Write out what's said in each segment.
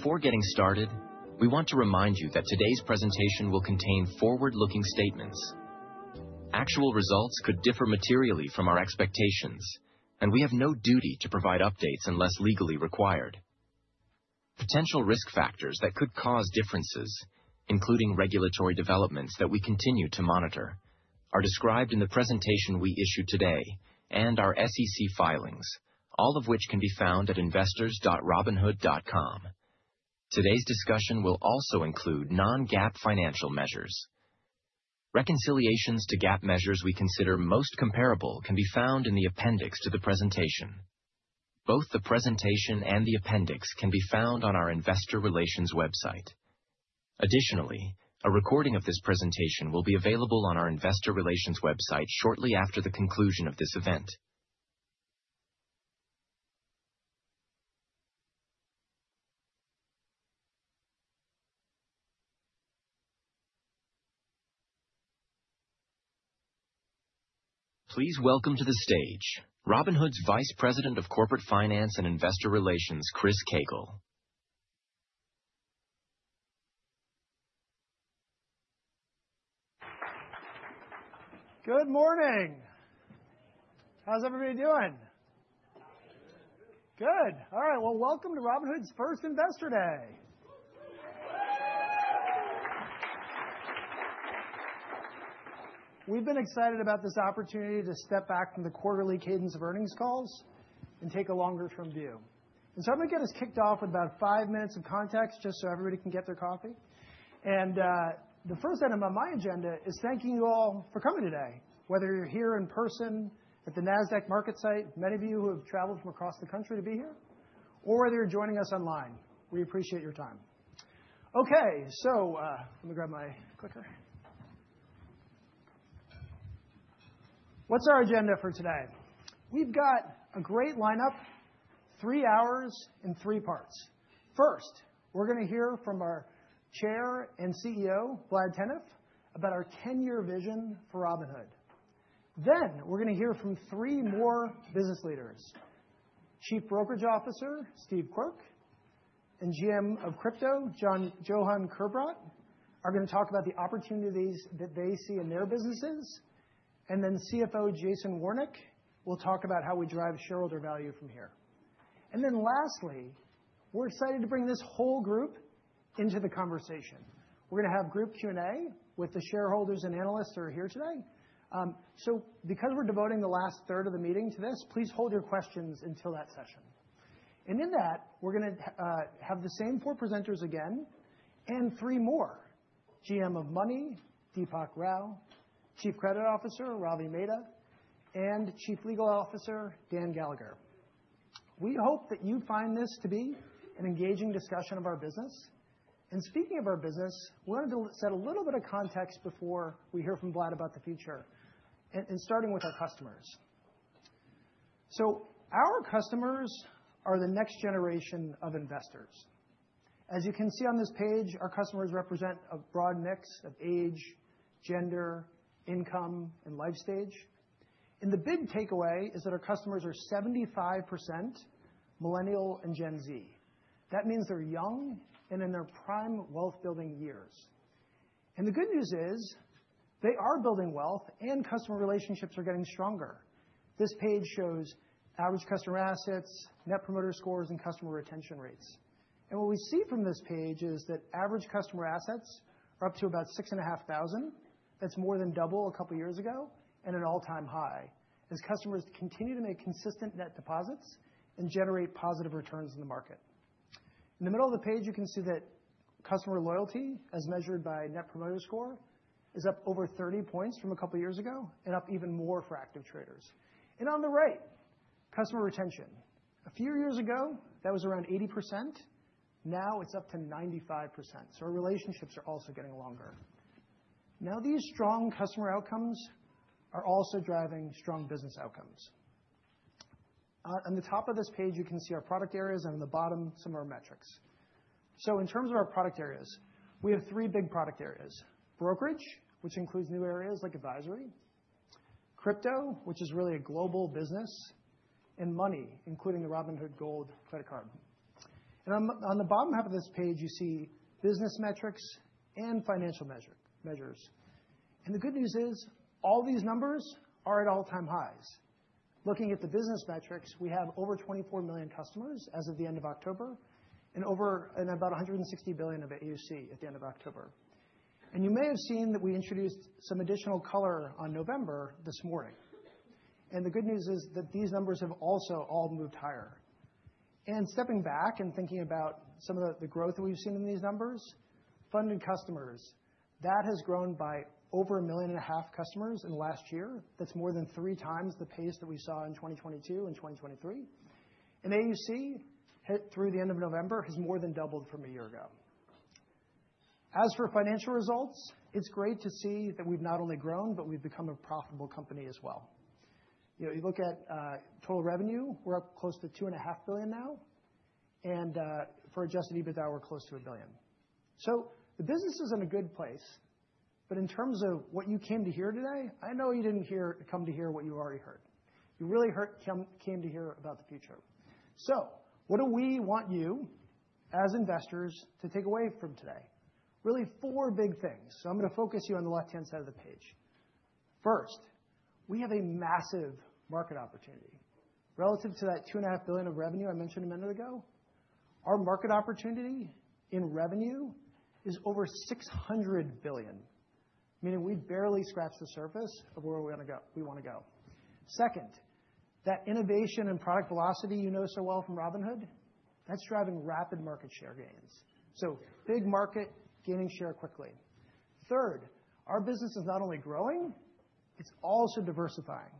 Before getting started, we want to remind you that today's presentation will contain forward-looking statements. Actual results could differ materially from our expectations, and we have no duty to provide updates unless legally required. Potential risk factors that could cause differences, including regulatory developments that we continue to monitor, are described in the presentation we issued today and our SEC filings, all of which can be found at investors.robinhood.com. Today's discussion will also include non-GAAP financial measures. Reconciliations to GAAP measures we consider most comparable can be found in the appendix to the presentation. Both the presentation and the appendix can be found on our Investor Relations website. Additionally, a recording of this presentation will be available on our Investor Relations website shortly after the conclusion of this event. Please welcome to the stage Robinhood's Vice President of Corporate Finance and Investor Relations, Chris Koegel. Good morning. How's everybody doing? Good. Good. All right. Well, welcome to Robinhood's first Investor Day. We've been excited about this opportunity to step back from the quarterly cadence of earnings calls and take a longer-term view. And so I'm going to get us kicked off with about five minutes of context just so everybody can get their coffee. And the first item on my agenda is thanking you all for coming today, whether you're here in person at the Nasdaq MarketSite, many of you who have traveled from across the country to be here, or whether you're joining us online. We appreciate your time. Okay. So let me grab my clicker. What's our agenda for today? We've got a great lineup, three hours in three parts. First, we're going to hear from our Chair and CEO, Vlad Tenev, about our 10-year vision for Robinhood. Then we're going to hear from three more business leaders: Chief Brokerage Officer Steve Quirk and GM of Crypto Johann Kerbrat are going to talk about the opportunities that they see in their businesses. And then CFO Jason Warnick will talk about how we drive shareholder value from here. And then lastly, we're excited to bring this whole group into the conversation. We're going to have group Q&A with the shareholders and analysts who are here today. So because we're devoting the last third of the meeting to this, please hold your questions until that session. And in that, we're going to have the same four presenters again and three more: GM of Money Deepak Rao; Chief Credit Officer Ravi Mehta; and Chief Legal Officer Dan Gallagher. We hope that you find this to be an engaging discussion of our business. Speaking of our business, we wanted to set a little bit of context before we hear from Vlad about the future, and starting with our customers. Our customers are the next generation of investors. As you can see on this page, our customers represent a broad mix of age, gender, income, and life stage. The big takeaway is that our customers are 75% Millennial and Gen Z. That means they're young and in their prime wealth-building years. The good news is they are building wealth, and customer relationships are getting stronger. This page shows average customer assets, Net Promoter Scores, and customer retention rates. What we see from this page is that average customer assets are up to about $6,500. That's more than double a couple of years ago and an all-time high, as customers continue to make consistent net deposits and generate positive returns in the market. In the middle of the page, you can see that customer loyalty, as measured by Net Promoter Score, is up over 30 points from a couple of years ago and up even more for active traders. And on the right, customer retention. A few years ago, that was around 80%. Now it's up to 95%. So our relationships are also getting longer. Now, these strong customer outcomes are also driving strong business outcomes. On the top of this page, you can see our product areas, and on the bottom, some of our metrics. So in terms of our product areas, we have three big product areas: brokerage, which includes new areas like advisory, crypto, which is really a global business, and money, including the Robinhood Gold credit card. And on the bottom half of this page, you see business metrics and financial measures. And the good news is all these numbers are at all-time highs. Looking at the business metrics, we have over 24 million customers as of the end of October and about $160 billion of AUC at the end of October. And you may have seen that we introduced some additional color on November this morning. And the good news is that these numbers have also all moved higher. Stepping back and thinking about some of the growth that we've seen in these numbers, funded customers, that has grown by over 1.5 million customers in the last year. That's more than three times the pace that we saw in 2022 and 2023. AUC, through the end of November, has more than doubled from a year ago. As for financial results, it's great to see that we've not only grown, but we've become a profitable company as well. You look at total revenue; we're up close to $2.5 billion now. For Adjusted EBITDA, we're close to $1 billion. The business is in a good place. In terms of what you came to hear today, I know you didn't come to hear what you already heard. You really came to hear about the future. So what do we want you, as investors, to take away from today? Really, four big things. So I'm going to focus you on the left-hand side of the page. First, we have a massive market opportunity. Relative to that $2.5 billion of revenue I mentioned a minute ago, our market opportunity in revenue is over $600 billion, meaning we've barely scratched the surface of where we want to go. Second, that innovation and product velocity you know so well from Robinhood, that's driving rapid market share gains. So big market gaining share quickly. Third, our business is not only growing, it's also diversifying.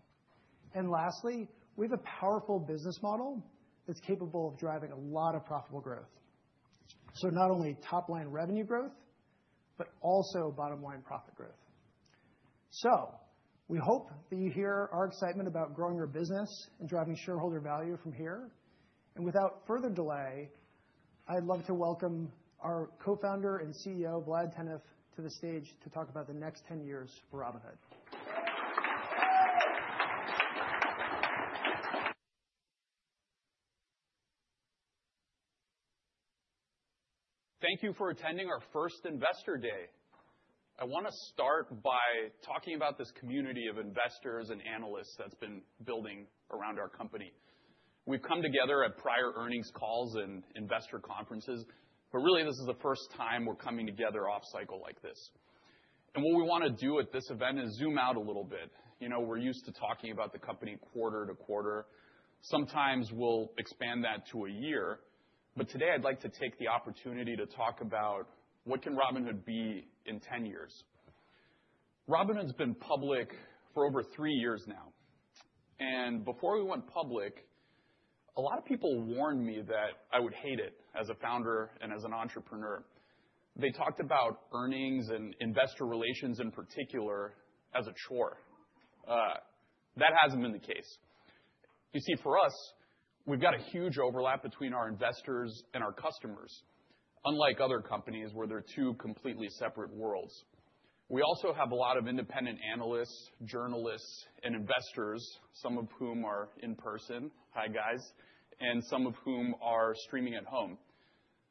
And lastly, we have a powerful business model that's capable of driving a lot of profitable growth. So not only top-line revenue growth, but also bottom-line profit growth. So we hope that you hear our excitement about growing your business and driving shareholder value from here. Without further delay, I'd love to welcome our co-founder and CEO, Vlad Tenev, to the stage to talk about the next 10 years for Robinhood. Thank you for attending our first Investor Day. I want to start by talking about this community of investors and analysts that's been building around our company. We've come together at prior earnings calls and investor conferences, but really, this is the first time we're coming together off-cycle like this, and what we want to do at this event is zoom out a little bit. We're used to talking about the company quarter to quarter. Sometimes we'll expand that to a year, but today, I'd like to take the opportunity to talk about what can Robinhood be in 10 years. Robinhood's been public for over three years now, and before we went public, a lot of people warned me that I would hate it as a founder and as an entrepreneur. They talked about earnings and investor relations in particular as a chore. That hasn't been the case. You see, for us, we've got a huge overlap between our investors and our customers, unlike other companies where they're two completely separate worlds. We also have a lot of independent analysts, journalists, and investors, some of whom are in person, hi guys, and some of whom are streaming at home.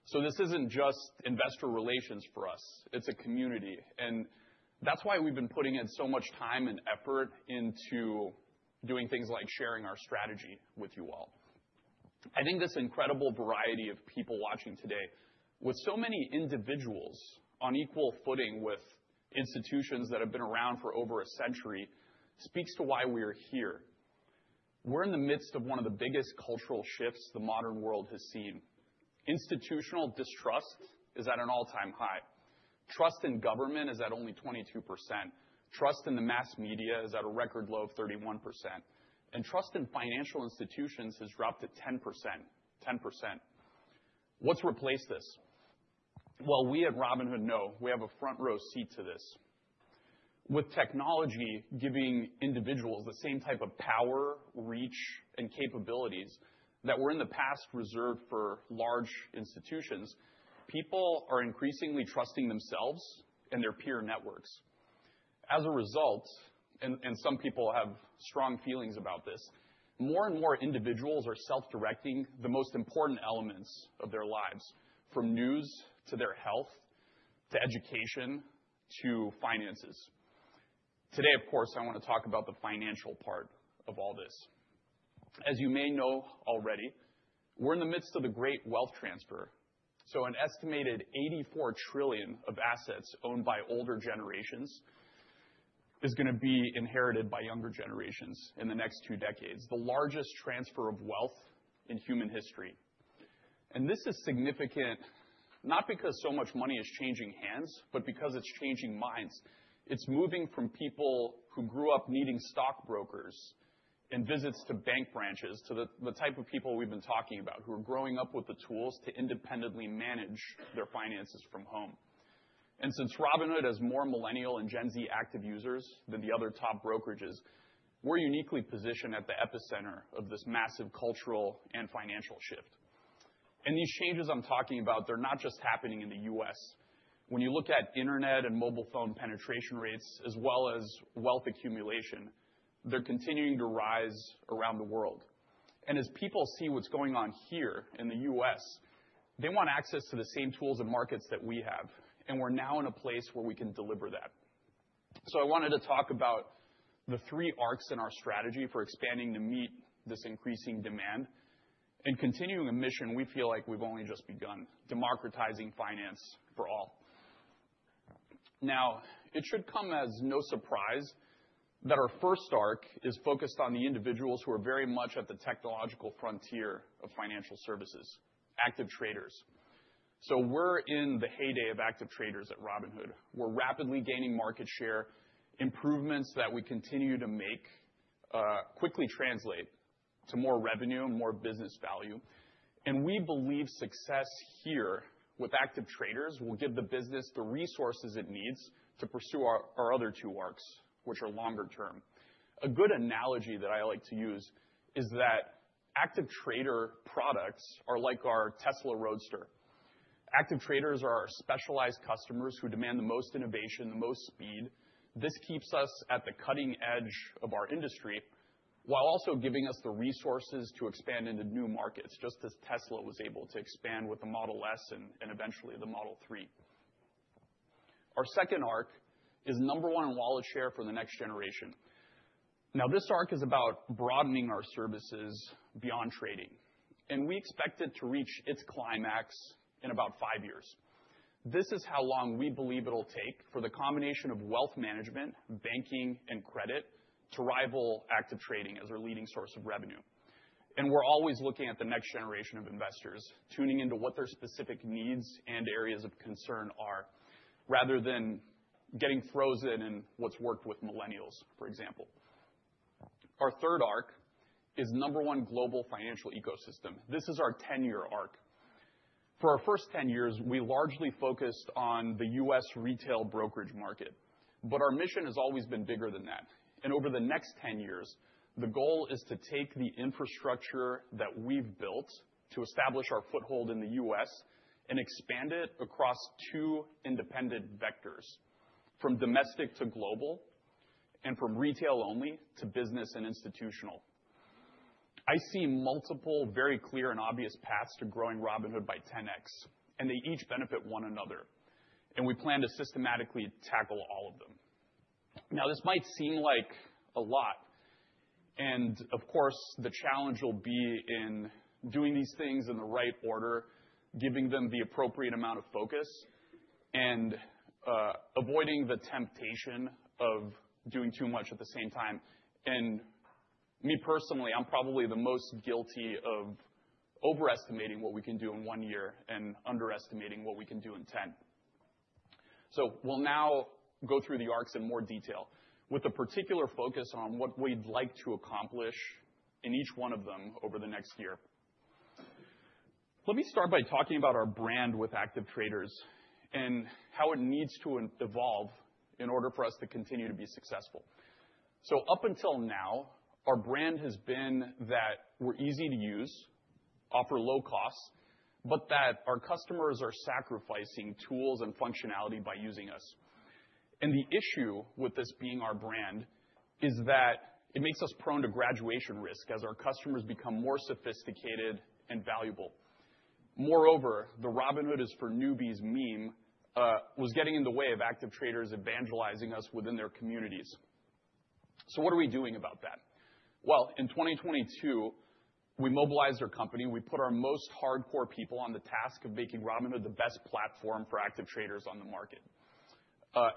So this isn't just investor relations for us. It's a community. And that's why we've been putting in so much time and effort into doing things like sharing our strategy with you all. I think this incredible variety of people watching today, with so many individuals on equal footing with institutions that have been around for over a century, speaks to why we are here. We're in the midst of one of the biggest cultural shifts the modern world has seen. Institutional distrust is at an all-time high. Trust in government is at only 22%. Trust in the mass media is at a record low of 31%, and trust in financial institutions has dropped to 10%. What's replaced this? Well, we at Robinhood know we have a front-row seat to this. With technology giving individuals the same type of power, reach, and capabilities that were in the past reserved for large institutions, people are increasingly trusting themselves and their peer networks. As a result, and some people have strong feelings about this, more and more individuals are self-directing the most important elements of their lives, from news to their health to education to finances. Today, of course, I want to talk about the financial part of all this. As you may know already, we're in the midst of a great wealth transfer. An estimated 84 trillion of assets owned by older generations is going to be inherited by younger generations in the next two decades, the largest transfer of wealth in human history. And this is significant, not because so much money is changing hands, but because it's changing minds. It's moving from people who grew up needing stockbrokers and visits to bank branches to the type of people we've been talking about, who are growing up with the tools to independently manage their finances from home. And since Robinhood has more Millennial and Gen Z active users than the other top brokerages, we're uniquely positioned at the epicenter of this massive cultural and financial shift. And these changes I'm talking about, they're not just happening in the U.S. When you look at internet and mobile phone penetration rates, as well as wealth accumulation, they're continuing to rise around the world. And as people see what's going on here in the U.S., they want access to the same tools and markets that we have. And we're now in a place where we can deliver that. So I wanted to talk about the three arcs in our strategy for expanding to meet this increasing demand and continuing a mission we feel like we've only just begun: democratizing finance for all. Now, it should come as no surprise that our first arc is focused on the individuals who are very much at the technological frontier of financial services: active traders. So we're in the heyday of active traders at Robinhood. We're rapidly gaining market share. Improvements that we continue to make quickly translate to more revenue and more business value. We believe success here with active traders will give the business the resources it needs to pursue our other two arcs, which are longer-term. A good analogy that I like to use is that active trader products are like our Tesla Roadster. Active traders are our specialized customers who demand the most innovation, the most speed. This keeps us at the cutting edge of our industry while also giving us the resources to expand into new markets, just as Tesla was able to expand with the Model S and eventually the Model 3. Our second arc is number one in wallet share for the next generation. Now, this arc is about broadening our services beyond trading. We expect it to reach its climax in about five years. This is how long we believe it'll take for the combination of wealth management, banking, and credit to rival active trading as our leading source of revenue. And we're always looking at the next generation of investors, tuning into what their specific needs and areas of concern are, rather than getting frozen in what's worked with Millennials, for example. Our third arc is number one global financial ecosystem. This is our 10-year arc. For our first 10 years, we largely focused on the U.S. retail brokerage market. But our mission has always been bigger than that. And over the next 10 years, the goal is to take the infrastructure that we've built to establish our foothold in the U.S. and expand it across two independent vectors, from domestic to global and from retail only to business and institutional. I see multiple, very clear and obvious paths to growing Robinhood by 10x. And they each benefit one another. And we plan to systematically tackle all of them. Now, this might seem like a lot. And of course, the challenge will be in doing these things in the right order, giving them the appropriate amount of focus, and avoiding the temptation of doing too much at the same time. And me personally, I'm probably the most guilty of overestimating what we can do in one year and underestimating what we can do in 10. So we'll now go through the arcs in more detail, with a particular focus on what we'd like to accomplish in each one of them over the next year. Let me start by talking about our brand with active traders and how it needs to evolve in order for us to continue to be successful. So up until now, our brand has been that we're easy to use, offer low costs, but that our customers are sacrificing tools and functionality by using us. And the issue with this being our brand is that it makes us prone to graduation risk as our customers become more sophisticated and valuable. Moreover, the Robinhood is for newbies meme was getting in the way of active traders evangelizing us within their communities. So what are we doing about that? Well, in 2022, we mobilized our company. We put our most hardcore people on the task of making Robinhood the best platform for active traders on the market.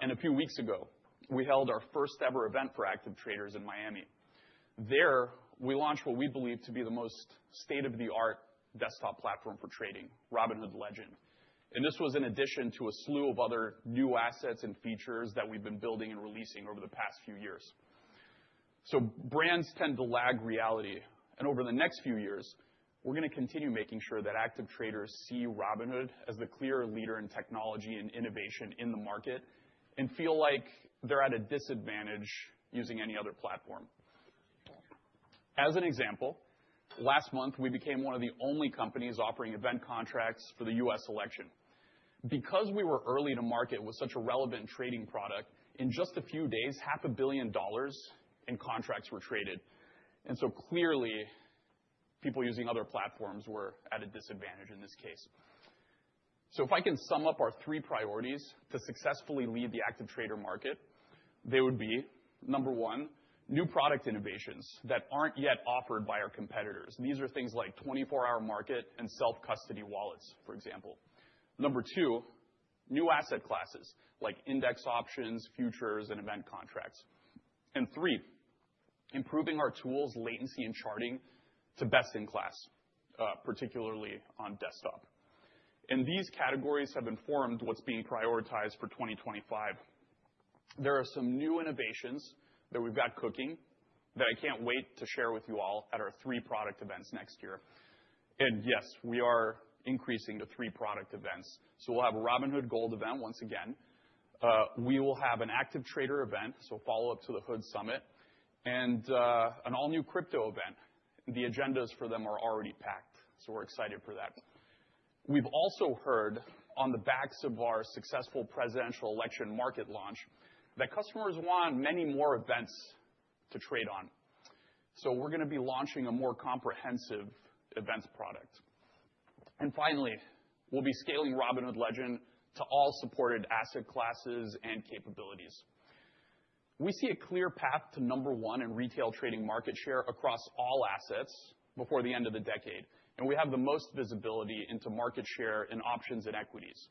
And a few weeks ago, we held our first-ever event for active traders in Miami. There, we launched what we believe to be the most state-of-the-art desktop platform for trading, Robinhood Legend. And this was in addition to a slew of other new assets and features that we've been building and releasing over the past few years. So brands tend to lag reality. And over the next few years, we're going to continue making sure that active traders see Robinhood as the clear leader in technology and innovation in the market and feel like they're at a disadvantage using any other platform. As an example, last month, we became one of the only companies offering event contracts for the U.S. election. Because we were early to market with such a relevant trading product, in just a few days, $500 million in contracts were traded. And so clearly, people using other platforms were at a disadvantage in this case. So if I can sum up our three priorities to successfully lead the active trader market, they would be, number one, new product innovations that aren't yet offered by our competitors. These are things like 24 Hour Market and self-custody wallets, for example. Number two, new asset classes like index options, futures, and event contracts. And three, improving our tools, latency, and charting to best-in-class, particularly on desktop. And these categories have informed what's being prioritized for 2025. There are some new innovations that we've got cooking that I can't wait to share with you all at our three product events next year. And yes, we are increasing to three product events. So we'll have a Robinhood Gold event once again. We will have an active trader event, so follow-up to the HOOD Summit, and an all-new crypto event. The agendas for them are already packed. So we're excited for that. We've also heard on the backs of our successful presidential election market launch that customers want many more events to trade on, so we're going to be launching a more comprehensive events product, and finally, we'll be scaling Robinhood Legend to all supported asset classes and capabilities. We see a clear path to number one in retail trading market share across all assets before the end of the decade, and we have the most visibility into market share in options and equities.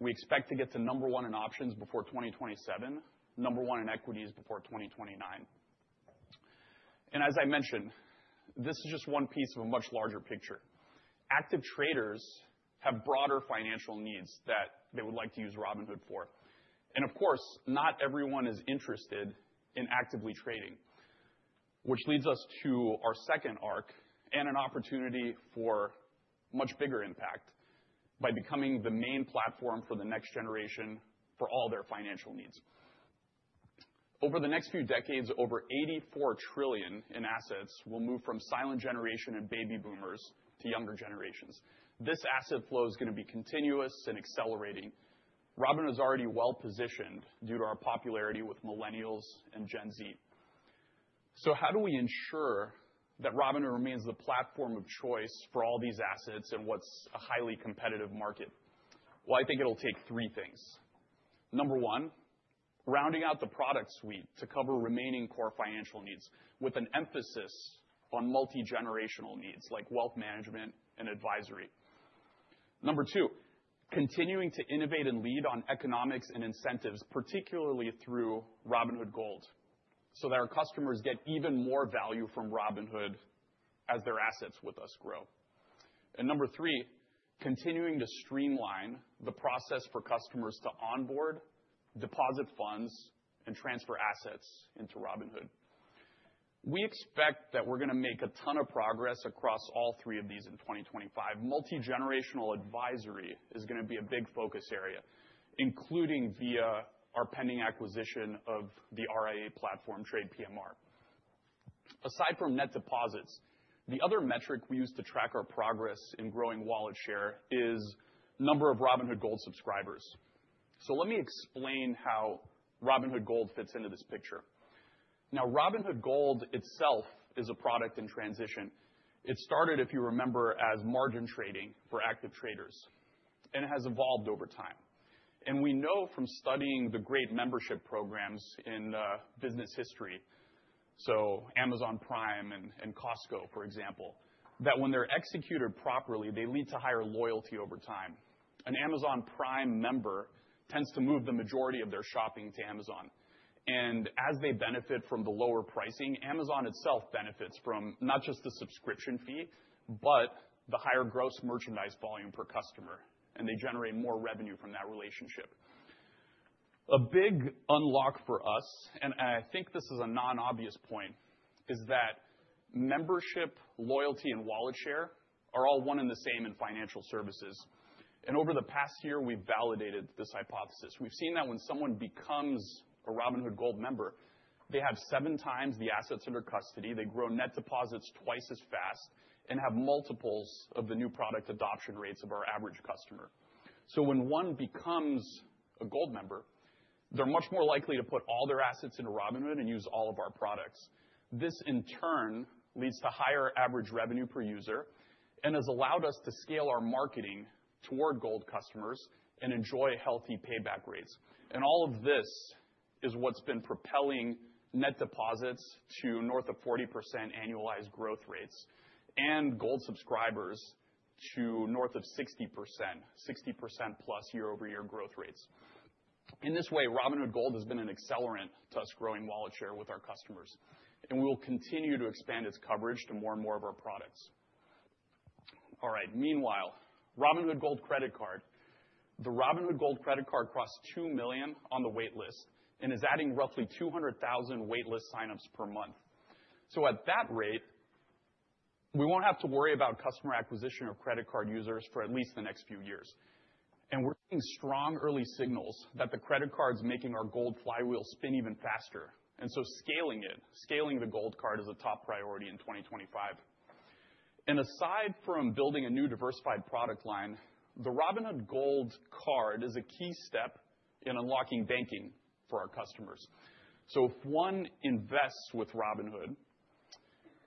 We expect to get to number one in options before 2027, number one in equities before 2029, and as I mentioned, this is just one piece of a much larger picture. Active traders have broader financial needs that they would like to use Robinhood for. Of course, not everyone is interested in actively trading, which leads us to our second arc and an opportunity for much bigger impact by becoming the main platform for the next generation for all their financial needs. Over the next few decades, over $84 trillion in assets will move from Silent Generation and Baby Boomers to younger generations. This asset flow is going to be continuous and accelerating. Robinhood is already well-positioned due to our popularity with Millennials and Gen Z. So how do we ensure that Robinhood remains the platform of choice for all these assets in what's a highly competitive market? Well, I think it'll take three things. Number one, rounding out the product suite to cover remaining core financial needs with an emphasis on multi-generational needs like wealth management and advisory. Number two, continuing to innovate and lead on economics and incentives, particularly through Robinhood Gold, so that our customers get even more value from Robinhood as their assets with us grow. And number three, continuing to streamline the process for customers to onboard, deposit funds, and transfer assets into Robinhood. We expect that we're going to make a ton of progress across all three of these in 2025. Multi-generational advisory is going to be a big focus area, including via our pending acquisition of the RIA platform, TradePMR. Aside from net deposits, the other metric we use to track our progress in growing wallet share is number of Robinhood Gold subscribers. So let me explain how Robinhood Gold fits into this picture. Now, Robinhood Gold itself is a product in transition. It started, if you remember, as margin trading for active traders. And it has evolved over time. We know from studying the great membership programs in business history, so Amazon Prime and Costco, for example, that when they're executed properly, they lead to higher loyalty over time. An Amazon Prime member tends to move the majority of their shopping to Amazon. And as they benefit from the lower pricing, Amazon itself benefits from not just the subscription fee, but the higher gross merchandise volume per customer. And they generate more revenue from that relationship. A big unlock for us, and I think this is a non-obvious point, is that membership, loyalty, and wallet share are all one and the same in financial services. And over the past year, we've validated this hypothesis. We've seen that when someone becomes a Robinhood Gold member, they have seven times the assets under custody, they grow net deposits twice as fast, and have multiples of the new product adoption rates of our average customer, so when one becomes a Gold member, they're much more likely to put all their assets into Robinhood and use all of our products. This, in turn, leads to higher average revenue per user and has allowed us to scale our marketing toward Gold customers and enjoy healthy payback rates, and all of this is what's been propelling net deposits to north of 40% annualized growth rates and Gold subscribers to north of 60%, 60%+ year-over-year growth rates. In this way, Robinhood Gold has been an accelerant to us growing wallet share with our customers, and we will continue to expand its coverage to more and more of our products. All right. Meanwhile, Robinhood Gold Card, the Robinhood Gold Card crossed 2 million on the waitlist and is adding roughly 200,000 waitlist signups per month. At that rate, we won't have to worry about customer acquisition of credit card users for at least the next few years. We're seeing strong early signals that the credit card's making our Gold flywheel spin even faster. Scaling it, scaling the Gold Card is a top priority in 2025. Aside from building a new diversified product line, the Robinhood Gold Card is a key step in unlocking banking for our customers. If one invests with Robinhood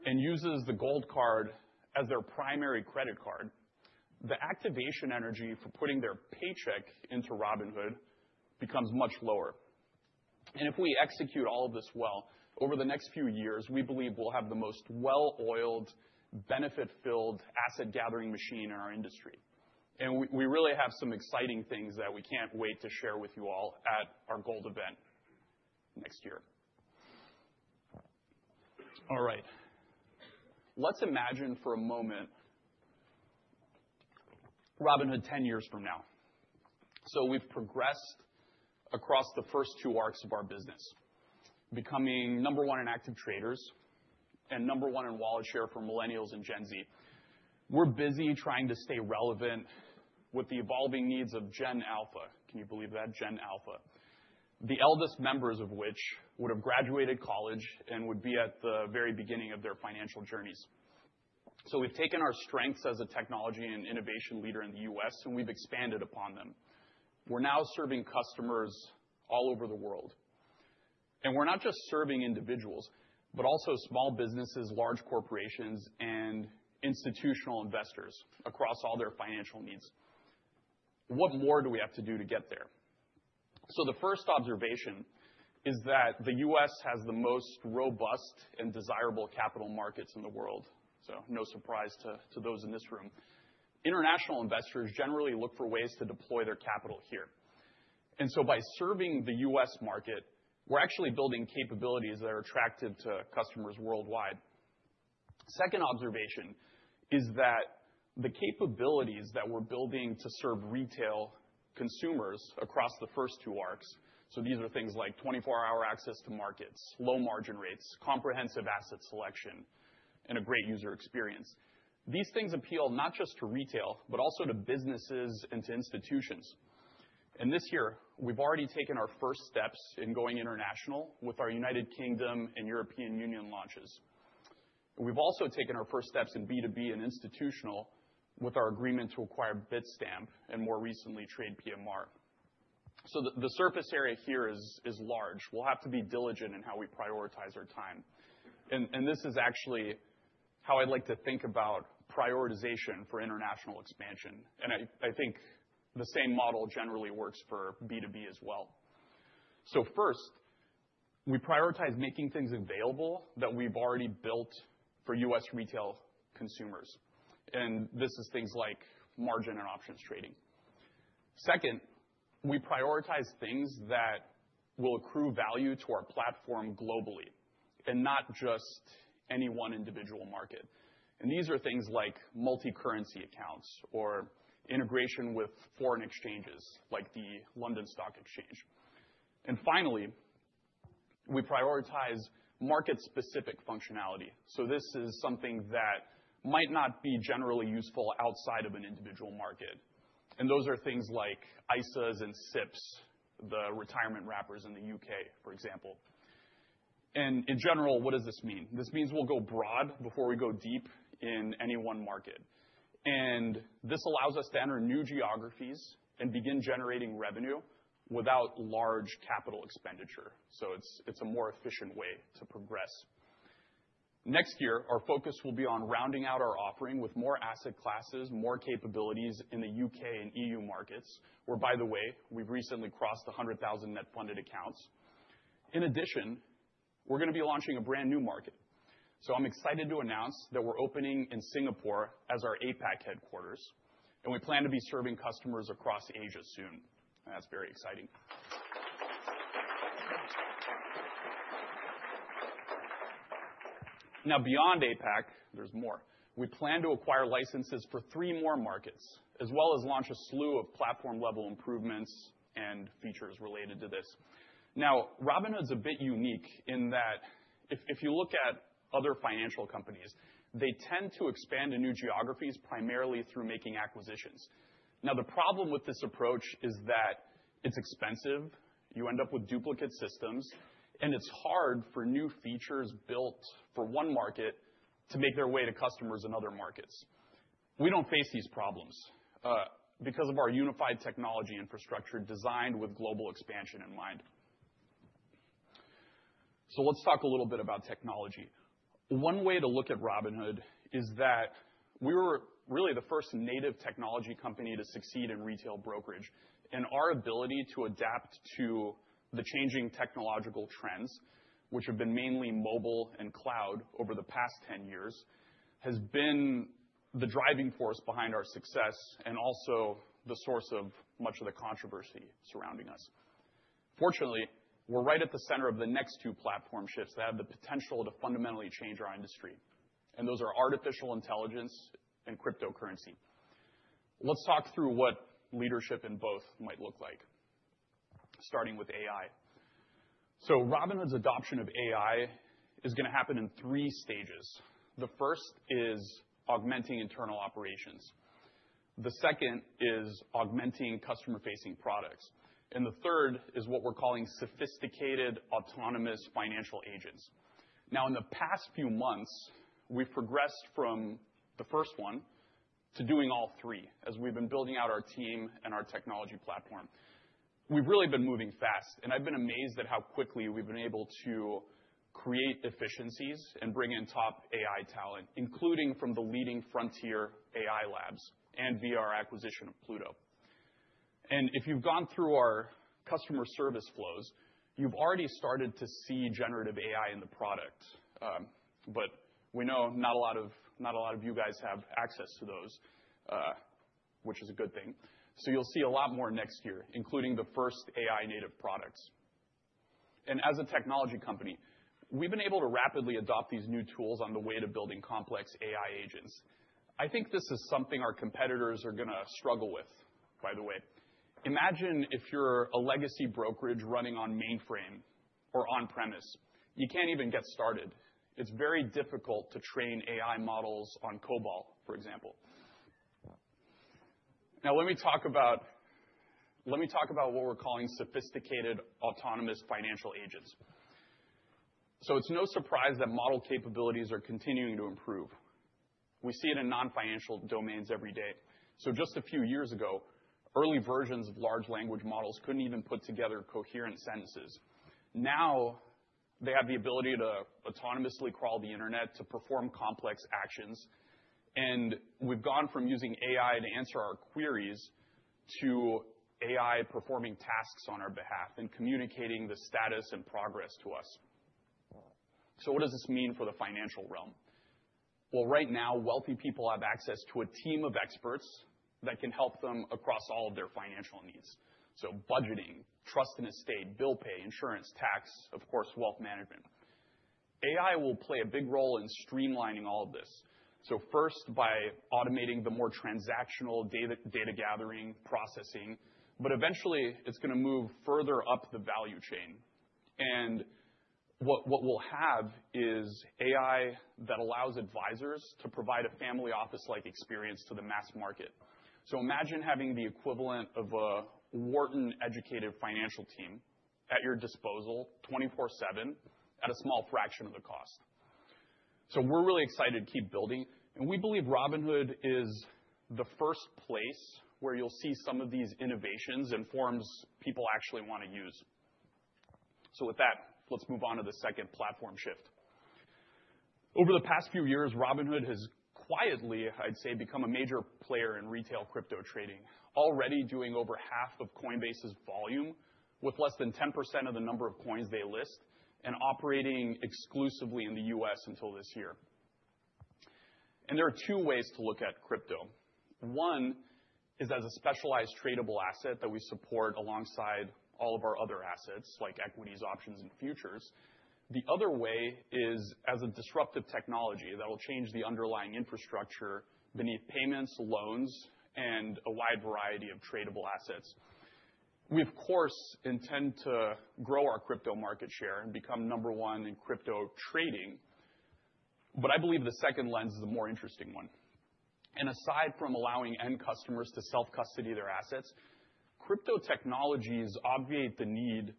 and uses the Gold Card as their primary credit card, the activation energy for putting their paycheck into Robinhood becomes much lower. And if we execute all of this well, over the next few years, we believe we'll have the most well-oiled, benefit-filled asset-gathering machine in our industry. And we really have some exciting things that we can't wait to share with you all at our Gold event next year. All right. Let's imagine for a moment Robinhood 10 years from now. so we've progressed across the first two arcs of our business, becoming number one in active traders and number one in wallet share for Millennials and Gen Z. We're busy trying to stay relevant with the evolving needs of Gen Alpha. Can you believe that? Gen Alpha. The eldest members of which would have graduated college and would be at the very beginning of their financial journeys. so we've taken our strengths as a technology and innovation leader in the U.S., and we've expanded upon them. We're now serving customers all over the world. And we're not just serving individuals, but also small businesses, large corporations, and institutional investors across all their financial needs. What more do we have to do to get there? So the first observation is that the U.S. has the most robust and desirable capital markets in the world. So no surprise to those in this room. International investors generally look for ways to deploy their capital here. And so by serving the U.S. market, we're actually building capabilities that are attractive to customers worldwide. Second observation is that the capabilities that we're building to serve retail consumers across the first two arcs, so these are things like 24-hour access to markets, low margin rates, comprehensive asset selection, and a great user experience. These things appeal not just to retail, but also to businesses and to institutions. This year, we've already taken our first steps in going international with our United Kingdom and European Union launches. We've also taken our first steps in B2B and institutional with our agreement to acquire Bitstamp and more recently TradePMR. The surface area here is large. We'll have to be diligent in how we prioritize our time. This is actually how I'd like to think about prioritization for international expansion. I think the same model generally works for B2B as well. First, we prioritize making things available that we've already built for U.S. retail consumers. This is things like margin and options trading. Second, we prioritize things that will accrue value to our platform globally and not just any one individual market. These are things like multi-currency accounts or integration with foreign exchanges like the London Stock Exchange. Finally, we prioritize market-specific functionality. This is something that might not be generally useful outside of an individual market. Those are things like ISAs and SIPs, the retirement wrappers in the U.K., for example. In general, what does this mean? This means we'll go broad before we go deep in any one market. This allows us to enter new geographies and begin generating revenue without large capital expenditure. It's a more efficient way to progress. Next year, our focus will be on rounding out our offering with more asset classes, more capabilities in the U.K. and E.U. markets, where, by the way, we've recently crossed 100,000 net funded accounts. In addition, we're going to be launching a brand new market. I'm excited to announce that we're opening in Singapore as our APAC headquarters. We plan to be serving customers across Asia soon. That's very exciting. Now, beyond APAC, there's more. We plan to acquire licenses for three more markets, as well as launch a slew of platform-level improvements and features related to this. Now, Robinhood's a bit unique in that if you look at other financial companies, they tend to expand in new geographies primarily through making acquisitions. Now, the problem with this approach is that it's expensive. You end up with duplicate systems. And it's hard for new features built for one market to make their way to customers in other markets. We don't face these problems because of our unified technology infrastructure designed with global expansion in mind. So let's talk a little bit about technology. One way to look at Robinhood is that we were really the first native technology company to succeed in retail brokerage. Our ability to adapt to the changing technological trends, which have been mainly mobile and cloud over the past 10 years, has been the driving force behind our success and also the source of much of the controversy surrounding us. Fortunately, we're right at the center of the next two platform shifts that have the potential to fundamentally change our industry. Those are artificial intelligence and cryptocurrency. Let's talk through what leadership in both might look like, starting with AI. Robinhood's adoption of AI is going to happen in three stages. The first is augmenting internal operations. The second is augmenting customer-facing products. The third is what we're calling sophisticated autonomous financial agents. Now, in the past few months, we've progressed from the first one to doing all three as we've been building out our team and our technology platform. We've really been moving fast. I've been amazed at how quickly we've been able to create efficiencies and bring in top AI talent, including from the leading frontier AI labs and via our acquisition of Pluto. If you've gone through our customer service flows, you've already started to see generative AI in the product. But we know not a lot of you guys have access to those, which is a good thing. You'll see a lot more next year, including the first AI-native products. As a technology company, we've been able to rapidly adopt these new tools on the way to building complex AI agents. I think this is something our competitors are going to struggle with, by the way. Imagine if you're a legacy brokerage running on mainframe or on-premise. You can't even get started. It's very difficult to train AI models on COBOL, for example. Now, let me talk about what we're calling sophisticated autonomous financial agents. So it's no surprise that model capabilities are continuing to improve. We see it in non-financial domains every day. So just a few years ago, early versions of large language models couldn't even put together coherent sentences. Now, they have the ability to autonomously crawl the internet to perform complex actions. And we've gone from using AI to answer our queries to AI performing tasks on our behalf and communicating the status and progress to us. So what does this mean for the financial realm? Well, right now, wealthy people have access to a team of experts that can help them across all of their financial needs. So budgeting, trusts and estates, bill pay, insurance, tax, of course, wealth management. AI will play a big role in streamlining all of this. So first, by automating the more transactional data gathering processing, but eventually, it's going to move further up the value chain. And what we'll have is AI that allows advisors to provide a family office-like experience to the mass market. So imagine having the equivalent of a Wharton-educated financial team at your disposal 24/7 at a small fraction of the cost. So we're really excited to keep building. And we believe Robinhood is the first place where you'll see some of these innovations and forms people actually want to use. So with that, let's move on to the second platform shift. Over the past few years, Robinhood has quietly, I'd say, become a major player in retail crypto trading, already doing over half of Coinbase's volume with less than 10% of the number of coins they list and operating exclusively in the U.S. until this year. There are two ways to look at crypto. One is as a specialized tradable asset that we support alongside all of our other assets like equities, options, and futures. The other way is as a disruptive technology that will change the underlying infrastructure beneath payments, loans, and a wide variety of tradable assets. We, of course, intend to grow our crypto market share and become number one in crypto trading. But I believe the second lens is the more interesting one. Aside from allowing end customers to self-custody their assets, crypto technologies obviate the need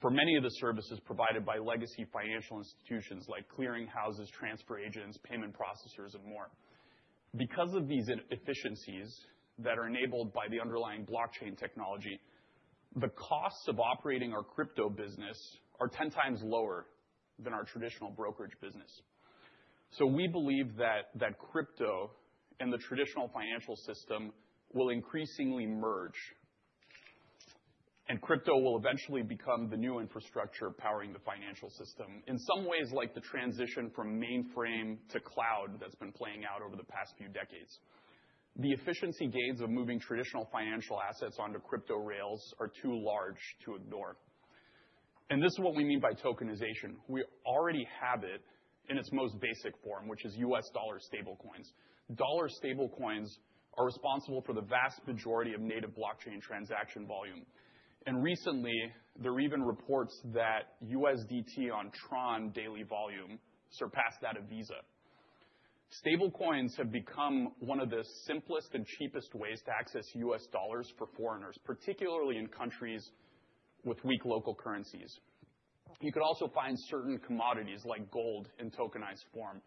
for many of the services provided by legacy financial institutions like clearing houses, transfer agents, payment processors, and more. Because of these efficiencies that are enabled by the underlying blockchain technology, the costs of operating our crypto business are 10 times lower than our traditional brokerage business. So we believe that crypto and the traditional financial system will increasingly merge, and crypto will eventually become the new infrastructure powering the financial system in some ways like the transition from mainframe to cloud that's been playing out over the past few decades. The efficiency gains of moving traditional financial assets onto crypto rails are too large to ignore. And this is what we mean by tokenization. We already have it in its most basic form, which is U.S. dollar stablecoins. Dollar stablecoins are responsible for the vast majority of native blockchain transaction volume. And recently, there were even reports that USDT on Tron daily volume surpassed that of Visa. Stablecoins have become one of the simplest and cheapest ways to access U.S. dollars for foreigners, particularly in countries with weak local currencies. You can also find certain commodities like gold in tokenized form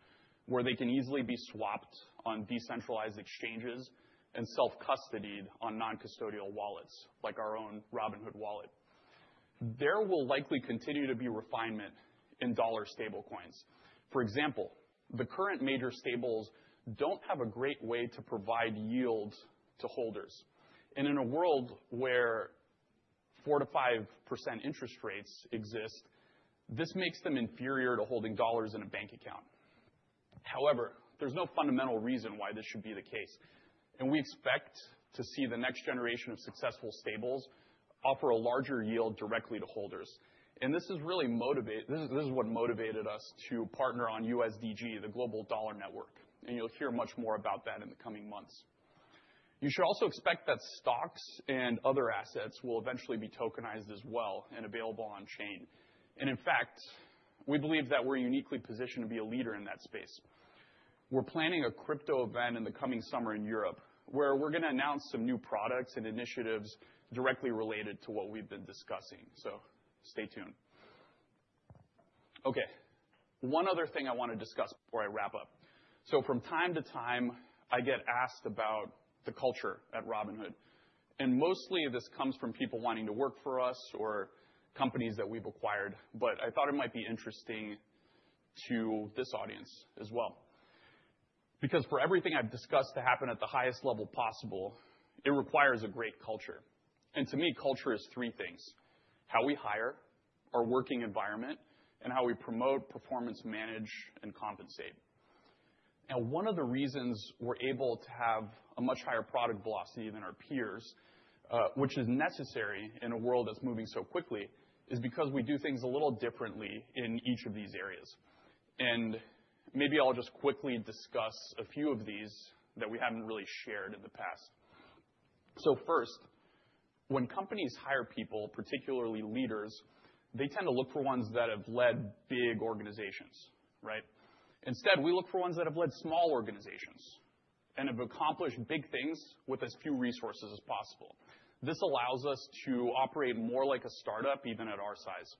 where they can easily be swapped on decentralized exchanges and self-custodied on non-custodial wallets like our own Robinhood Wallet. There will likely continue to be refinement in dollar stablecoins. For example, the current major stables don't have a great way to provide yield to holders. And in a world where 4%-5% interest rates exist, this makes them inferior to holding dollars in a bank account. However, there's no fundamental reason why this should be the case. And we expect to see the next generation of successful stables offer a larger yield directly to holders. And this is what motivated us to partner on USDG, the Global Dollar Network. And you'll hear much more about that in the coming months. You should also expect that stocks and other assets will eventually be tokenized as well and available on-chain. And in fact, we believe that we're uniquely positioned to be a leader in that space. We're planning a crypto event in the coming summer in Europe where we're going to announce some new products and initiatives directly related to what we've been discussing. So stay tuned. Okay. One other thing I want to discuss before I wrap up. So from time to time, I get asked about the culture at Robinhood. And mostly, this comes from people wanting to work for us or companies that we've acquired. But I thought it might be interesting to this audience as well. Because for everything I've discussed to happen at the highest level possible, it requires a great culture. To me, culture is three things: how we hire, our working environment, and how we promote, performance manage, and compensate. Now, one of the reasons we're able to have a much higher product velocity than our peers, which is necessary in a world that's moving so quickly, is because we do things a little differently in each of these areas. Maybe I'll just quickly discuss a few of these that we haven't really shared in the past. First, when companies hire people, particularly leaders, they tend to look for ones that have led big organizations, right? Instead, we look for ones that have led small organizations and have accomplished big things with as few resources as possible. This allows us to operate more like a startup, even at our size.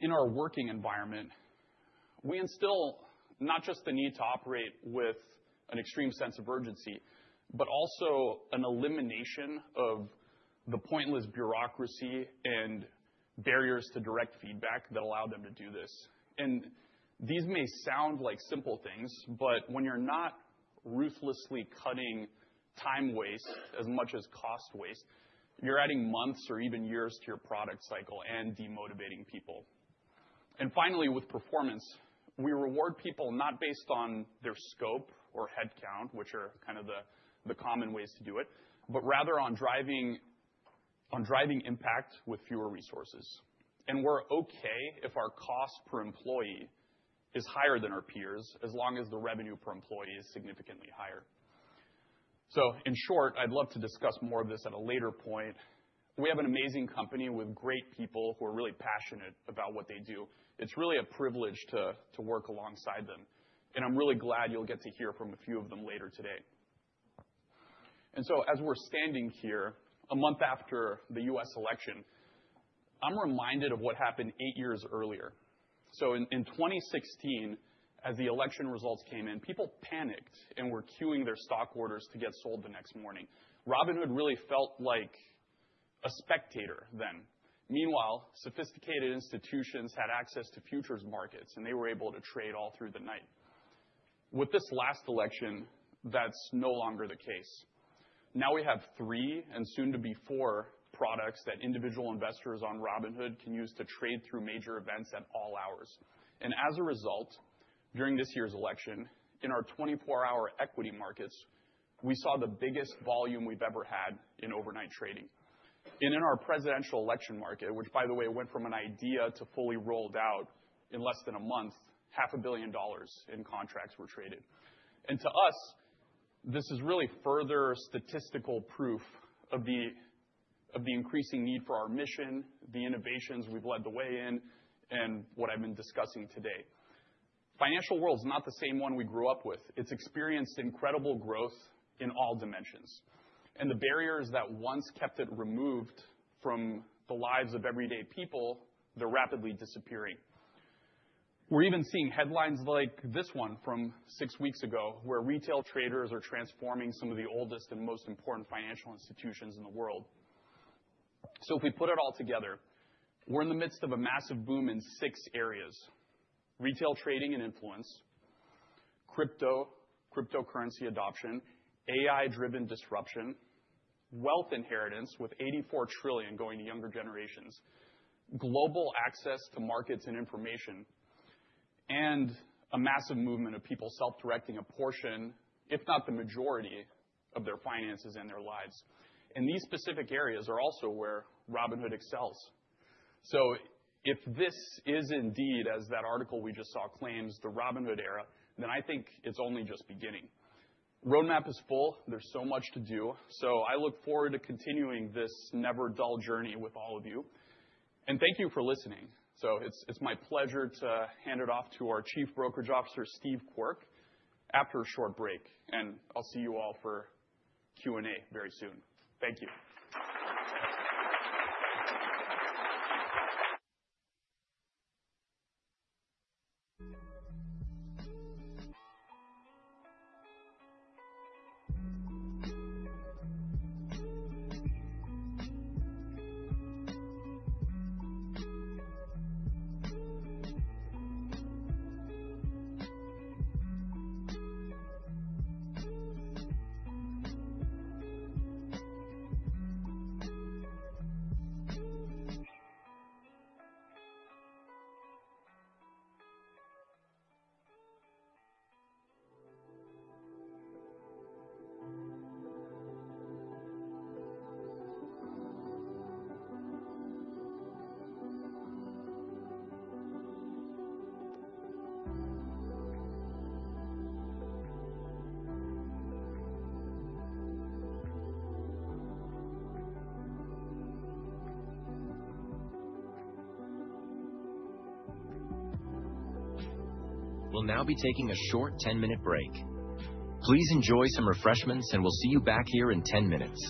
In our working environment, we instill not just the need to operate with an extreme sense of urgency, but also an elimination of the pointless bureaucracy and barriers to direct feedback that allow them to do this. These may sound like simple things, but when you're not ruthlessly cutting time waste as much as cost waste, you're adding months or even years to your product cycle and demotivating people. Finally, with performance, we reward people not based on their scope or headcount, which are kind of the common ways to do it, but rather on driving impact with fewer resources. We're okay if our cost per employee is higher than our peers as long as the revenue per employee is significantly higher. In short, I'd love to discuss more of this at a later point. We have an amazing company with great people who are really passionate about what they do. It's really a privilege to work alongside them, and I'm really glad you'll get to hear from a few of them later today, and so as we're standing here, a month after the U.S. election, I'm reminded of what happened eight years earlier, so in 2016, as the election results came in, people panicked and were queuing their stock orders to get sold the next morning. Robinhood really felt like a spectator then. Meanwhile, sophisticated institutions had access to futures markets, and they were able to trade all through the night. With this last election, that's no longer the case. Now we have three and soon to be four products that individual investors on Robinhood can use to trade through major events at all hours. As a result, during this year's election, in our 24-hour equity markets, we saw the biggest volume we've ever had in overnight trading. In our presidential election market, which, by the way, went from an idea to fully rolled out in less than a month, $500 million in contracts were traded. To us, this is really further statistical proof of the increasing need for our mission, the innovations we've led the way in, and what I've been discussing today. The financial world is not the same one we grew up with. It's experienced incredible growth in all dimensions. The barriers that once kept it removed from the lives of everyday people are rapidly disappearing. We're even seeing headlines like this one from six weeks ago where retail traders are transforming some of the oldest and most important financial institutions in the world. So if we put it all together, we're in the midst of a massive boom in six areas: retail trading and influence, crypto, cryptocurrency adoption, AI-driven disruption, wealth inheritance with $84 trillion going to younger generations, global access to markets and information, and a massive movement of people self-directing a portion, if not the majority, of their finances and their lives. And these specific areas are also where Robinhood excels. So if this is indeed, as that article we just saw claims, the Robinhood era, then I think it's only just beginning. Roadmap is full. There's so much to do. So I look forward to continuing this never-dull journey with all of you. And thank you for listening. So it's my pleasure to hand it off to our Chief Brokerage Officer, Steve Quirk, after a short break. And I'll see you all for Q&A very soon. Thank you. We'll now be taking a short 10-minute break. Please enjoy some refreshments, and we'll see you back here in 10 minutes.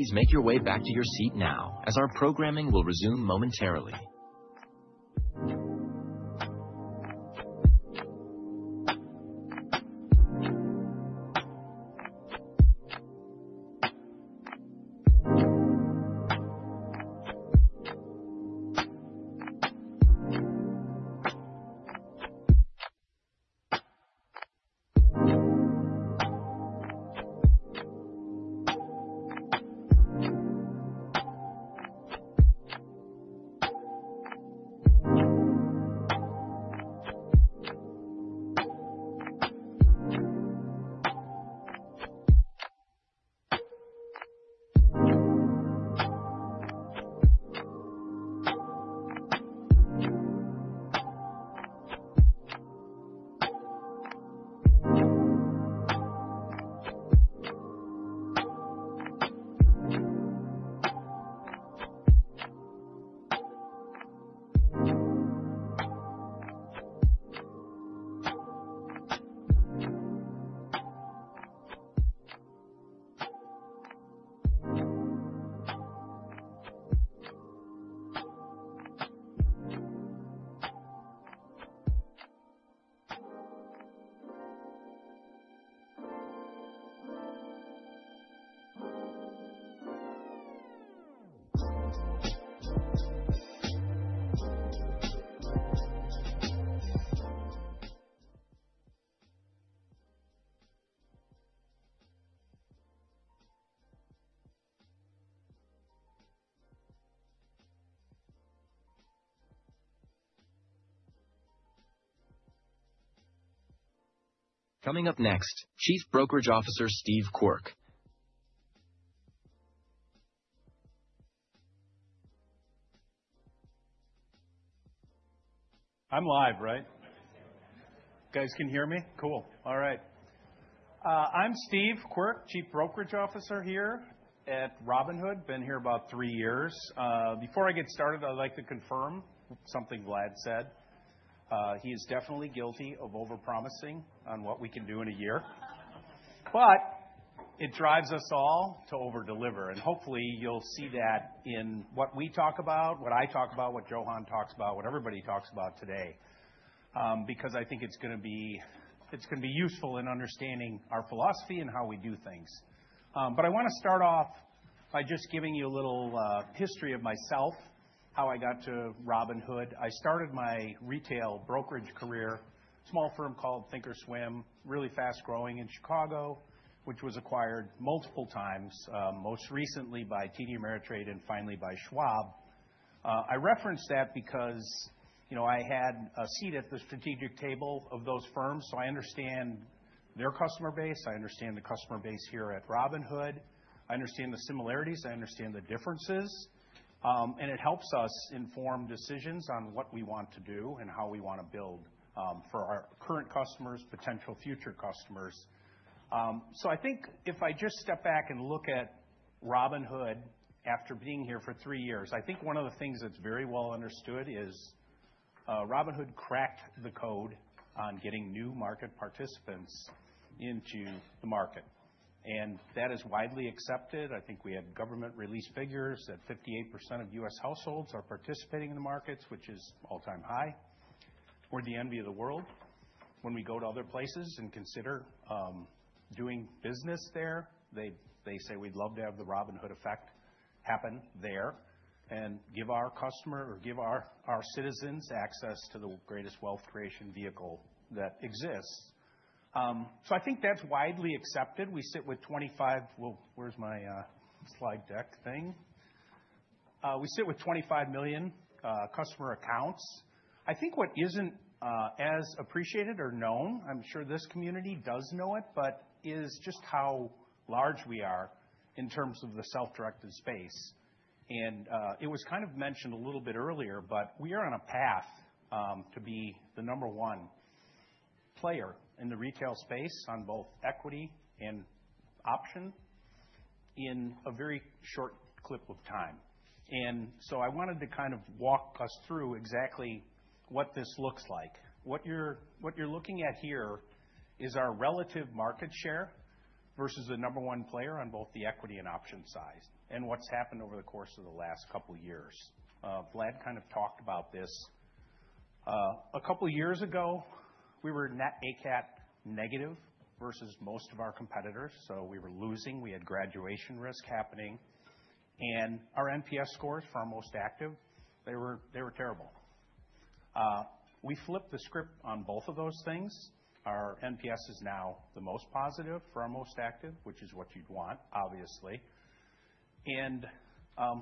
Please make your way back to your seat now, as our programming will resume momentarily. Coming up next, Chief Brokerage Officer Steve Quirk. I'm live, right? Guys can hear me? Cool. All right. I'm Steve Quirk, Chief Brokerage Officer here at Robinhood. Been here about three years. Before I get started, I'd like to confirm something Vlad said. He is definitely guilty of overpromising on what we can do in a year. But it drives us all to overdeliver, and hopefully, you'll see that in what we talk about, what I talk about, what Johann talks about, what everybody talks about today, because I think it's going to be useful in understanding our philosophy and how we do things. But I want to start off by just giving you a little history of myself, how I got to Robinhood. I started my retail brokerage career at a small firm called Thinkorswim, really fast growing in Chicago, which was acquired multiple times, most recently by TD Ameritrade and finally by Schwab. I referenced that because I had a seat at the strategic table of those firms. So I understand their customer base. I understand the customer base here at Robinhood. I understand the similarities. I understand the differences. And it helps us inform decisions on what we want to do and how we want to build for our current customers, potential future customers. So I think if I just step back and look at Robinhood after being here for three years, I think one of the things that's very well understood is Robinhood cracked the code on getting new market participants into the market. And that is widely accepted. I think we had government-released figures that 58% of U.S. households are participating in the markets, which is all-time high. We're the envy of the world. When we go to other places and consider doing business there, they say, "We'd love to have the Robinhood effect happen there and give our customer or give our citizens access to the greatest wealth creation vehicle that exists." So I think that's widely accepted. We sit with 25 million customer accounts. I think what isn't as appreciated or known, I'm sure this community does know it, but is just how large we are in terms of the self-directed space. And it was kind of mentioned a little bit earlier, but we are on a path to be the number one player in the retail space on both equity and option in a very short clip of time. And so I wanted to kind of walk us through exactly what this looks like. What you're looking at here is our relative market share versus the number one player on both the equity and option side and what's happened over the course of the last couple of years. Vlad kind of talked about this. A couple of years ago, we were net ACAT negative versus most of our competitors. So we were losing. We had graduation risk happening. And our NPS scores for our most active, they were terrible. We flipped the script on both of those things. Our NPS is now the most positive for our most active, which is what you'd want, obviously. And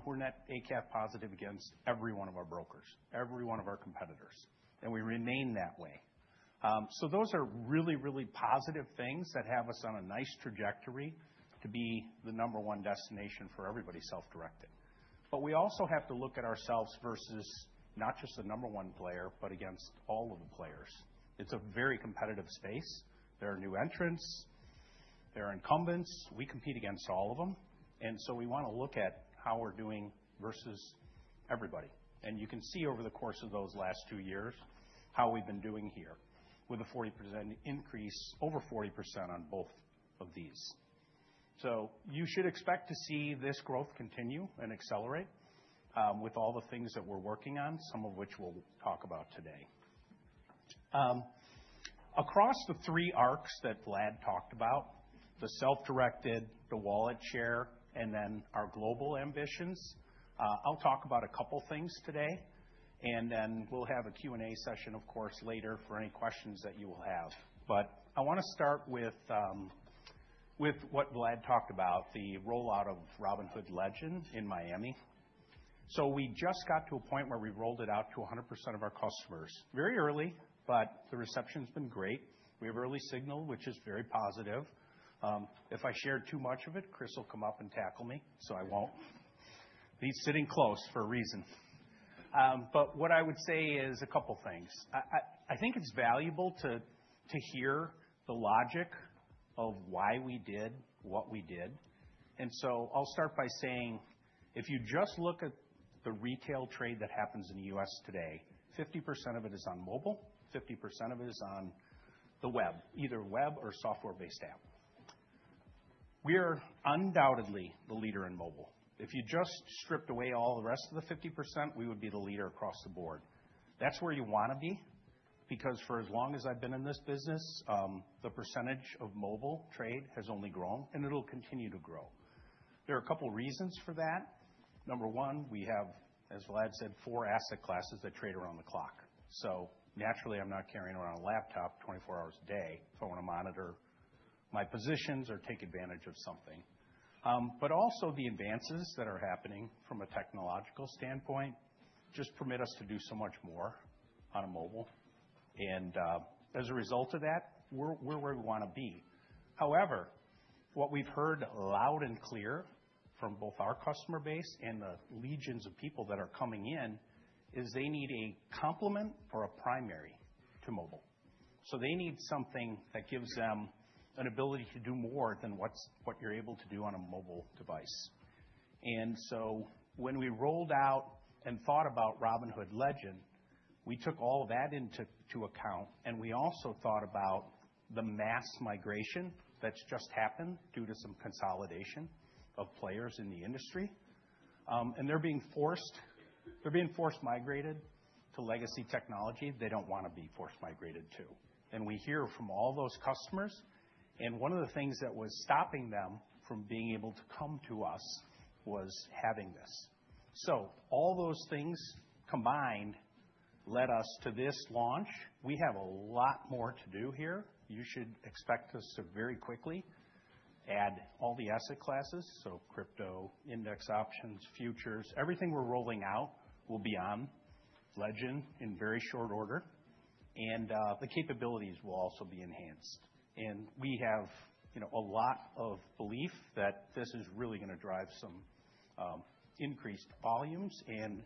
we're net ACAT positive against every one of our brokers, every one of our competitors. And we remain that way. So those are really, really positive things that have us on a nice trajectory to be the number one destination for everybody self-directed. But we also have to look at ourselves versus not just the number one player, but against all of the players. It's a very competitive space. There are new entrants. There are incumbents. We compete against all of them. And so we want to look at how we're doing versus everybody. You can see over the course of those last two years how we've been doing here with a 40% increase, over 40% on both of these. So you should expect to see this growth continue and accelerate with all the things that we're working on, some of which we'll talk about today. Across the three arcs that Vlad talked about, the self-directed, the wallet share, and then our global ambitions, I'll talk about a couple of things today. And then we'll have a Q&A session, of course, later for any questions that you will have. But I want to start with what Vlad talked about, the rollout of Robinhood Legend in Miami. So we just got to a point where we rolled it out to 100% of our customers very early, but the reception's been great. We have early signal, which is very positive. If I share too much of it, Chris will come up and tackle me. So I won't. He's sitting close for a reason. But what I would say is a couple of things. I think it's valuable to hear the logic of why we did what we did. And so I'll start by saying, if you just look at the retail trade that happens in the U.S. today, 50% of it is on mobile, 50% of it is on the web, either web or software-based app. We are undoubtedly the leader in mobile. If you just stripped away all the rest of the 50%, we would be the leader across the board. That's where you want to be because for as long as I've been in this business, the percentage of mobile trade has only grown, and it'll continue to grow. There are a couple of reasons for that. Number one, we have, as Vlad said, four asset classes that trade around the clock. So naturally, I'm not carrying around a laptop 24 hours a day if I want to monitor my positions or take advantage of something. But also the advances that are happening from a technological standpoint just permit us to do so much more on a mobile. And as a result of that, we're where we want to be. However, what we've heard loud and clear from both our customer base and the legions of people that are coming in is they need a complement or a primary to mobile. So they need something that gives them an ability to do more than what you're able to do on a mobile device. And so when we rolled out and thought about Robinhood Legend, we took all of that into account. And we also thought about the mass migration that's just happened due to some consolidation of players in the industry. And they're being forced migrated to legacy technology they don't want to be forced migrated to. And we hear from all those customers. And one of the things that was stopping them from being able to come to us was having this. So all those things combined led us to this launch. We have a lot more to do here. You should expect us to very quickly add all the asset classes. So crypto, index options, futures, everything we're rolling out will be on Legend in very short order. And the capabilities will also be enhanced. And we have a lot of belief that this is really going to drive some increased volumes and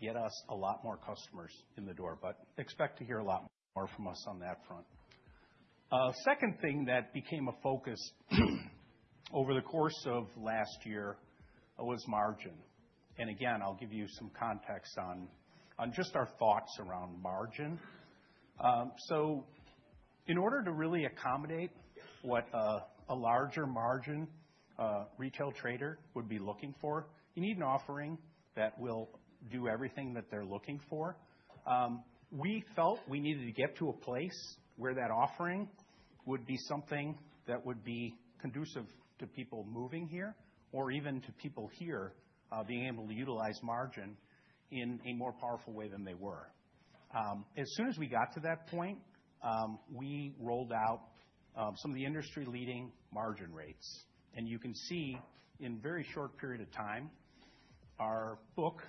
get us a lot more customers in the door. Expect to hear a lot more from us on that front. Second thing that became a focus over the course of last year was margin. Again, I'll give you some context on just our thoughts around margin. In order to really accommodate what a larger margin retail trader would be looking for, you need an offering that will do everything that they're looking for. We felt we needed to get to a place where that offering would be something that would be conducive to people moving here or even to people here being able to utilize margin in a more powerful way than they were. As soon as we got to that point, we rolled out some of the industry-leading margin rates. You can see in a very short period of time, our book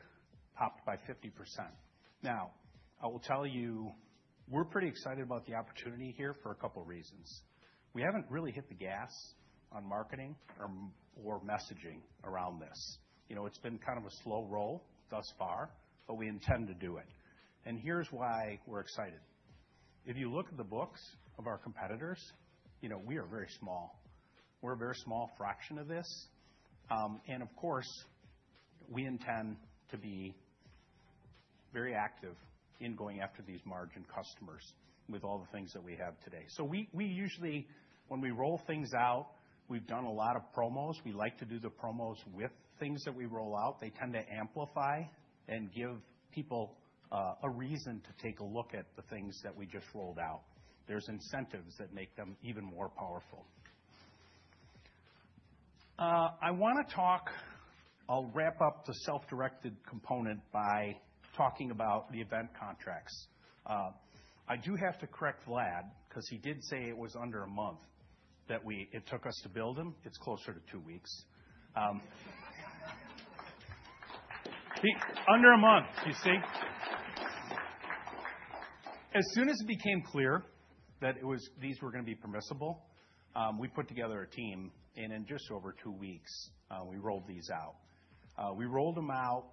popped by 50%. Now, I will tell you, we're pretty excited about the opportunity here for a couple of reasons. We haven't really hit the gas on marketing or messaging around this. It's been kind of a slow roll thus far, but we intend to do it. And here's why we're excited. If you look at the books of our competitors, we are very small. We're a very small fraction of this. And of course, we intend to be very active in going after these margin customers with all the things that we have today. So we usually, when we roll things out, we've done a lot of promos. We like to do the promos with things that we roll out. They tend to amplify and give people a reason to take a look at the things that we just rolled out. There's incentives that make them even more powerful. I want to talk. I'll wrap up the self-directed component by talking about the event contracts. I do have to correct Vlad because he did say it was under a month that it took us to build them. It's closer to two weeks. Under a month, you see. As soon as it became clear that these were going to be permissible, we put together a team, and in just over two weeks, we rolled these out. We rolled them out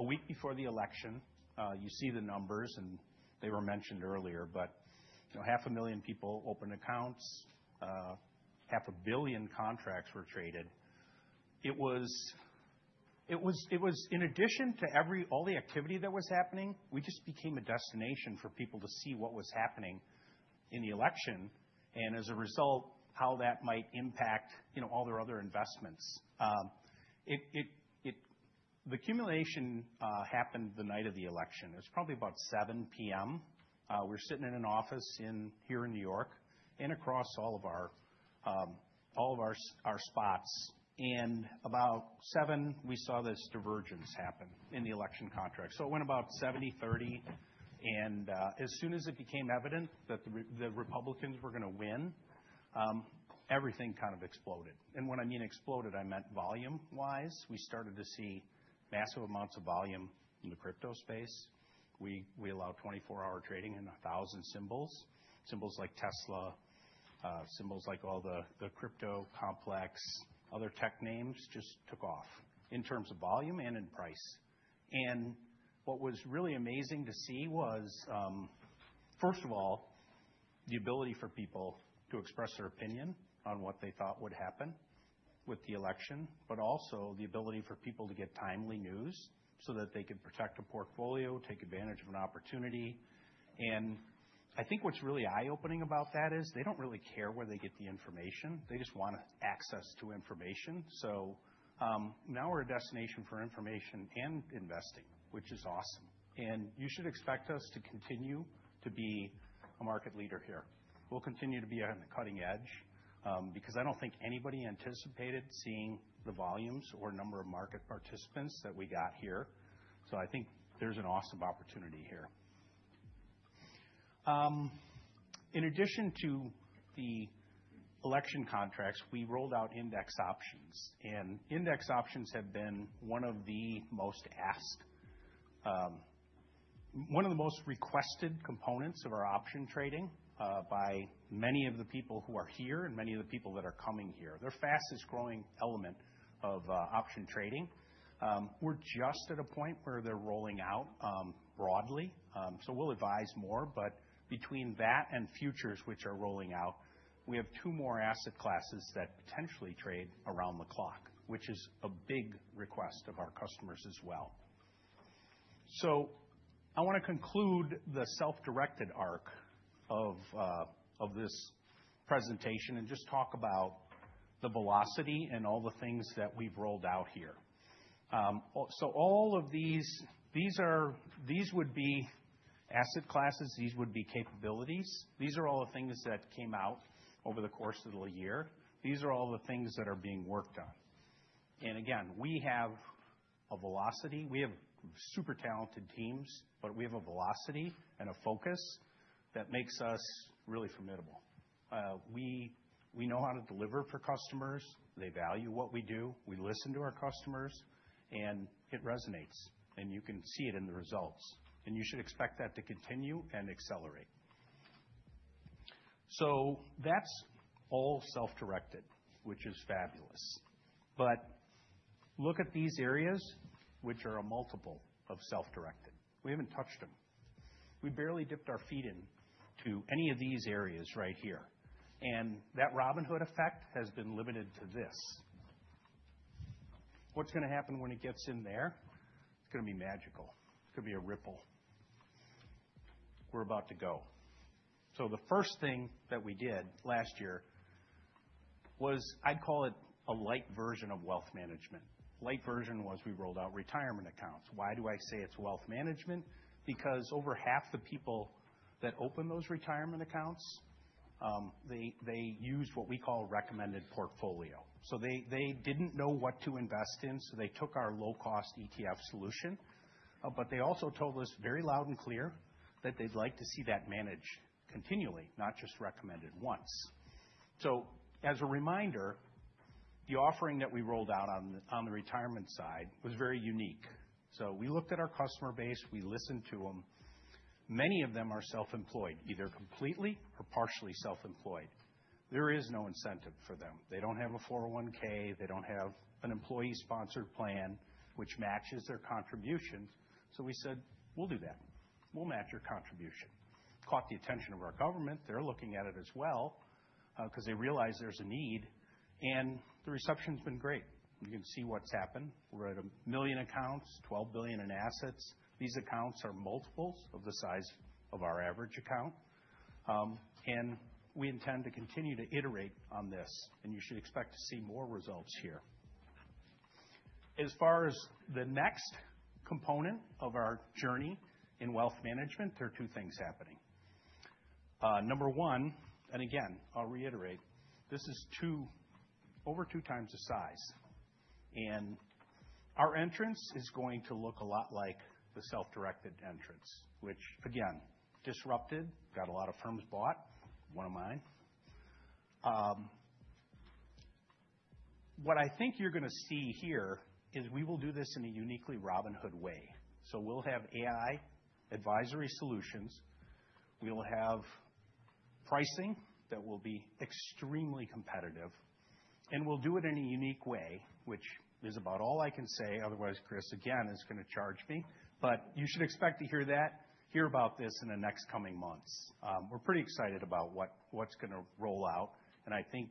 a week before the election. You see the numbers, and they were mentioned earlier, but 500,000 people opened accounts. 500 million contracts were traded. It was, in addition to all the activity that was happening, we just became a destination for people to see what was happening in the election and, as a result, how that might impact all their other investments. The accumulation happened the night of the election. It was probably about 7:00 P.M. We're sitting in an office here in New York and across all of our spots, and about 7:00 P.M., we saw this divergence happen in the election contract, so it went about 70/30, and as soon as it became evident that the Republicans were going to win, everything kind of exploded, and when I mean exploded, I meant volume-wise. We started to see massive amounts of volume in the crypto space. We allowed 24-hour trading and 1,000 symbols. Symbols like Tesla, symbols like all the crypto complex, other tech names just took off in terms of volume and in price. And what was really amazing to see was, first of all, the ability for people to express their opinion on what they thought would happen with the election, but also the ability for people to get timely news so that they could protect a portfolio, take advantage of an opportunity. And I think what's really eye-opening about that is they don't really care where they get the information. They just want access to information. So now we're a destination for information and investing, which is awesome. And you should expect us to continue to be a market leader here. We'll continue to be on the cutting edge because I don't think anybody anticipated seeing the volumes or number of market participants that we got here. So I think there's an awesome opportunity here. In addition to the election contracts, we rolled out index options. Index options have been one of the most asked, one of the most requested components of our option trading by many of the people who are here and many of the people that are coming here. They're the fastest-growing element of option trading. We're just at a point where they're rolling out broadly. We'll advise more. Between that and futures, which are rolling out, we have two more asset classes that potentially trade around the clock, which is a big request of our customers as well. I want to conclude the self-directed arc of this presentation and just talk about the velocity and all the things that we've rolled out here. All of these would be asset classes. These would be capabilities. These are all the things that came out over the course of the year. These are all the things that are being worked on. And again, we have a velocity. We have super talented teams, but we have a velocity and a focus that makes us really formidable. We know how to deliver for customers. They value what we do. We listen to our customers. And it resonates. And you can see it in the results. And you should expect that to continue and accelerate. So that's all self-directed, which is fabulous. But look at these areas, which are a multiple of self-directed. We haven't touched them. We barely dipped our feet into any of these areas right here. And that Robinhood effect has been limited to this. What's going to happen when it gets in there? It's going to be magical. It's going to be a ripple. We're about to go. So the first thing that we did last year was I'd call it a light version of wealth management. Light version was we rolled out retirement accounts. Why do I say it's wealth management? Because over half the people that open those retirement accounts, they used what we call a recommended portfolio. So they didn't know what to invest in. So they took our low-cost ETF solution. But they also told us very loud and clear that they'd like to see that managed continually, not just recommended once. So as a reminder, the offering that we rolled out on the retirement side was very unique. So we looked at our customer base. We listened to them. Many of them are self-employed, either completely or partially self-employed. There is no incentive for them. They don't have a 401(k). They don't have an employee-sponsored plan, which matches their contributions. So we said, "We'll do that. We'll match your contribution." Caught the attention of our government. They're looking at it as well because they realize there's a need. And the reception's been great. You can see what's happened. We're at 1 million accounts, $12 billion in assets. These accounts are multiples of the size of our average account. And we intend to continue to iterate on this. And you should expect to see more results here. As far as the next component of our journey in wealth management, there are two things happening. Number one, and again, I'll reiterate, this is over two times the size. And our entrance is going to look a lot like the self-directed entrance, which, again, disrupted, got a lot of firms bought, one of mine. What I think you're going to see here is we will do this in a uniquely Robinhood way. So we'll have AI advisory solutions. We'll have pricing that will be extremely competitive. And we'll do it in a unique way, which is about all I can say. Otherwise, Chris, again, is going to charge me. But you should expect to hear about this in the next coming months. We're pretty excited about what's going to roll out. And I think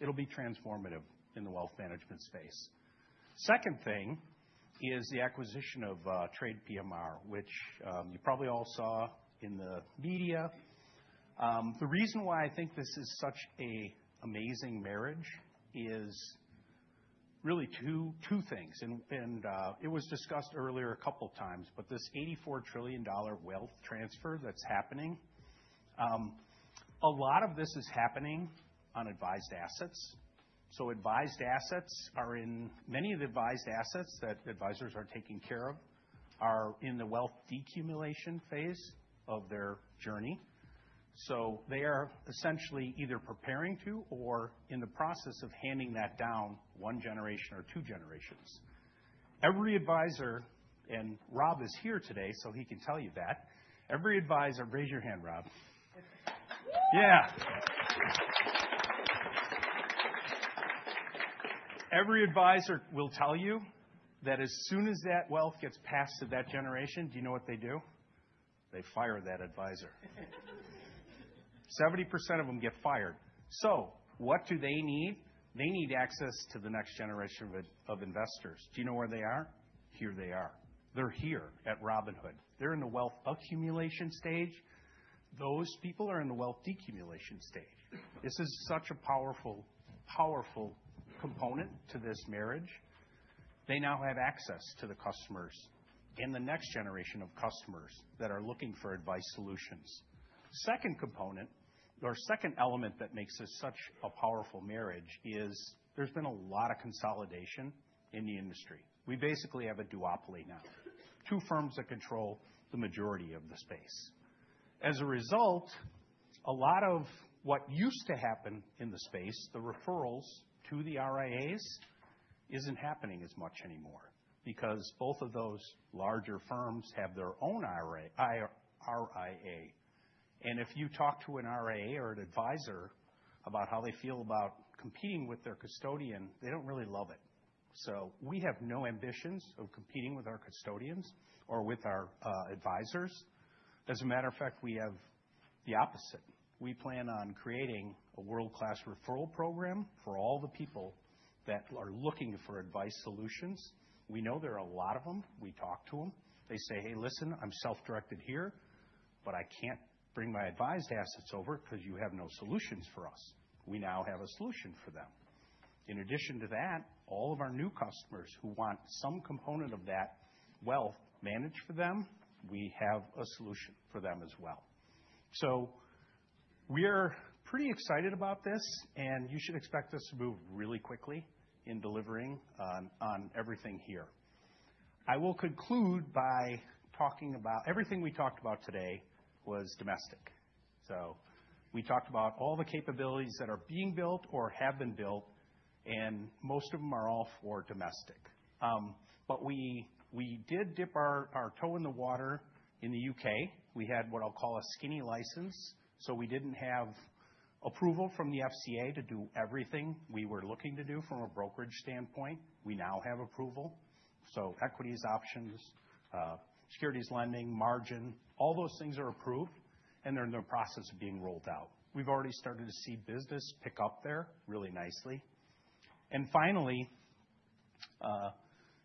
it'll be transformative in the wealth management space. Second thing is the acquisition of TradePMR, which you probably all saw in the media. The reason why I think this is such an amazing marriage is really two things. And it was discussed earlier a couple of times, but this $84 trillion wealth transfer that's happening, a lot of this is happening on advised assets. Advised assets are in many of the advised assets that advisors are taking care of are in the wealth decumulation phase of their journey. So they are essentially either preparing to or in the process of handing that down one generation or two generations. Every advisor, and Robb is here today, so he can tell you that, every advisor, raise your hand, Rob. Yeah. Every advisor will tell you that as soon as that wealth gets passed to that generation, do you know what they do? They fire that advisor. 70% of them get fired. So what do they need? They need access to the next generation of investors. Do you know where they are? Here they are. They are here at Robinhood. They are in the wealth accumulation stage. Those people are in the wealth decumulation stage. This is such a powerful, powerful component to this marriage. They now have access to the customers and the next generation of customers that are looking for advice solutions. Second component or second element that makes this such a powerful marriage is there's been a lot of consolidation in the industry. We basically have a duopoly now. Two firms that control the majority of the space. As a result, a lot of what used to happen in the space, the referrals to the RIAs, isn't happening as much anymore because both of those larger firms have their own RIA. And if you talk to an RIA or an advisor about how they feel about competing with their custodian, they don't really love it. So we have no ambitions of competing with our custodians or with our advisors. As a matter of fact, we have the opposite. We plan on creating a world-class referral program for all the people that are looking for advice solutions. We know there are a lot of them. We talk to them. They say, "Hey, listen, I'm self-directed here, but I can't bring my advised assets over because you have no solutions for us." We now have a solution for them. In addition to that, all of our new customers who want some component of that wealth managed for them, we have a solution for them as well, so we're pretty excited about this, and you should expect us to move really quickly in delivering on everything here. I will conclude by talking about everything we talked about today was domestic. So we talked about all the capabilities that are being built or have been built, and most of them are all for domestic. But we did dip our toe in the water in the U.K. We had what I'll call a skinny license. So we didn't have approval from the FCA to do everything we were looking to do from a brokerage standpoint. We now have approval. So equities, options, securities, lending, margin, all those things are approved. And they're in the process of being rolled out. We've already started to see business pick up there really nicely. And finally,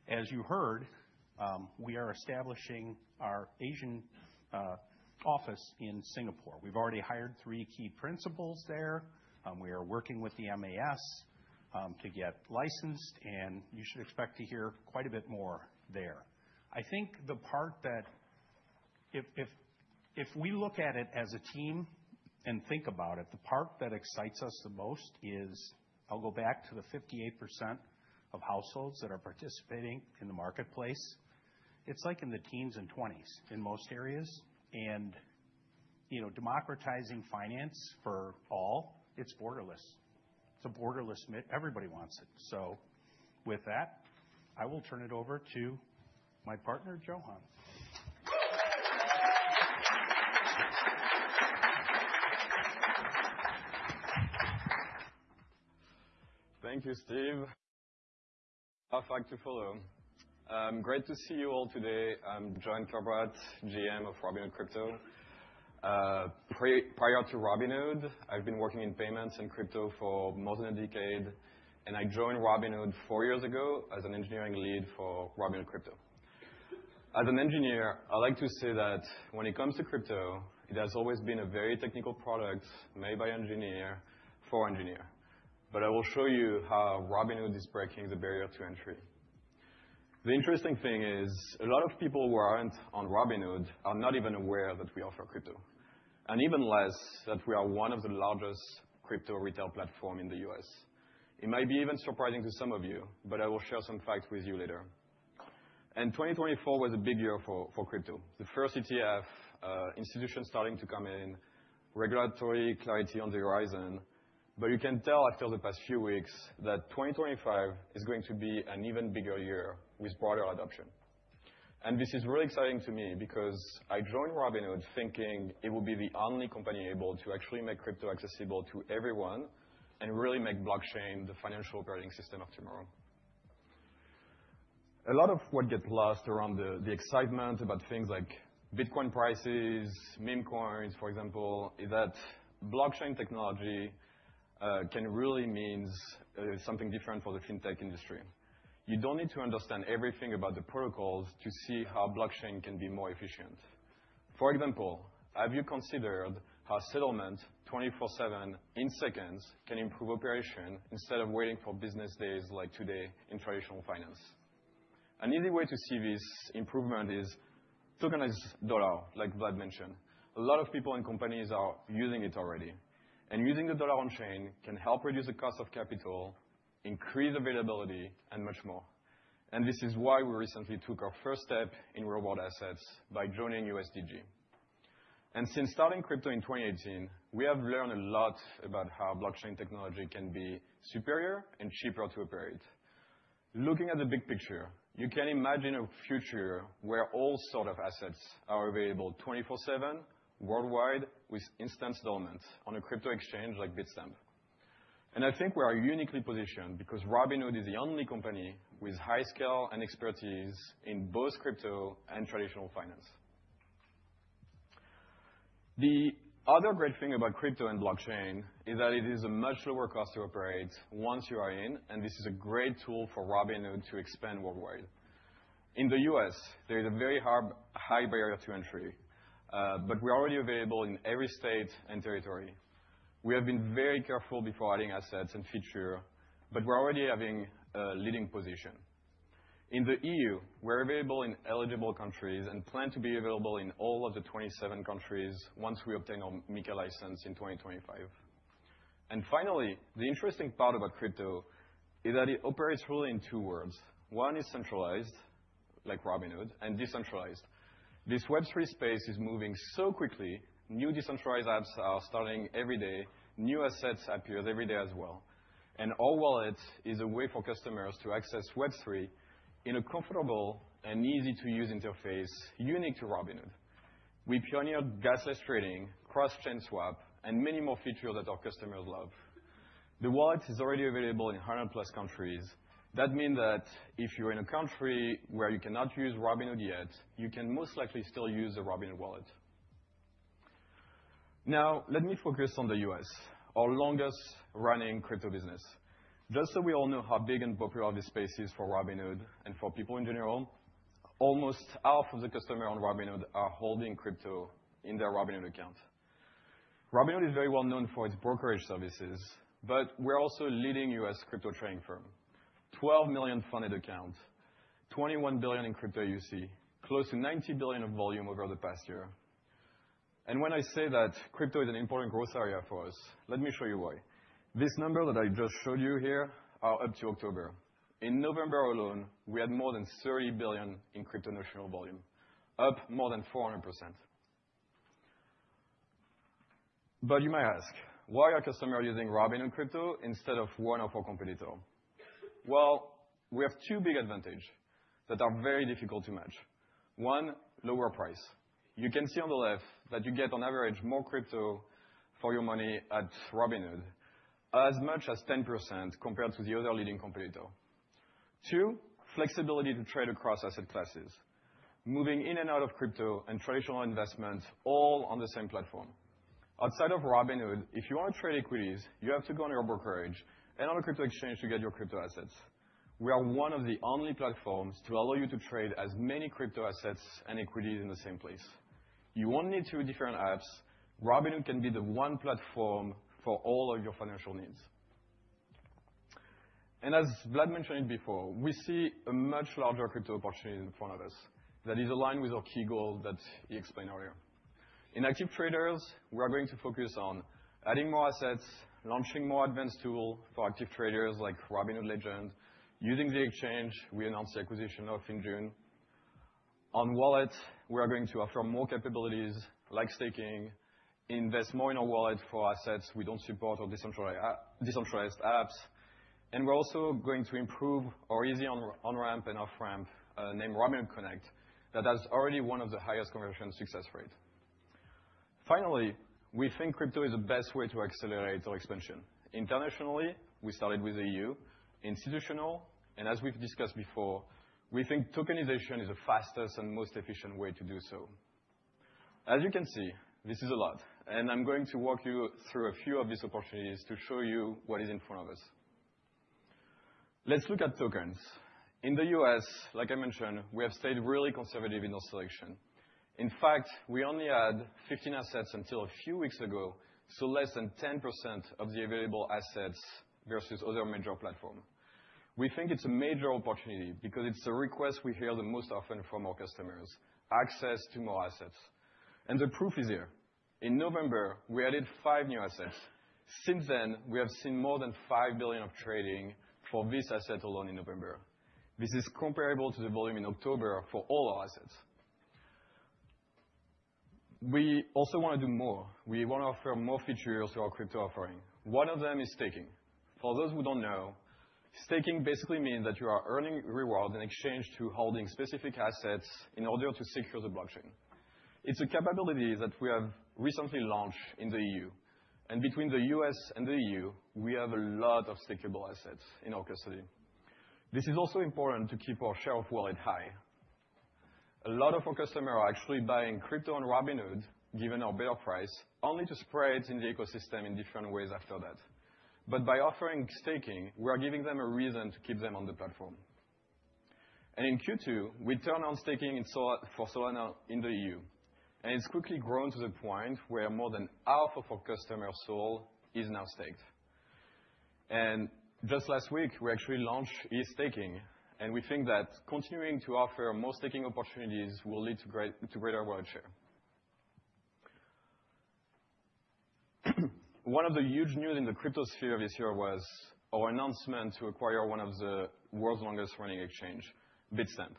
as you heard, we are establishing our Asian office in Singapore. We've already hired three key principals there. We are working with the MAS to get licensed. And you should expect to hear quite a bit more there. I think the part that, if we look at it as a team and think about it, the part that excites us the most is I'll go back to the 58% of households that are participating in the marketplace. It's like in the teens and 20s in most areas. Democratizing finance for all, it's borderless. It's a borderless world. Everybody wants it. So with that, I will turn it over to my partner, Johann. Thank you, Steve. Great to see you all today. I'm Johann Kerbrat, GM of Robinhood Crypto. Prior to Robinhood, I've been working in payments and crypto for more than a decade. I joined Robinhood four years ago as an engineering lead for Robinhood Crypto. As an engineer, I like to say that when it comes to crypto, it has always been a very technical product made by engineer for engineer. But I will show you how Robinhood is breaking the barrier to entry. The interesting thing is a lot of people who aren't on Robinhood are not even aware that we offer crypto. And even less that we are one of the largest crypto retail platforms in the U.S. It might be even surprising to some of you, but I will share some facts with you later. 2024 was a big year for crypto. The first ETF institution starting to come in, regulatory clarity on the horizon, but you can tell after the past few weeks that 2025 is going to be an even bigger year with broader adoption, and this is really exciting to me because I joined Robinhood thinking it would be the only company able to actually make crypto accessible to everyone and really make blockchain the financial operating system of tomorrow. A lot of what gets lost around the excitement about things like Bitcoin prices, meme coins, for example, is that blockchain technology can really mean something different for the fintech industry. You don't need to understand everything about the protocols to see how blockchain can be more efficient. For example, have you considered how settlement 24/7 in seconds can improve operation instead of waiting for business days like today in traditional finance? An easy way to see this improvement is tokenized dollar, like Vlad mentioned. A lot of people and companies are using it already. And using the dollar on chain can help reduce the cost of capital, increase availability, and much more. And this is why we recently took our first step in real-world assets by joining USDG. And since starting crypto in 2018, we have learned a lot about how blockchain technology can be superior and cheaper to operate. Looking at the big picture, you can imagine a future where all sorts of assets are available 24/7 worldwide with instant settlement on a crypto exchange like Bitstamp. And I think we are uniquely positioned because Robinhood is the only company with high scale and expertise in both crypto and traditional finance. The other great thing about crypto and blockchain is that it is a much lower cost to operate once you are in. And this is a great tool for Robinhood to expand worldwide. In the U.S., there is a very high barrier to entry. But we are already available in every state and territory. We have been very careful before adding assets and features. But we're already having a leading position. In the E.U., we're available in eligible countries and plan to be available in all of the 27 countries once we obtain our MiCA license in 2025. And finally, the interesting part about crypto is that it operates really in two worlds. One is centralized, like Robinhood, and decentralized. This Web3 space is moving so quickly. New decentralized apps are starting every day. New assets appear every day as well. Our wallets is a way for customers to access Web3 in a comfortable and easy-to-use interface unique to Robinhood. We pioneered gasless trading, cross-chain swap, and many more features that our customers love. The wallet is already available in 100+ countries. That means that if you're in a country where you cannot use Robinhood yet, you can most likely still use the Robinhood Wallet. Now, let me focus on the U.S., our longest-running crypto business. Just so we all know how big and popular this space is for Robinhood and for people in general, almost half of the customers on Robinhood are holding crypto in their Robinhood account. Robinhood is very well known for its brokerage services. But we're also a leading U.S. crypto trading firm. 12 million funded accounts, $21 billion in crypto AUC, close to $90 billion of volume over the past year. When I say that crypto is an important growth area for us, let me show you why. This number that I just showed you here is up to October. In November alone, we had more than $30 billion in crypto notional volume, up more than 400%. You may ask, why are customers using Robinhood Crypto instead of one of our competitors? We have two big advantages that are very difficult to match. One, lower price. You can see on the left that you get, on average, more crypto for your money at Robinhood, as much as 10% compared to the other leading competitor. Two, flexibility to trade across asset classes, moving in and out of crypto and traditional investment all on the same platform. Outside of Robinhood, if you want to trade equities, you have to go on your brokerage and on a crypto exchange to get your crypto assets. We are one of the only platforms to allow you to trade as many crypto assets and equities in the same place. You won't need two different apps. Robinhood can be the one platform for all of your financial needs. And as Vlad mentioned before, we see a much larger crypto opportunity in front of us that is aligned with our key goals that he explained earlier. In Active Traders, we are going to focus on adding more assets, launching more advanced tools for Active Traders like Robinhood Legend, using the exchange we announced the acquisition of in June. On wallets, we are going to offer more capabilities like staking, invest more in our wallet for assets we don't support or decentralized apps. And we're also going to improve our easy on-ramp and off-ramp named Robinhood Connect that has already one of the highest conversion success rates. Finally, we think crypto is the best way to accelerate our expansion. Internationally, we started with the E.U., institutional. And as we've discussed before, we think tokenization is the fastest and most efficient way to do so. As you can see, this is a lot. And I'm going to walk you through a few of these opportunities to show you what is in front of us. Let's look at tokens. In the U.S., like I mentioned, we have stayed really conservative in our selection. In fact, we only had 15 assets until a few weeks ago, so less than 10% of the available assets versus other major platforms. We think it's a major opportunity because it's a request we hear the most often from our customers: access to more assets. The proof is here. In November, we added five new assets. Since then, we have seen more than $5 billion of trading for this asset alone in November. This is comparable to the volume in October for all our assets. We also want to do more. We want to offer more features to our crypto offering. One of them is staking. For those who don't know, staking basically means that you are earning rewards in exchange for holding specific assets in order to secure the blockchain. It's a capability that we have recently launched in the E.U. Between the U.S. and the E.U., we have a lot of stakable assets in our custody. This is also important to keep our share of wallet high. A lot of our customers are actually buying crypto on Robinhood, given our better price, only to spend it in the ecosystem in different ways after that. But by offering staking, we are giving them a reason to keep them on the platform. And in Q2, we turned on staking for Solana in the E.U. And it's quickly grown to the point where more than half of our customers' Solana is now staked. And just last week, we actually launched ETH staking. And we think that continuing to offer more staking opportunities will lead to greater wallet share. One of the huge news in the crypto sphere this year was our announcement to acquire one of the world's longest-running exchanges, Bitstamp.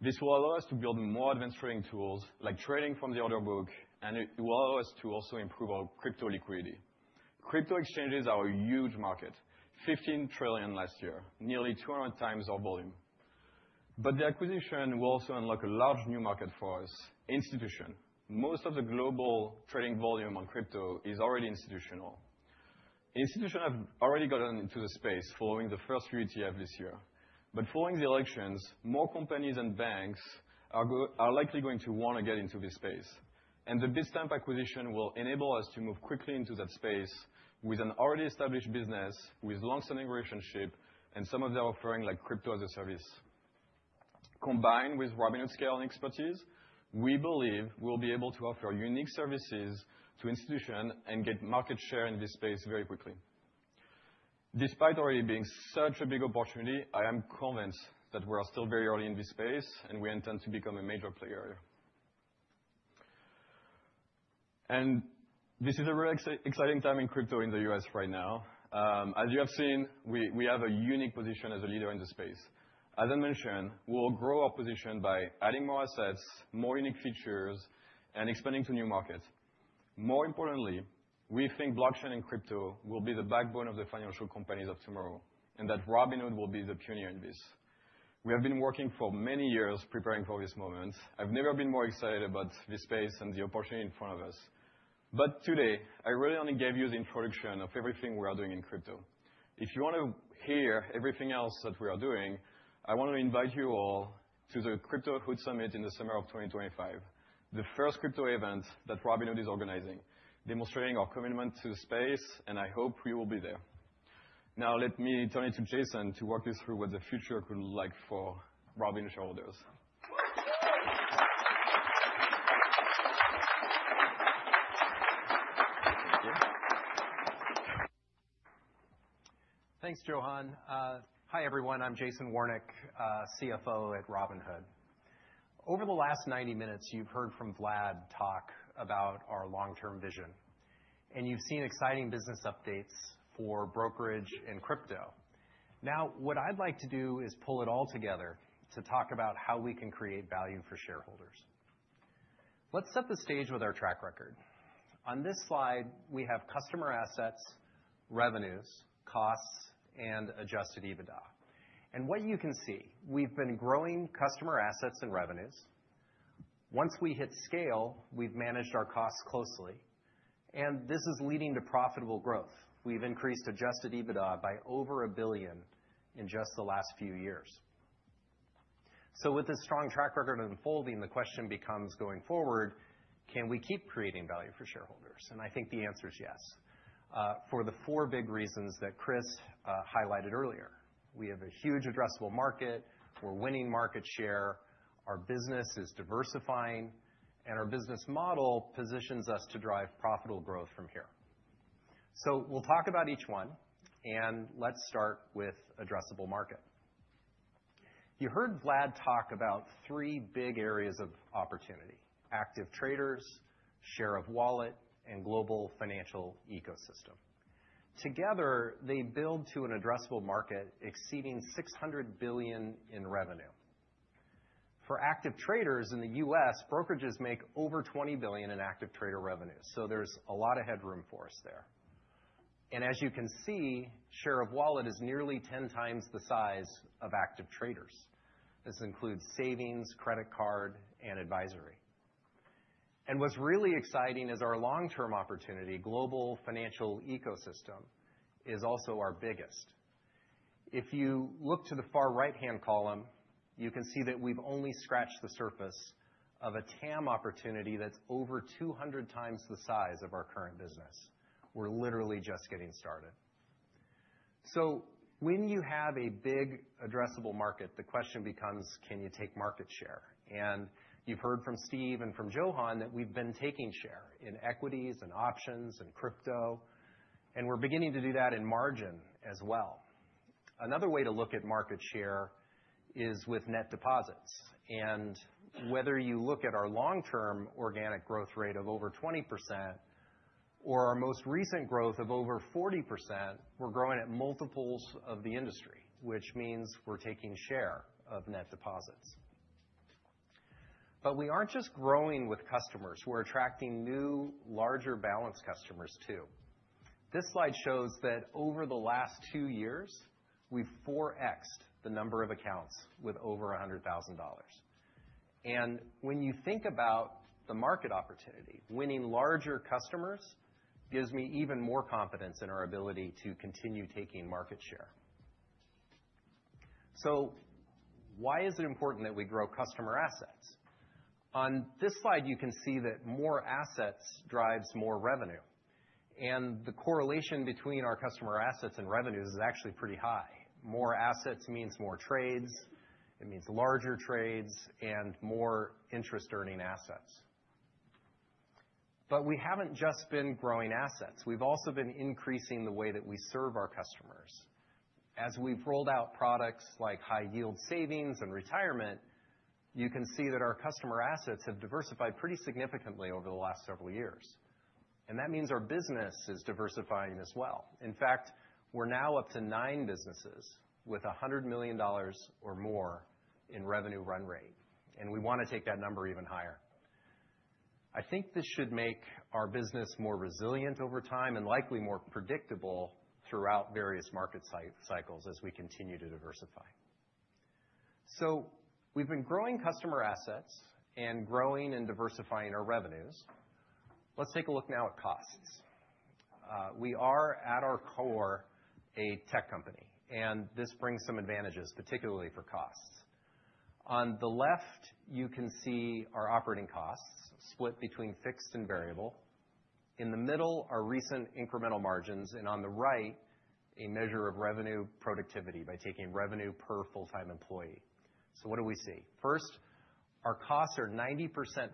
This will allow us to build more advanced trading tools like trading from the order book. And it will allow us to also improve our crypto liquidity. Crypto exchanges are a huge market, $15 trillion last year, nearly 200 times our volume. But the acquisition will also unlock a large new market for us, institutional. Most of the global trading volume on crypto is already institutional. Institutions have already gotten into the space following the first few ETFs this year. But following the elections, more companies and banks are likely going to want to get into this space. And the Bitstamp acquisition will enable us to move quickly into that space with an already established business, with long-standing relationships, and some of their offerings like crypto as a service. Combined with Robinhood's scale and expertise, we believe we'll be able to offer unique services to institutions and get market share in this space very quickly. Despite already being such a big opportunity, I am convinced that we are still very early in this space. And we intend to become a major player here. And this is a really exciting time in crypto in the U.S. right now. As you have seen, we have a unique position as a leader in the space. As I mentioned, we'll grow our position by adding more assets, more unique features, and expanding to new markets. More importantly, we think blockchain and crypto will be the backbone of the financial companies of tomorrow and that Robinhood will be the pioneer in this. We have been working for many years preparing for this moment. I've never been more excited about this space and the opportunity in front of us. But today, I really only gave you the introduction of everything we are doing in crypto. If you want to hear everything else that we are doing, I want to invite you all to the Crypto HOOD Summit in the summer of 2025, the first crypto event that Robinhood is organizing, demonstrating our commitment to the space, and I hope you will be there. Now, let me turn it to Jason to walk you through what the future could look like for Robinhood shareholders. Thanks, Johann. Hi, everyone. I'm Jason Warnick, CFO at Robinhood. Over the last 90 minutes, you've heard from Vlad talk about our long-term vision, and you've seen exciting business updates for brokerage and crypto. Now, what I'd like to do is pull it all together to talk about how we can create value for shareholders. Let's set the stage with our track record. On this slide, we have customer assets, revenues, costs, and Adjusted EBITDA. What you can see is we've been growing customer assets and revenues. Once we hit scale, we've managed our costs closely, and this is leading to profitable growth. We've increased Adjusted EBITDA by over a billion in just the last few years. With this strong track record unfolding, the question becomes, going forward, can we keep creating value for shareholders? I think the answer is yes, for the four big reasons that Chris highlighted earlier. We have a huge addressable market. We're winning market share. Our business is diversifying. And our business model positions us to drive profitable growth from here. So we'll talk about each one. And let's start with addressable market. You heard Vlad talk about three big areas of opportunity: active traders, share of wallet, and global financial ecosystem. Together, they build to an addressable market exceeding $600 billion in revenue. For active traders in the U.S., brokerages make over $20 billion in active trader revenue. So there's a lot of headroom for us there. And as you can see, share of wallet is nearly 10 times the size of active traders. This includes savings, credit card, and advisory. And what's really exciting is our long-term opportunity, global financial ecosystem, is also our biggest. If you look to the far right-hand column, you can see that we've only scratched the surface of a TAM opportunity that's over 200 times the size of our current business. We're literally just getting started. So when you have a big addressable market, the question becomes, can you take market share? And you've heard from Steve and from Johan that we've been taking share in equities and options and crypto. And we're beginning to do that in margin as well. Another way to look at market share is with net deposits. And whether you look at our long-term organic growth rate of over 20% or our most recent growth of over 40%, we're growing at multiples of the industry, which means we're taking share of net deposits. But we aren't just growing with customers. We're attracting new, larger balance customers too. This slide shows that over the last two years, we've 4x'd the number of accounts with over $100,000. And when you think about the market opportunity, winning larger customers gives me even more confidence in our ability to continue taking market share. So why is it important that we grow customer assets? On this slide, you can see that more assets drive more revenue. And the correlation between our customer assets and revenues is actually pretty high. More assets means more trades. It means larger trades and more interest-earning assets. But we haven't just been growing assets. We've also been increasing the way that we serve our customers. As we've rolled out products like high-yield savings and retirement, you can see that our customer assets have diversified pretty significantly over the last several years. And that means our business is diversifying as well. In fact, we're now up to nine businesses with $100 million or more in revenue run rate. And we want to take that number even higher. I think this should make our business more resilient over time and likely more predictable throughout various market cycles as we continue to diversify. So we've been growing customer assets and growing and diversifying our revenues. Let's take a look now at costs. We are, at our core, a tech company. And this brings some advantages, particularly for costs. On the left, you can see our operating costs split between fixed and variable. In the middle, our recent incremental margins. And on the right, a measure of revenue productivity by taking revenue per full-time employee. So what do we see? First, our costs are 90%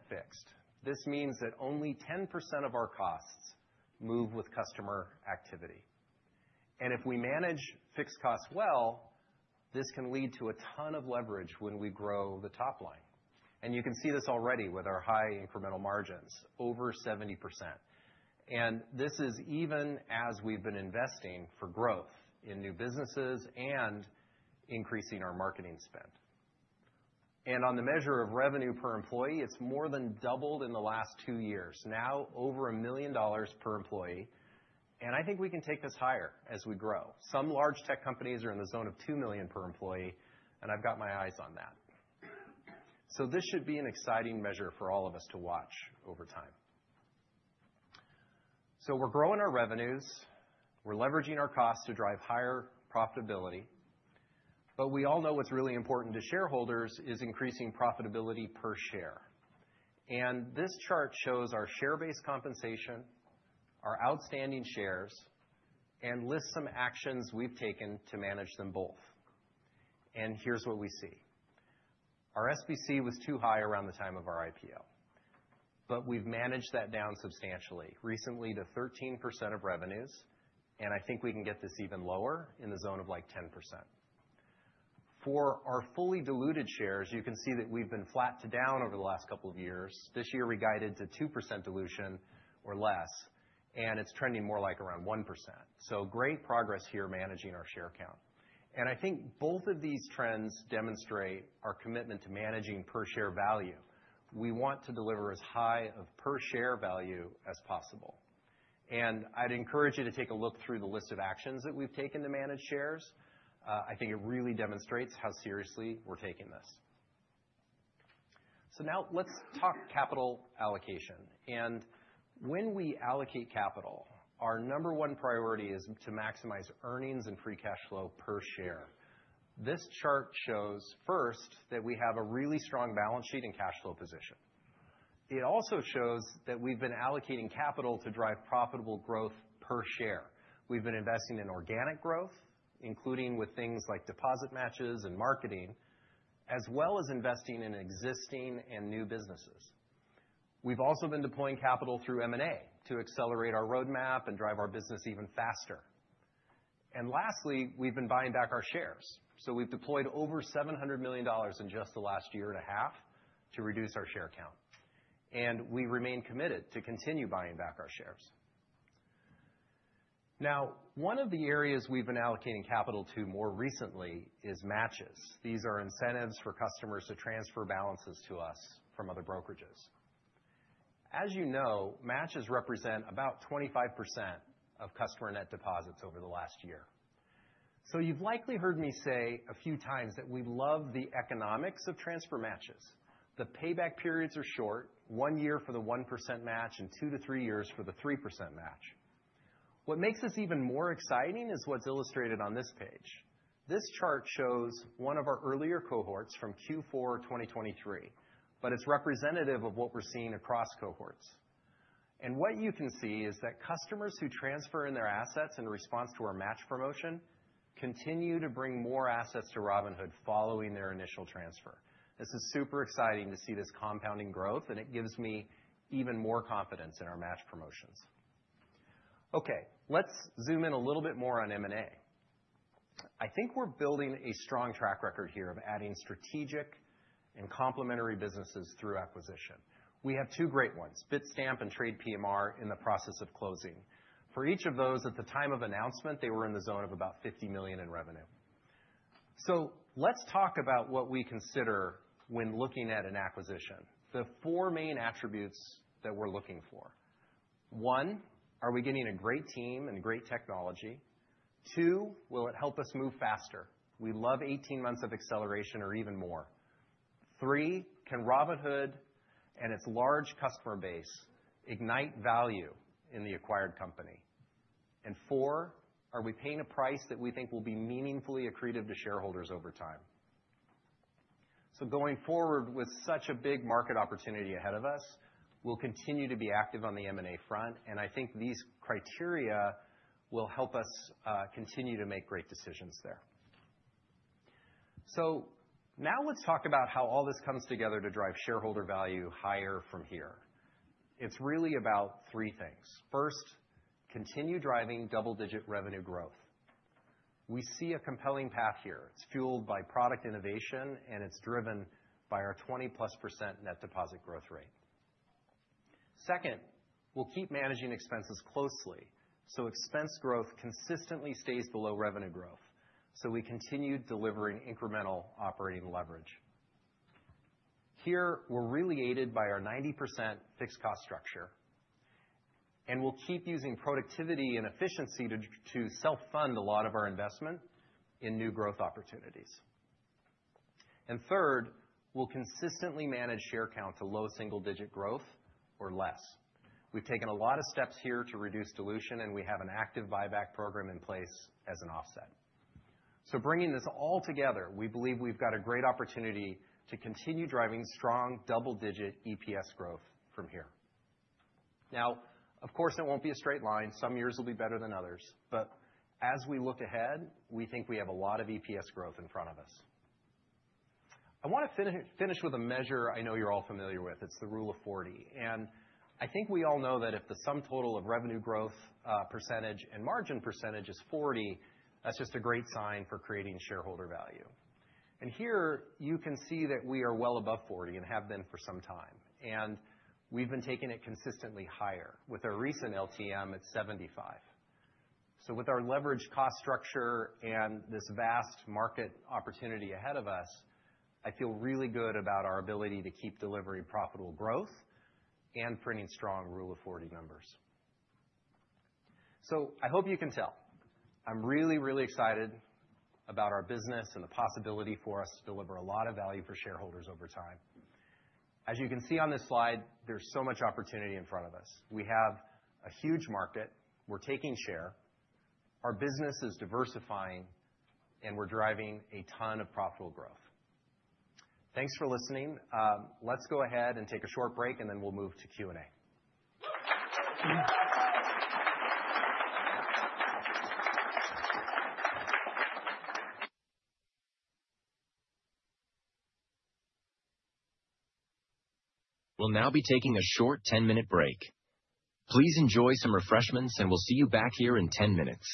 fixed. This means that only 10% of our costs move with customer activity. And if we manage fixed costs well, this can lead to a ton of leverage when we grow the top line. And you can see this already with our high incremental margins, over 70%. And this is even as we've been investing for growth in new businesses and increasing our marketing spend. And on the measure of revenue per employee, it's more than doubled in the last two years, now over $1 million per employee. And I think we can take this higher as we grow. Some large tech companies are in the zone of $2 million per employee. And I've got my eyes on that. So this should be an exciting measure for all of us to watch over time. So we're growing our revenues. We're leveraging our costs to drive higher profitability. But we all know what's really important to shareholders is increasing profitability per share. And this chart shows our share-based compensation, our outstanding shares, and lists some actions we've taken to manage them both. And here's what we see. Our SBC was too high around the time of our IPO. But we've managed that down substantially, recently to 13% of revenues. And I think we can get this even lower in the zone of like 10%. For our fully diluted shares, you can see that we've been flat to down over the last couple of years. This year, we guided to 2% dilution or less. And it's trending more like around 1%. So great progress here managing our share count. And I think both of these trends demonstrate our commitment to managing per share value. We want to deliver as high of per share value as possible. I'd encourage you to take a look through the list of actions that we've taken to manage shares. I think it really demonstrates how seriously we're taking this. Now, let's talk capital allocation. When we allocate capital, our number one priority is to maximize earnings and free cash flow per share. This chart shows, first, that we have a really strong balance sheet and cash flow position. It also shows that we've been allocating capital to drive profitable growth per share. We've been investing in organic growth, including with things like deposit matches and marketing, as well as investing in existing and new businesses. We've also been deploying capital through M&A to accelerate our roadmap and drive our business even faster. Lastly, we've been buying back our shares. We've deployed over $700 million in just the last year and a half to reduce our share count. And we remain committed to continue buying back our shares. Now, one of the areas we've been allocating capital to more recently is matches. These are incentives for customers to transfer balances to us from other brokerages. As you know, matches represent about 25% of customer net deposits over the last year. So you've likely heard me say a few times that we love the economics of transfer matches. The payback periods are short, one year for the 1% match and two-to-three years for the 3% match. What makes this even more exciting is what's illustrated on this page. This chart shows one of our earlier cohorts from Q4 2023. But it's representative of what we're seeing across cohorts. And what you can see is that customers who transfer in their assets in response to our match promotion continue to bring more assets to Robinhood following their initial transfer. This is super exciting to see this compounding growth. And it gives me even more confidence in our match promotions. Okay, let's zoom in a little bit more on M&A. I think we're building a strong track record here of adding strategic and complementary businesses through acquisition. We have two great ones, Bitstamp and TradePMR, in the process of closing. For each of those, at the time of announcement, they were in the zone of about $50 million in revenue. So let's talk about what we consider when looking at an acquisition, the four main attributes that we're looking for. One, are we getting a great team and great technology? Two, will it help us move faster? We love 18 months of acceleration or even more. Three, can Robinhood and its large customer base ignite value in the acquired company? And four, are we paying a price that we think will be meaningfully accretive to shareholders over time? So going forward with such a big market opportunity ahead of us, we'll continue to be active on the M&A front. And I think these criteria will help us continue to make great decisions there. So now, let's talk about how all this comes together to drive shareholder value higher from here. It's really about three things. First, continue driving double-digit revenue growth. We see a compelling path here. It's fueled by product innovation. And it's driven by our 20+% net deposit growth rate. Second, we'll keep managing expenses closely so expense growth consistently stays below revenue growth, so we continue delivering incremental operating leverage. Here, we're really aided by our 90% fixed cost structure. And we'll keep using productivity and efficiency to self-fund a lot of our investment in new growth opportunities. And third, we'll consistently manage share count to low single-digit growth or less. We've taken a lot of steps here to reduce dilution. And we have an active buyback program in place as an offset. So bringing this all together, we believe we've got a great opportunity to continue driving strong double-digit EPS growth from here. Now, of course, it won't be a straight line. Some years will be better than others. But as we look ahead, we think we have a lot of EPS growth in front of us. I want to finish with a measure I know you're all familiar with. It's the Rule of 40. I think we all know that if the sum total of revenue growth percentage and margin percentage is 40, that's just a great sign for creating shareholder value. And here, you can see that we are well above 40 and have been for some time. And we've been taking it consistently higher with our recent LTM at 75. So with our leveraged cost structure and this vast market opportunity ahead of us, I feel really good about our ability to keep delivering profitable growth and printing strong Rule of 40 numbers. So I hope you can tell. I'm really, really excited about our business and the possibility for us to deliver a lot of value for shareholders over time. As you can see on this slide, there's so much opportunity in front of us. We have a huge market. We're taking share. Our business is diversifying. And we're driving a ton of profitable growth. Thanks for listening. Let's go ahead and take a short break. And then we'll move to Q&A. We'll now be taking a short 10-minute break. Please enjoy some refreshments. And we'll see you back here in 10 minutes.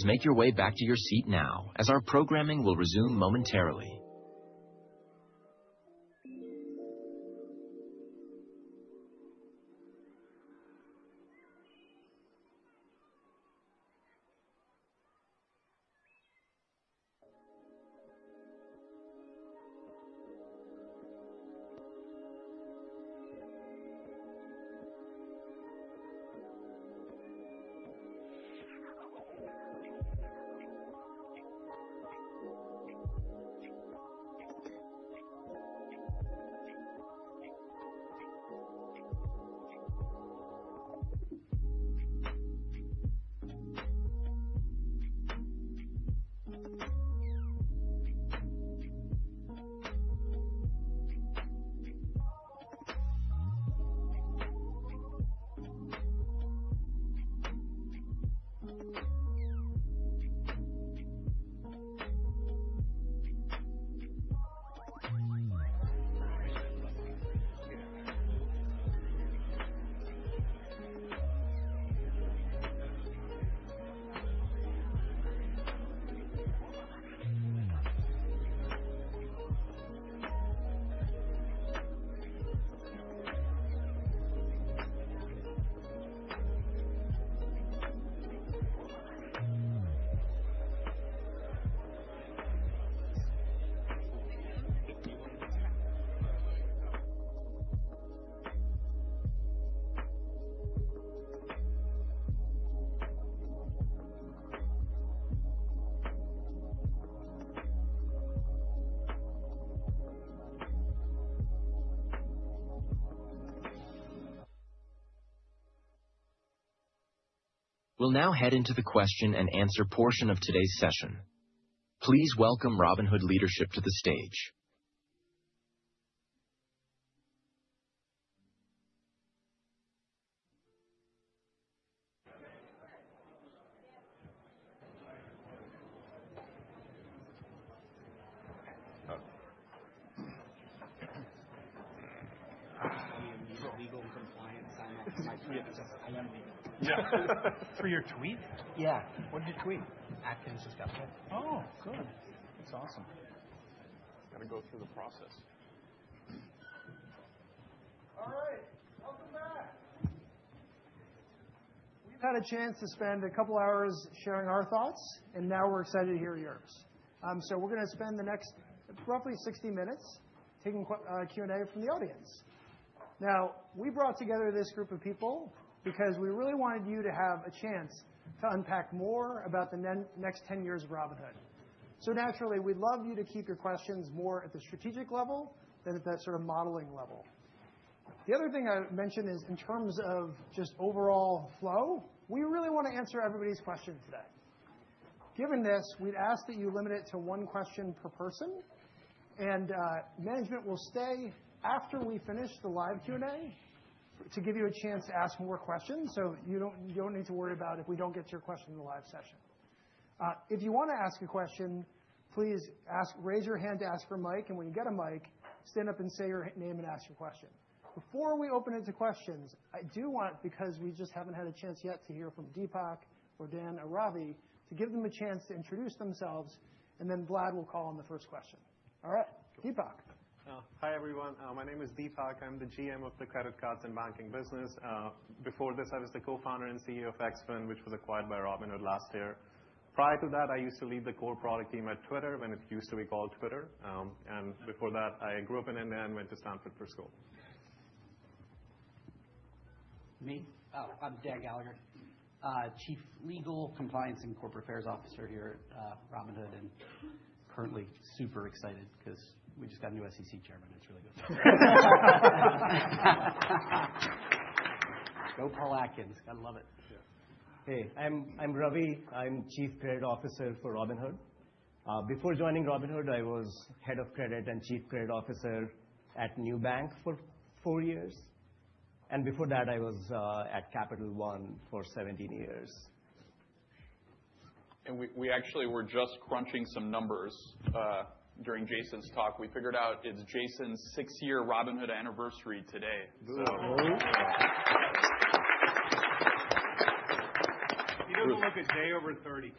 Please make your way back to your seat now, as our programming will resume momentarily. We'll now head into the question and answer portion of today's session. Please welcome Robinhood leadership to the stage. I am legal compliance. I am legal. Yeah. For your tweet? Yeah. What did you tweet? Atkins is government. Oh, good. That's awesome. I'm going to go through the process. All right. Welcome back. We've had a chance to spend a couple of hours sharing our thoughts, and now we're excited to hear yours. So we're going to spend the next roughly 60 minutes taking Q&A from the audience. Now, we brought together this group of people because we really wanted you to have a chance to unpack more about the next 10 years of Robinhood. So naturally, we'd love you to keep your questions more at the strategic level than at that sort of modeling level. The other thing I mentioned is, in terms of just overall flow, we really want to answer everybody's question today. Given this, we'd ask that you limit it to one question per person. Management will stay after we finish the live Q&A to give you a chance to ask more questions, so you don't need to worry about if we don't get to your question in the live session. If you want to ask a question, please raise your hand to ask for a mic. And when you get a mic, stand up and say your name and ask your question. Before we open it to questions, I do want, because we just haven't had a chance yet to hear from Deepak or Dan or Ravi, to give them a chance to introduce themselves, and then Vlad will call in the first question. All right. Deepak. Hi, everyone. My name is Deepak. I'm the GM of the credit cards and banking business. Before this, I was the co-founder and CEO of X1, which was acquired by Robinhood last year. Prior to that, I used to lead the core product team at Twitter, when it used to be called Twitter. And before that, I grew up in India and went to Stanford for school. Me? Oh, I'm Dan Gallagher, Chief Legal, Compliance, and Corporate Affairs Officer here at Robinhood, and currently super excited because we just got a new SEC Chairman. It's really good. Go Paul Atkins. Got to love it. Hey, I'm Ravi. I'm Chief Credit Officer for Robinhood. Before joining Robinhood, I was Head of Credit and Chief Credit Officer at Nubank for four years. And before that, I was at Capital One for 17 yuars. We actually were just crunching some numbers during Jason's talk. We figured out it's Jason's six-year Robinhood anniversary today. Good. He doesn't look a day over 30.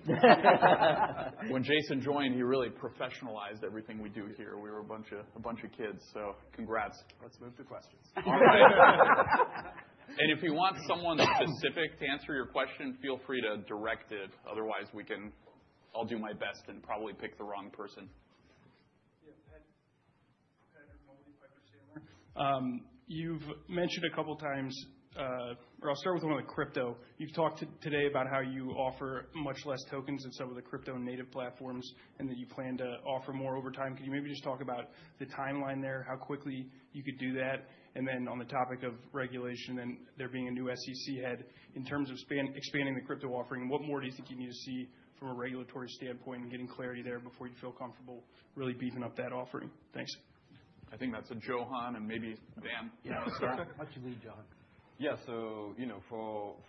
When Jason joined, he really professionalized everything we do here. We were a bunch of kids, so congrats. Let's move to questions. If he wants someone specific to answer your question, feel free to direct it. Otherwise, I'll do my best and probably pick the wrong person. You've mentioned a couple of times, or I'll start with one of the crypto. You've talked today about how you offer much less tokens than some of the crypto native platforms and that you plan to offer more over time. Can you maybe just talk about the timeline there, how quickly you could do that? And then on the topic of regulation, then there being a new SEC head in terms of expanding the crypto offering, what more do you think you need to see from a regulatory standpoint and getting clarity there before you feel comfortable really beefing up that offering? Thanks. I think that's Johann and maybe Dan. Why don't you lead, Johann? Yeah. So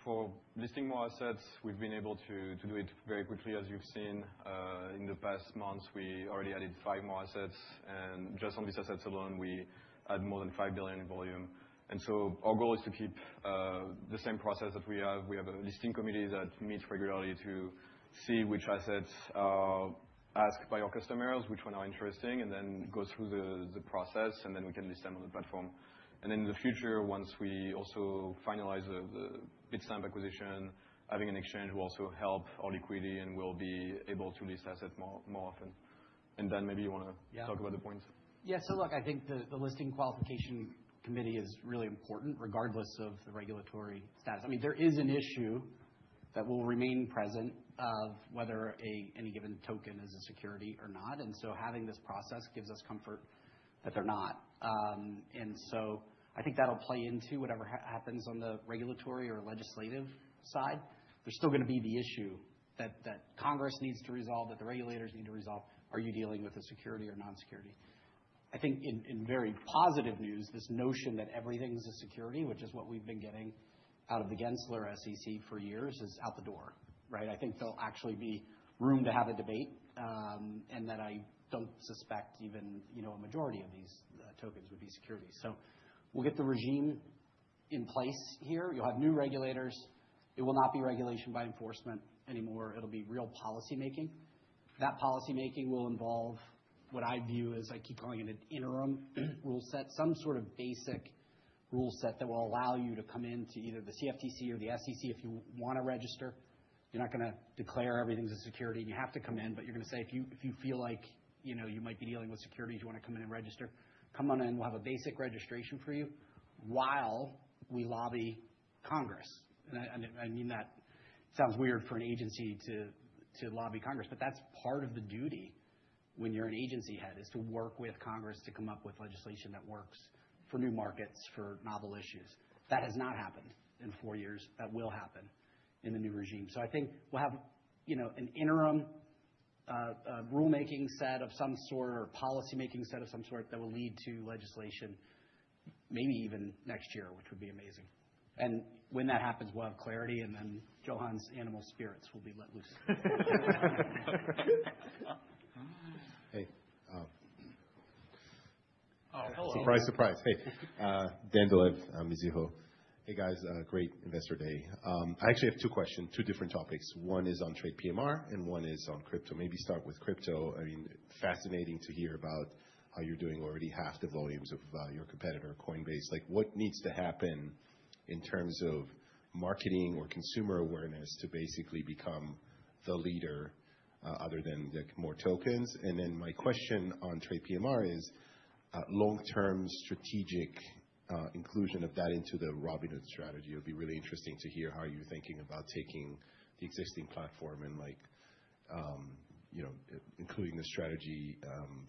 for listing more assets, we've been able to do it very quickly, as you've seen. In the past months, we already added five more assets. And just on these assets alone, we add more than $5 billion in volume. And so our goal is to keep the same process that we have. We have a listing committee that meets regularly to see which assets are asked by our customers, which ones are interesting, and then go through the process, and then we can list them on the platform. And then in the future, once we also finalize the Bitstamp acquisition, having an exchange will also help our liquidity and we'll be able to list assets more often. And Dan, maybe you want to talk about the points? Yeah. So look, I think the listing qualification committee is really important regardless of the regulatory status. I mean, there is an issue that will remain present of whether any given token is a security or not. And so having this process gives us comfort that they're not. And so I think that'll play into whatever happens on the regulatory or legislative side. There's still going to be the issue that Congress needs to resolve, that the regulators need to resolve, are you dealing with a security or non-security? I think in very positive news, this notion that everything's a security, which is what we've been getting out of the Gensler SEC for years, is out the door, right? I think there'll actually be room to have a debate, and that I don't suspect even a majority of these tokens would be security. So we'll get the regime in place here. You'll have new regulators. It will not be regulation by enforcement anymore. It'll be real policymaking. That policymaking will involve what I view as, I keep calling it an interim rule set, some sort of basic rule set that will allow you to come into either the CFTC or the SEC if you want to register. You're not going to declare everything's a security, and you have to come in, but you're going to say, "If you feel like you might be dealing with security, do you want to come in and register?" Come on in. We'll have a basic registration for you while we lobby Congress. And I mean that. It sounds weird for an agency to lobby Congress, but that's part of the duty when you're an agency head, is to work with Congress to come up with legislation that works for new markets, for novel issues. That has not happened in four years. That will happen in the new regime. So I think we'll have an interim rulemaking set of some sort or policymaking set of some sort that will lead to legislation maybe even next year, which would be amazing, and when that happens, we'll have clarity, and then Johann's animal spirits will be let loose. Surprise, surprise. Hey. Dan Dolev, Mizuho. Hey, guys. Great investor day. I actually have two questions, two different topics. One is on TradePMR, and one is on crypto. Maybe start with crypto. I mean, fascinating to hear about how you're doing already half the volumes of your competitor, Coinbase. What needs to happen in terms of marketing or consumer awareness to basically become the leader other than more tokens? And then my question on TradePMR is long-term strategic inclusion of that into the Robinhood strategy. It'll be really interesting to hear how you're thinking about taking the existing platform and including the strategy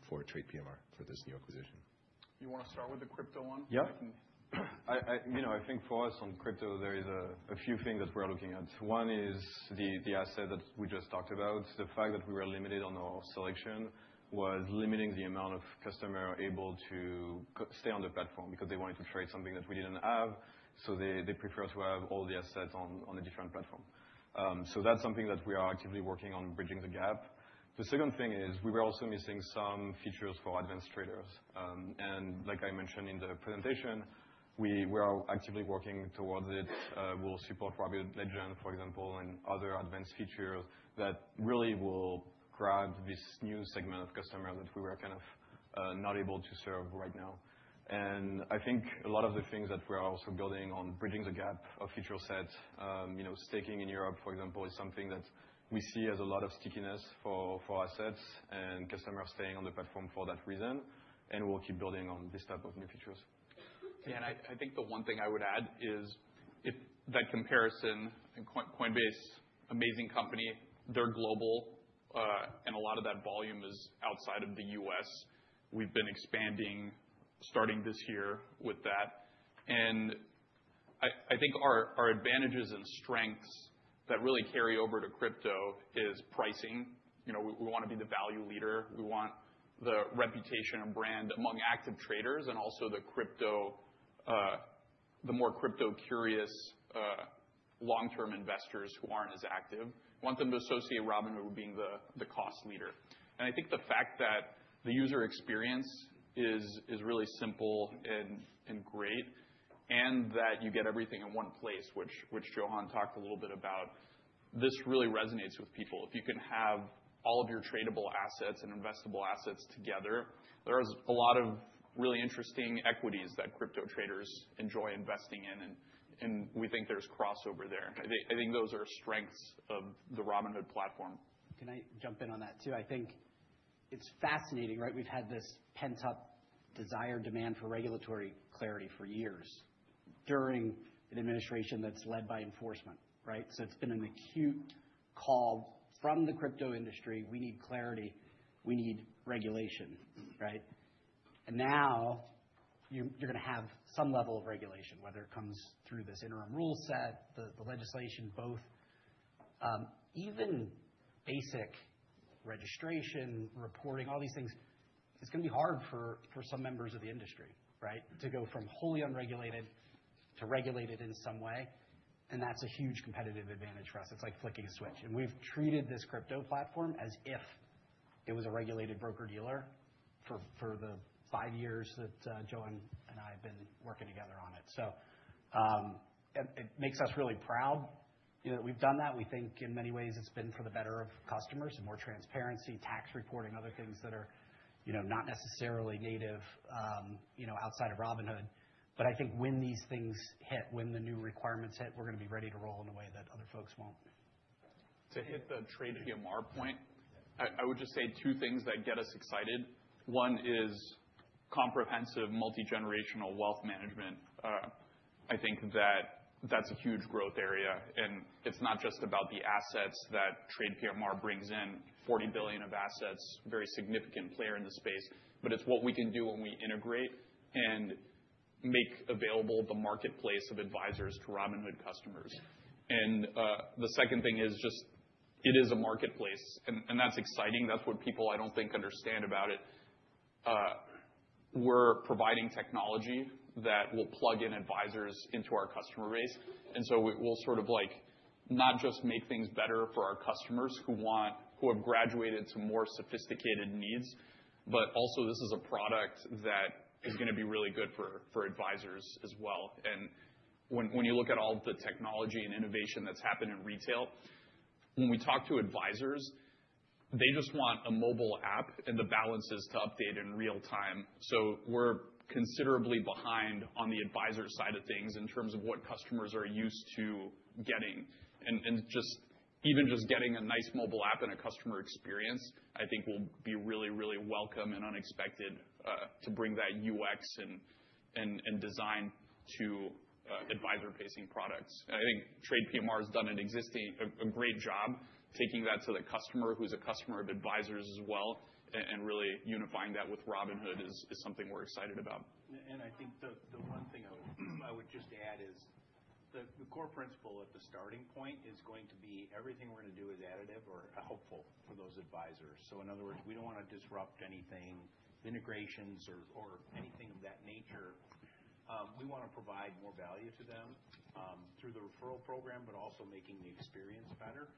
for TradePMR for this new acquisition. You want to start with the crypto one? Yeah. I think for us on crypto, there are a few things that we're looking at. One is the asset that we just talked about. The fact that we were limited on our selection was limiting the amount of customers able to stay on the platform because they wanted to trade something that we didn't have. So they prefer to have all the assets on a different platform. So that's something that we are actively working on, bridging the gap. The second thing is we were also missing some features for advanced traders. And like I mentioned in the presentation, we are actively working towards it. We'll support Robinhood Legend, for example, and other advanced features that really will grab this new segment of customers that we were kind of not able to serve right now. I think a lot of the things that we are also building on bridging the gap of feature sets, staking in Europe, for example, is something that we see as a lot of stickiness for assets and customers staying on the platform for that reason. And we'll keep building on this type of new features. Yeah. And I think the one thing I would add is that comparison: Coinbase, amazing company. They're global, and a lot of that volume is outside of the U.S. We've been expanding starting this year with that. And I think our advantages and strengths that really carry over to crypto is pricing. We want to be the value leader. We want the reputation and brand among active traders and also the more crypto-curious long-term investors who aren't as active. We want them to associate Robinhood with being the cost leader. And I think the fact that the user experience is really simple and great and that you get everything in one place, which Johann talked a little bit about, this really resonates with people. If you can have all of your tradable assets and investable assets together, there are a lot of really interesting equities that crypto traders enjoy investing in, and we think there's crossover there. I think those are strengths of the Robinhood platform. Can I jump in on that too? I think it's fascinating, right? We've had this pent-up desire, demand for regulatory clarity for years during an administration that's led by enforcement, right? So it's been an acute call from the crypto industry, "We need clarity. We need regulation," right? And now you're going to have some level of regulation, whether it comes through this interim rule set, the legislation, both even basic registration, reporting, all these things. It's going to be hard for some members of the industry, right, to go from wholly unregulated to regulated in some way. And that's a huge competitive advantage for us. It's like flicking a switch. And we've treated this crypto platform as if it was a regulated broker-dealer for the five years that Johann and I have been working together on it. So it makes us really proud that we've done that. We think in many ways it's been for the better of customers and more transparency, tax reporting, other things that are not necessarily native outside of Robinhood. But I think when these things hit, when the new requirements hit, we're going to be ready to roll in a way that other folks won't. To hit the TradePMR point, I would just say two things that get us excited. One is comprehensive multi-generational wealth management. I think that that's a huge growth area. And it's not just about the assets that TradePMR brings in, $40 billion of assets, very significant player in the space, but it's what we can do when we integrate and make available the marketplace of advisors to Robinhood customers. And the second thing is just it is a marketplace, and that's exciting. That's what people, I don't think, understand about it. We're providing technology that will plug in advisors into our customer base. And so we'll sort of not just make things better for our customers who have graduated to more sophisticated needs, but also this is a product that is going to be really good for advisors as well. And when you look at all the technology and innovation that's happened in retail, when we talk to advisors, they just want a mobile app and the balances to update in real time. So we're considerably behind on the advisor side of things in terms of what customers are used to getting. And even just getting a nice mobile app and a customer experience, I think, will be really, really welcome and unexpected to bring that UX and design to advisor-facing products. And I think TradePMR has done a great job taking that to the customer who's a customer of advisors as well and really unifying that with Robinhood is something we're excited about. I think the one thing I would just add is the core principle at the starting point is going to be everything we're going to do is additive or helpful for those advisors. So in other words, we don't want to disrupt anything, integrations, or anything of that nature. We want to provide more value to them through the referral program, but also making the experience better.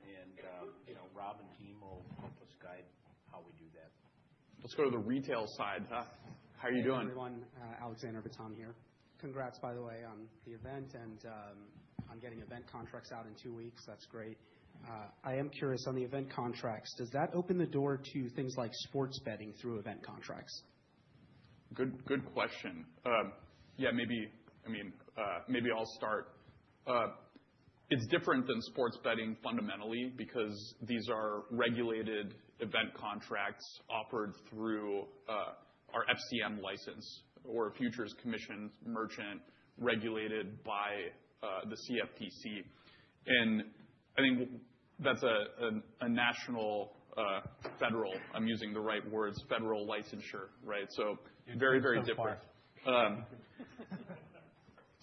Robb and team will help us guide how we do that. Let's go to the retail side, huh? How are you doing? Hey, everyone. Alexander Viton here. Congrats, by the way, on the event, and I'm getting event contracts out in two weeks. That's great. I am curious on the event contracts. Does that open the door to things like sports betting through event contracts? Good question. Yeah, I mean, maybe I'll start. It's different than sports betting fundamentally because these are regulated event contracts offered through our FCM license or Futures Commission Merchant regulated by the CFTC. And I think that's a national, federal, I'm using the right words, federal licensure, right? So very, very different.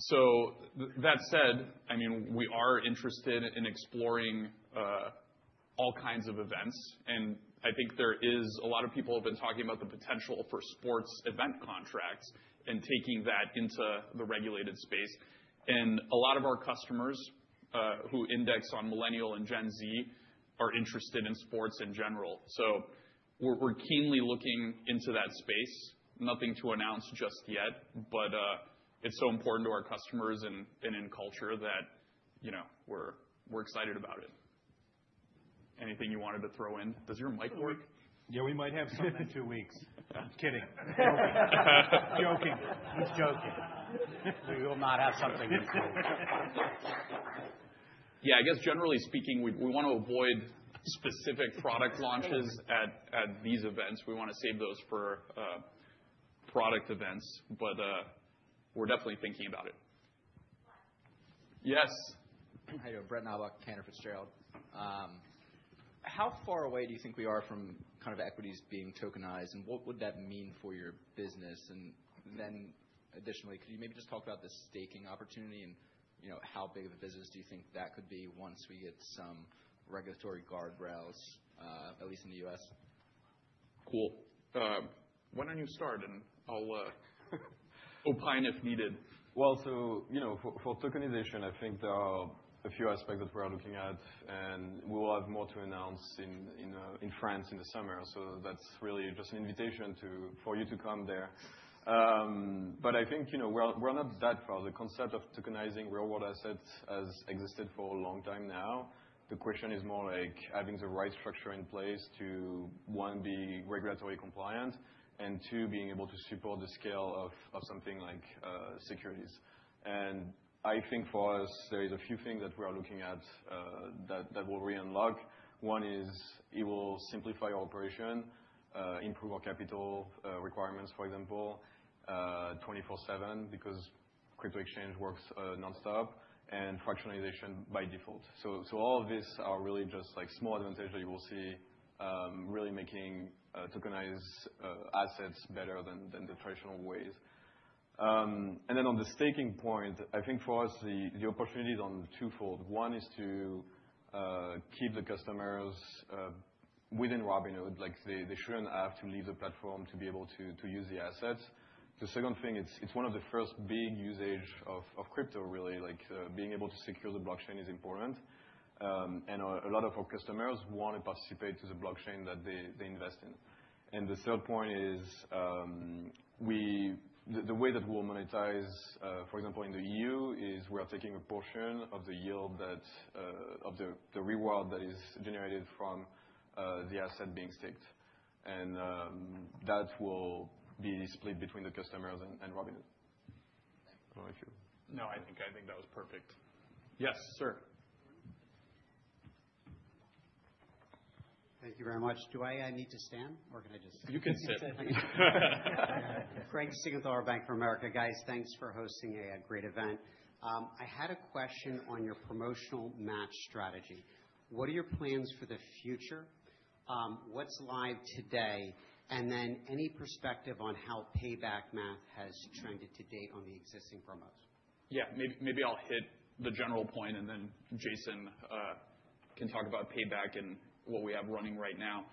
So that said, I mean, we are interested in exploring all kinds of events. And I think there is a lot of people who have been talking about the potential for sports event contracts and taking that into the regulated space. And a lot of our customers who index on Millennial and Gen Z are interested in sports in general. So we're keenly looking into that space. Nothing to announce just yet, but it's so important to our customers and in culture that we're excited about it. Anything you wanted to throw in? Does your mic work? Yeah, we might have something in two weeks. I'm kidding. Joking. He's joking. We will not have something in two weeks. Yeah. I guess generally speaking, we want to avoid specific product launches at these events. We want to save those for product events, but we're definitely thinking about it. Yes. Hi there. Brett Knoblauch, Cantor Fitzgerald. How far away do you think we are from kind of equities being tokenized? And what would that mean for your business? And then additionally, could you maybe just talk about the staking opportunity and how big of a business do you think that could be once we get some regulatory guardrails, at least in the U.S.? Cool. When I need to start, and I'll opine if needed. Well, so for tokenization, I think there are a few aspects that we're looking at, and we will have more to announce in France in the summer. So that's really just an invitation for you to come there. But I think we're not that far. The concept of tokenizing real-world assets has existed for a long time now. The question is more like having the right structure in place to, one, be regulatory compliant, and two, being able to support the scale of something like securities. And I think for us, there are a few things that we are looking at that will reunlock. One is it will simplify our operation, improve our capital requirements, for example, 24/7, because crypto exchange works nonstop, and fractionalization by default. So all of these are really just small advantages that you will see really making tokenized assets better than the traditional ways. On the staking point, I think for us, the opportunity is twofold. One is to keep the customers within Robinhood. They shouldn't have to leave the platform to be able to use the assets. The second thing, it's one of the first big usages of crypto, really. Being able to secure the blockchain is important. And a lot of our customers want to participate in the blockchain that they invest in. And the third point is the way that we'll monetize, for example, in the EU, is we are taking a portion of the yield that of the reward that is generated from the asset being staked. And that will be split between the customers and Robinhood. Thank you. No, I think that was perfect. Yes, sir. Thank you very much. Do I need to stand, or can I just? You can sit. Craig Siegenthaler of Bank of America. Guys, thanks for hosting a great event. I had a question on your promotional match strategy. What are your plans for the future? What's live today? And then any perspective on how payback math has trended to date on the existing promos? Yeah. Maybe I'll hit the general point, and then Jason can talk about payback and what we have running right now.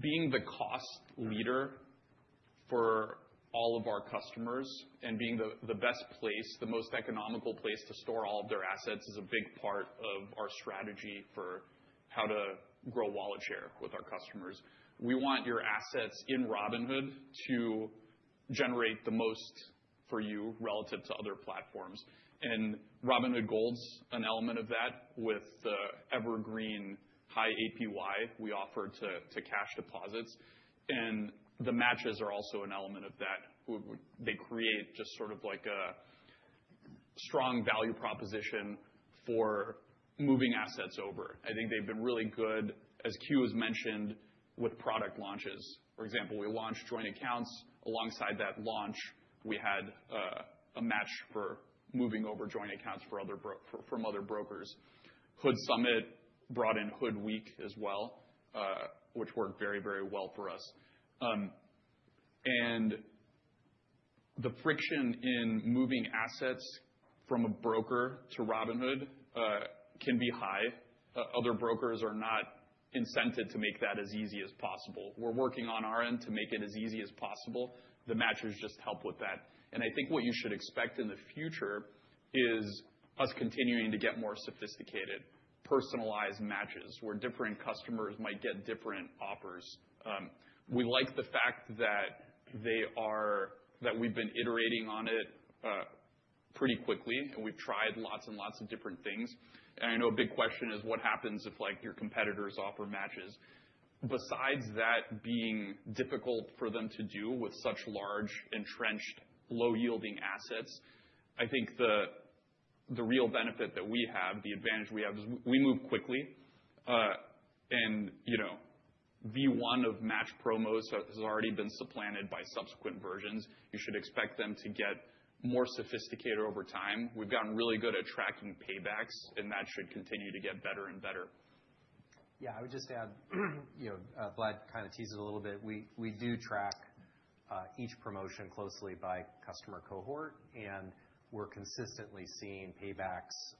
Being the cost leader for all of our customers and being the best place, the most economical place to store all of their assets is a big part of our strategy for how to grow wallet share with our customers. We want your assets in Robinhood to generate the most for you relative to other platforms. Robinhood Gold's an element of that with the evergreen high APY we offer to cash deposits. The matches are also an element of that. They create just sort of like a strong value proposition for moving assets over. I think they've been really good, as Q has mentioned, with product launches. For example, we launched joint accounts. Alongside that launch, we had a match for moving over joint accounts from other brokers. HOOD Summit brought in Hood Week as well, which worked very, very well for us. And the friction in moving assets from a broker to Robinhood can be high. Other brokers are not incented to make that as easy as possible. We're working on our end to make it as easy as possible. The matches just help with that. And I think what you should expect in the future is us continuing to get more sophisticated, personalized matches where different customers might get different offers. We like the fact that we've been iterating on it pretty quickly, and we've tried lots and lots of different things. And I know a big question is what happens if your competitors offer matches. Besides that being difficult for them to do with such large, entrenched, low-yielding assets, I think the real benefit that we have, the advantage we have, is we move quickly, and V1 of match promos has already been supplanted by subsequent versions. You should expect them to get more sophisticated over time. We've gotten really good at tracking paybacks, and that should continue to get better and better. Yeah, I would just add, Vlad kind of teased it a little bit. We do track each promotion closely by customer cohort, and we're consistently seeing paybacks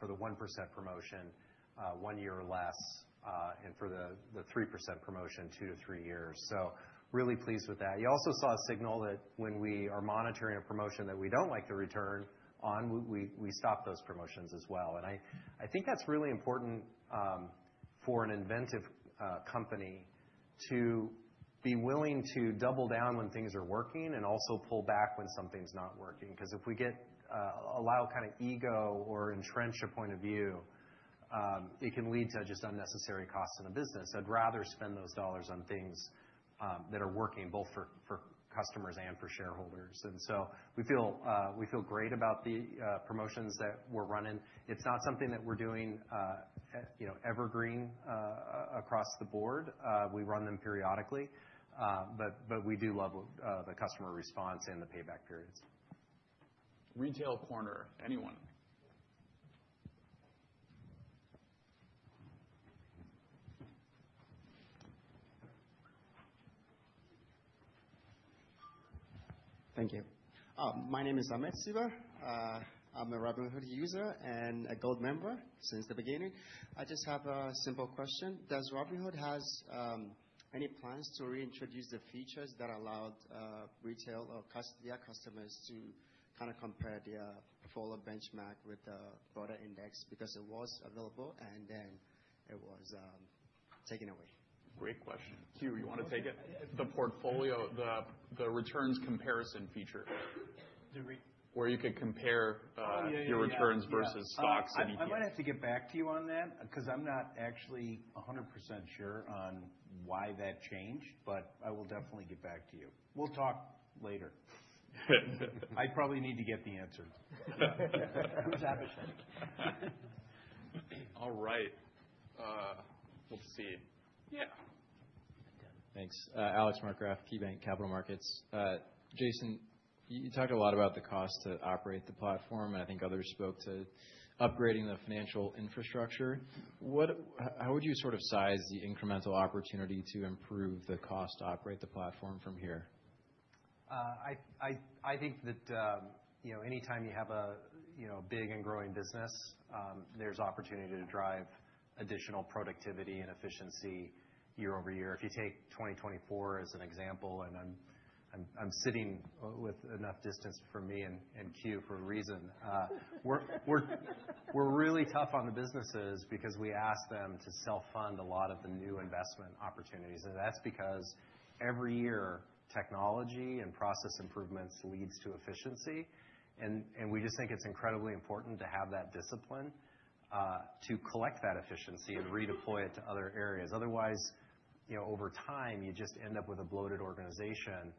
for the 1% promotion one year or less and for the 3% promotion two to three years. So really pleased with that. You also saw a signal that when we are monitoring a promotion that we don't like the return on, we stop those promotions as well. And I think that's really important for an inventive company to be willing to double down when things are working and also pull back when something's not working. Because if we allow kind of ego or entrench a point of view, it can lead to just unnecessary costs in a business. I'd rather spend those dollars on things that are working both for customers and for shareholders. And so we feel great about the promotions that we're running. It's not something that we're doing evergreen across the board. We run them periodically, but we do love the customer response and the payback periods. Retail corner. Anyone. Thank you. My name isAhmed Silva. I'm a Robinhood user and a Gold member since the beginning. I just have a simple question. Does Robinhood have any plans to reintroduce the features that allowed retail or their customers to kind of compare their portfolio benchmark with the broader index because it was available and then it was taken away? Great question. Quirk, you want to take it? The portfolio, the returns comparison feature. Where you could compare your returns versus stocks and ETFs. I might have to get back to you on that because I'm not actually 100% sure on why that changed, but I will definitely get back to you. We'll talk later. I probably need to get the answer. Who's Abhishek? All right. Let's see. Yeah. Thanks. Alex Markgraff, KeyBanc Capital Markets. Jason, you talked a lot about the cost to operate the platform, and I think others spoke to upgrading the financial infrastructure. How would you sort of size the incremental opportunity to improve the cost to operate the platform from here? I think that anytime you have a big and growing business, there's opportunity to drive additional productivity and efficiency year over year. If you take 2024 as an example, and I'm sitting with enough distance from me and Q for a reason, we're really tough on the businesses because we ask them to self-fund a lot of the new investment opportunities, and that's because every year, technology and process improvements lead to efficiency, and we just think it's incredibly important to have that discipline to collect that efficiency and redeploy it to other areas. Otherwise, over time, you just end up with a bloated organization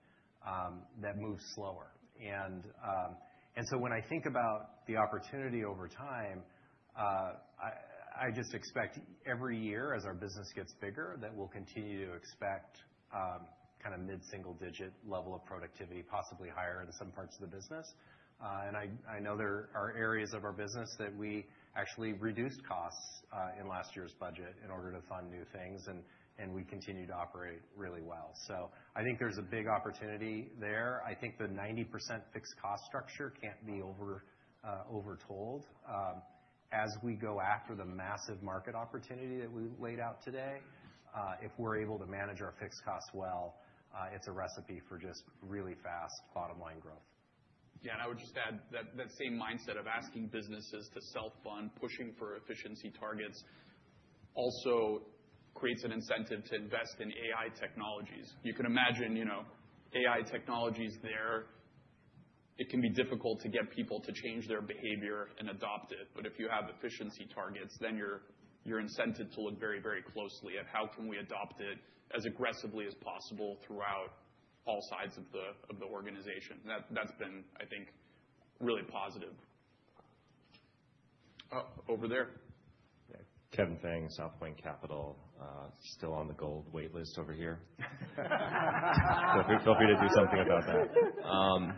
that moves slower, and so when I think about the opportunity over time, I just expect every year, as our business gets bigger, that we'll continue to expect kind of mid-single-digit level of productivity, possibly higher in some parts of the business. And I know there are areas of our business that we actually reduced costs in last year's budget in order to fund new things, and we continue to operate really well. So I think there's a big opportunity there. I think the 90% fixed cost structure can't be oversold. As we go after the massive market opportunity that we laid out today, if we're able to manage our fixed costs well, it's a recipe for just really fast bottom-line growth. Yeah, and I would just add that same mindset of asking businesses to self-fund, pushing for efficiency targets also creates an incentive to invest in AI technologies. You can imagine AI technologies there. It can be difficult to get people to change their behavior and adopt it. But if you have efficiency targets, then you're incented to look very, very closely at how can we adopt it as aggressively as possible throughout all sides of the organization. That's been, I think, really positive. Over there. Kevin Fang, Southpoint Capital. Still on the Gold waitlist over here. Feel free to do something about that.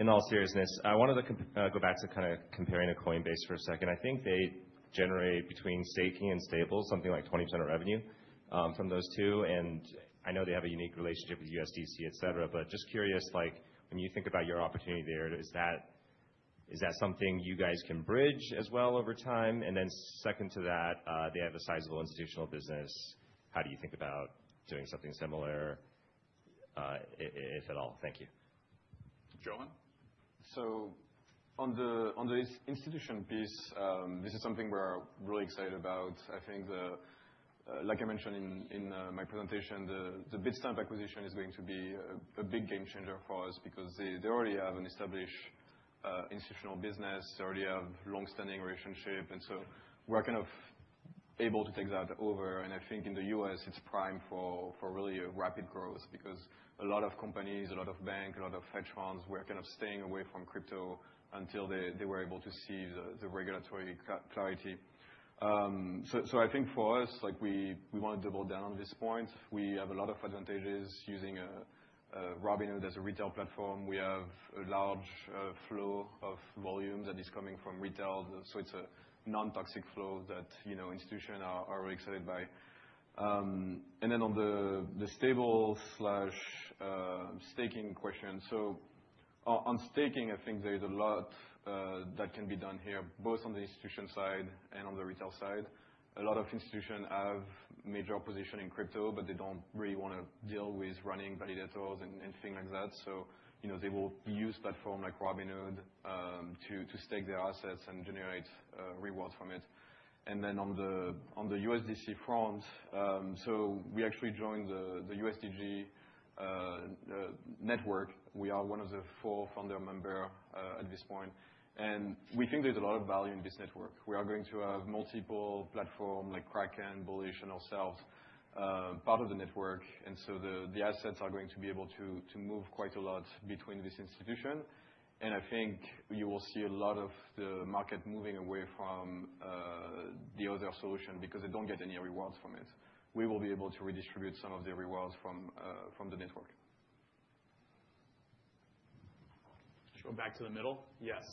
In all seriousness, I wanted to go back to kind of comparing to Coinbase for a second. I think they generate between staking and stables something like 20% of revenue from those two. And I know they have a unique relationship with USDC, etc., but just curious, when you think about your opportunity there, is that something you guys can bridge as well over time? And then second to that, they have a sizable institutional business. How do you think about doing something similar, if at all? Thank you. Johann? On the institutional piece, this is something we're really excited about. I think, like I mentioned in my presentation, the Bitstamp acquisition is going to be a big game changer for us because they already have an established institutional business. They already have long-standing relationships. So we're kind of able to take that over. I think in the U.S., it's prime for really rapid growth because a lot of companies, a lot of banks, a lot of hedge funds were kind of staying away from crypto until they were able to see the regulatory clarity. I think for us, we want to double down on this point. We have a lot of advantages using Robinhood as a retail platform. We have a large flow of volumes that is coming from retail. So it's a non-toxic flow that institutions are very excited by. And then on the stables and staking question, so on staking, I think there is a lot that can be done here, both on the institutional side and on the retail side. A lot of institutions have major positions in crypto, but they don't really want to deal with running validators and things like that. So they will use platforms like Robinhood to stake their assets and generate rewards from it. And then on the USDC front, so we actually joined the USDG network. We are one of the four founder members at this point. And we think there's a lot of value in this network. We are going to have multiple platforms like Kraken, Bullish, and ourselves part of the network. And so the assets are going to be able to move quite a lot between these institutions. I think you will see a lot of the market moving away from the other solution because they don't get any rewards from it. We will be able to redistribute some of the rewards from the network. Should we go back to the middle? Yes.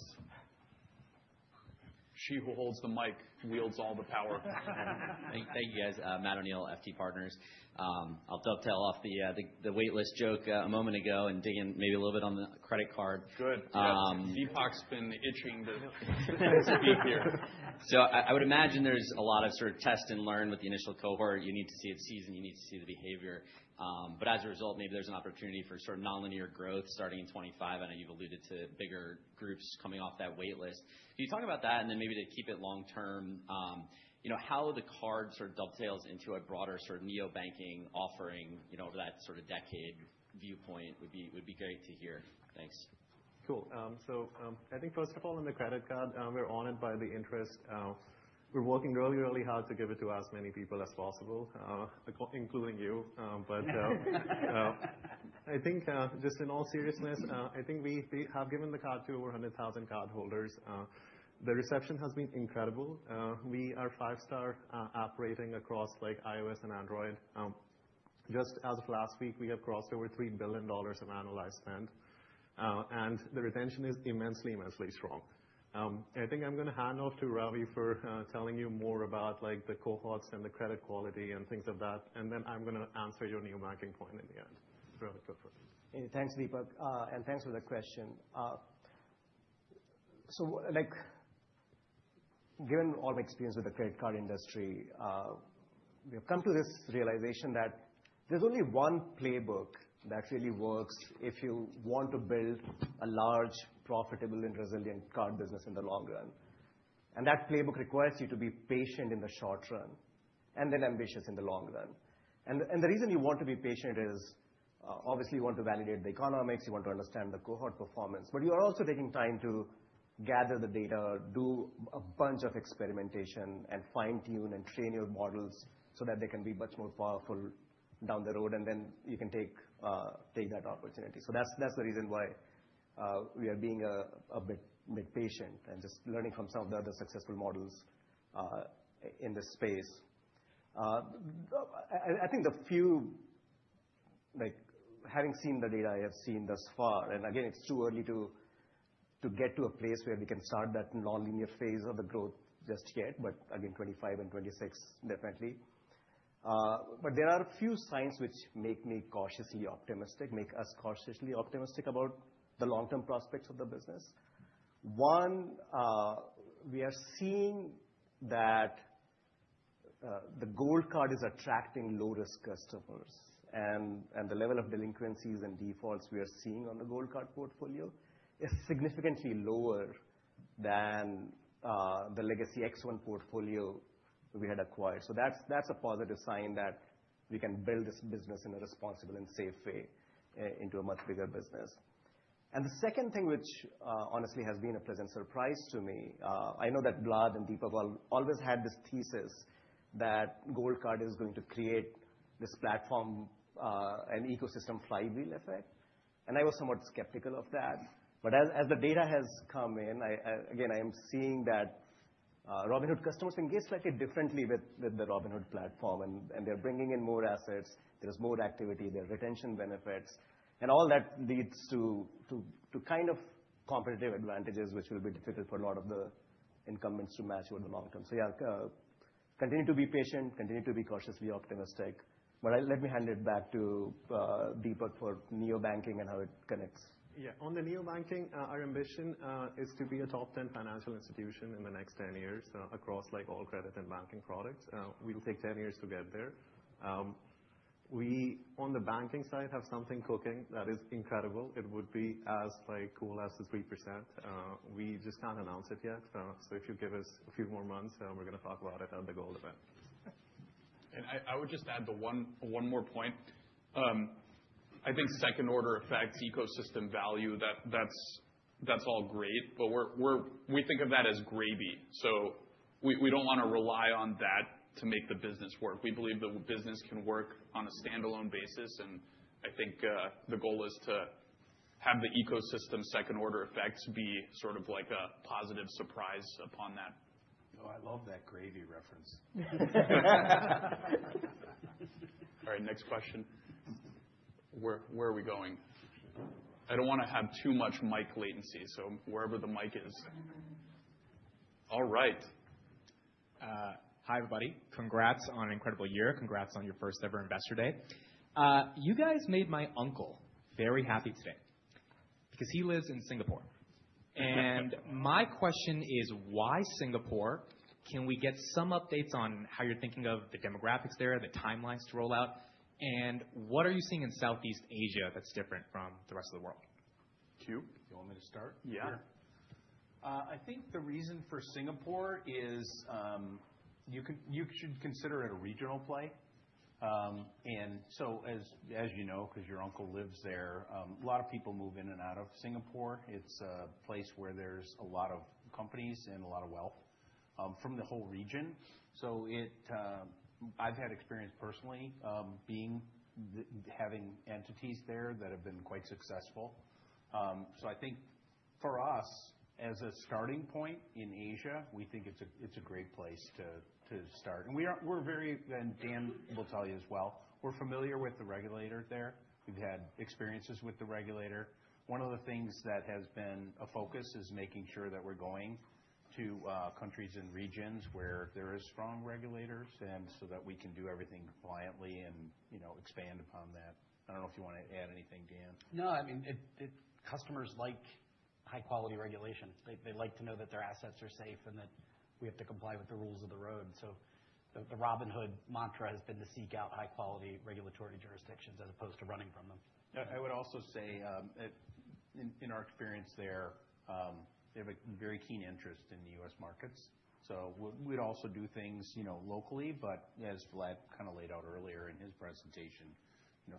She who holds the mic wields all the power. Thank you, guys. Matt O'Neill, FT Partners. I'll dovetail off the waitlist joke a moment ago and dig in maybe a little bit on the credit card. Good. Deepak has been itching to speak here. So, I would imagine there's a lot of sort of test and learn with the initial cohort. You need to see its success. You need to see the behavior. But as a result, maybe there's an opportunity for sort of nonlinear growth starting in 2025. I know you've alluded to bigger groups coming off that waitlist. Can you talk about that, and then maybe to keep it long-term? How the card sort of dovetails into a broader sort of neobanking offering over that sort of decade viewpoint would be great to hear. Thanks. Cool. So I think, first of all, on the credit card, we're honored by the interest. We're working really, really hard to give it to as many people as possible, including you. But I think, just in all seriousness, I think we have given the card to over 100,000 cardholders. The reception has been incredible. We are five-star app rating across iOS and Android. Just as of last week, we have crossed over $3 billion of annualized spend. And the retention is immensely, immensely strong. I think I'm going to hand off to Ravi for telling you more about the cohorts and the credit quality and things of that. And then I'm going to answer your new banking point in the end. It's really good for me. Thanks, Deepak And thanks for the question. So given all my experience with the credit card industry, we have come to this realization that there's only one playbook that really works if you want to build a large, profitable, and resilient card business in the long run. And that playbook requires you to be patient in the short run and then ambitious in the long run. And the reason you want to be patient is, obviously, you want to validate the economics. You want to understand the cohort performance. But you are also taking time to gather the data, do a bunch of experimentation, and fine-tune and train your models so that they can be much more powerful down the road. And then you can take that opportunity. That's the reason why we are being a bit patient and just learning from some of the other successful models in this space. I think the few, having seen the data I have seen thus far, and again, it's too early to get to a place where we can start that nonlinear phase of the growth just yet, but again, 2025 and 2026, definitely. There are a few signs which make me cautiously optimistic, make us cautiously optimistic about the long-term prospects of the business. One, we are seeing that the Gold card is attracting low-risk customers. The level of delinquencies and defaults we are seeing on the Gold card portfolio is significantly lower than the legacy X1 portfolio we had acquired. That's a positive sign that we can build this business in a responsible and safe way into a much bigger business. And the second thing, which honestly has been a pleasant surprise to me, I know that Vlad and Deepak always had this thesis that Gold card is going to create this platform and ecosystem flywheel effect. And I was somewhat skeptical of that. But as the data has come in, again, I am seeing that Robinhood customers engage slightly differently with the Robinhood platform. And they're bringing in more assets. There's more activity. There are retention benefits. And all that leads to kind of competitive advantages, which will be difficult for a lot of the incumbents to match over the long term. So yeah, continue to be patient. Continue to be cautiously optimistic. But let me hand it back to Deepak for neobanking and how it connects. Yeah. On the neobanking, our ambition is to be a top-10 financial institution in the next 10 years across all credit and banking products. We'll take 10 years to get there. We, on the banking side, have something cooking that is incredible. It would be as cool as 3%. We just can't announce it yet. So if you give us a few more months, we're going to talk about it at the Gold event. And I would just add one more point. I think second-order effects, ecosystem value, that's all great. But we think of that as gravy. So we don't want to rely on that to make the business work. We believe the business can work on a standalone basis. And I think the goal is to have the ecosystem second-order effects be sort of like a positive surprise upon that. Oh, I love that gravy reference. All right. Next question. Where are we going? I don't want to have too much mic latency, so wherever the mic is. All right. Hi, everybody. Congrats on an incredible year. Congrats on your first-ever investor day. You guys made my uncle very happy today because he lives in Singapore, and my question is, why Singapore? Can we get some updates on how you're thinking of the demographics there, the timelines to roll out, and what are you seeing in Southeast Asia that's different from the rest of the world? Qurk, do you want me to start? Yeah. I think the reason for Singapore is you should consider it a regional play. And so, as you know, because your uncle lives there, a lot of people move in and out of Singapore. It's a place where there's a lot of companies and a lot of wealth from the whole region. So I've had experience personally having entities there that have been quite successful. So I think for us, as a starting point in Asia, we think it's a great place to start. And Dan will tell you as well. We're familiar with the regulator there. We've had experiences with the regulator. One of the things that has been a focus is making sure that we're going to countries and regions where there are strong regulators so that we can do everything compliantly and expand upon that. I don't know if you want to add anything, Dan. No, I mean, customers like high-quality regulation. They like to know that their assets are safe and that we have to comply with the rules of the road. So the Robinhood mantra has been to seek out high-quality regulatory jurisdictions as opposed to running from them. I would also say, in our experience there, they have a very keen interest in the U.S. markets. So we'd also do things locally. But as Vlad kind of laid out earlier in his presentation,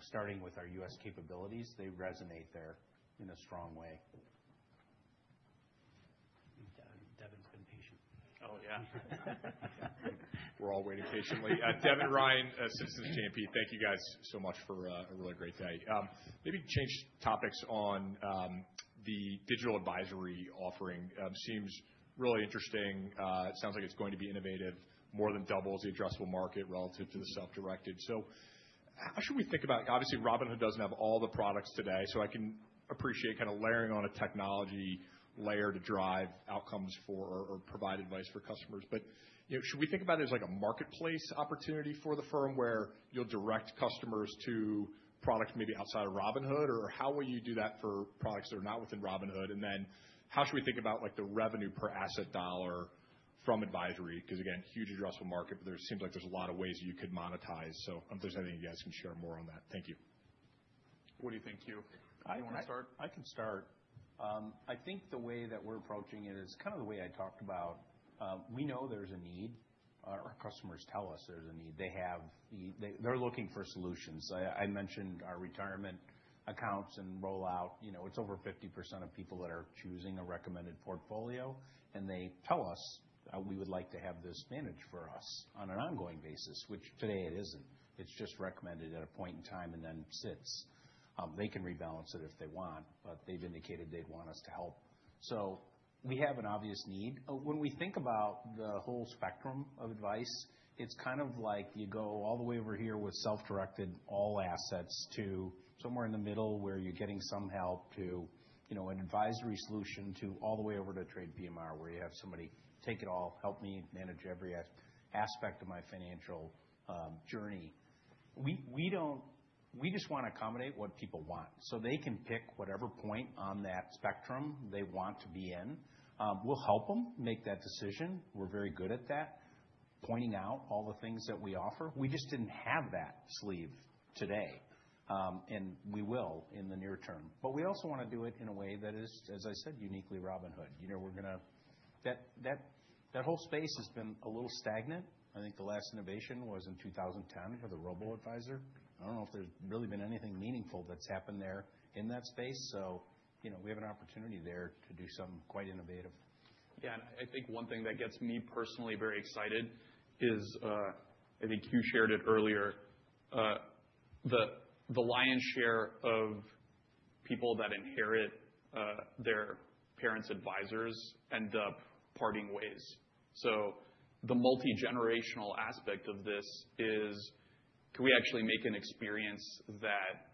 starting with our U.S. capabilities, they resonate there in a strong way. Devin's been patient. Oh, yeah. We're all waiting patiently. Devin Ryan, Citizens JMP, thank you guys so much for a really great day. Maybe change topics on the digital advisory offering. It seems really interesting. It sounds like it's going to be innovative, more than doubles the addressable market relative to the self-directed. So how should we think about it? Obviously, Robinhood doesn't have all the products today. So I can appreciate kind of layering on a technology layer to drive outcomes for or provide advice for customers. But should we think about it as a marketplace opportunity for the firm where you'll direct customers to products maybe outside of Robinhood? Or how will you do that for products that are not within Robinhood? And then how should we think about the revenue per asset dollar from advisory? Because, again, huge addressable market, but there seems like there's a lot of ways you could monetize. So if there's anything you guys can share more on that, thank you. What do you think, Q? I can start. I think the way that we're approaching it is kind of the way I talked about. We know there's a need. Our customers tell us there's a need. They're looking for solutions. I mentioned our retirement accounts and rollout. It's over 50% of people that are choosing a recommended portfolio, and they tell us, "We would like to have this managed for us on an ongoing basis," which today it isn't. It's just recommended at a point in time and then sits. They can rebalance it if they want, but they've indicated they'd want us to help, so we have an obvious need. When we think about the whole spectrum of advice, it's kind of like you go all the way over here with self-directed all assets to somewhere in the middle where you're getting some help to an advisory solution to all the way over to a TradePMR where you have somebody take it all, help me manage every aspect of my financial journey. We just want to accommodate what people want. So they can pick whatever point on that spectrum they want to be in. We'll help them make that decision. We're very good at that, pointing out all the things that we offer. We just didn't have that sleeve today. And we will in the near term. But we also want to do it in a way that is, as I said, uniquely Robinhood. That whole space has been a little stagnant. I think the last innovation was in 2010 with the robo-advisor. I don't know if there's really been anything meaningful that's happened there in that space. So we have an opportunity there to do something quite innovative. Yeah. And I think one thing that gets me personally very excited is, I think Q shared it earlier, the lion's share of people that inherit their parents' advisors end up parting ways. So the multi-generational aspect of this is, can we actually make an experience that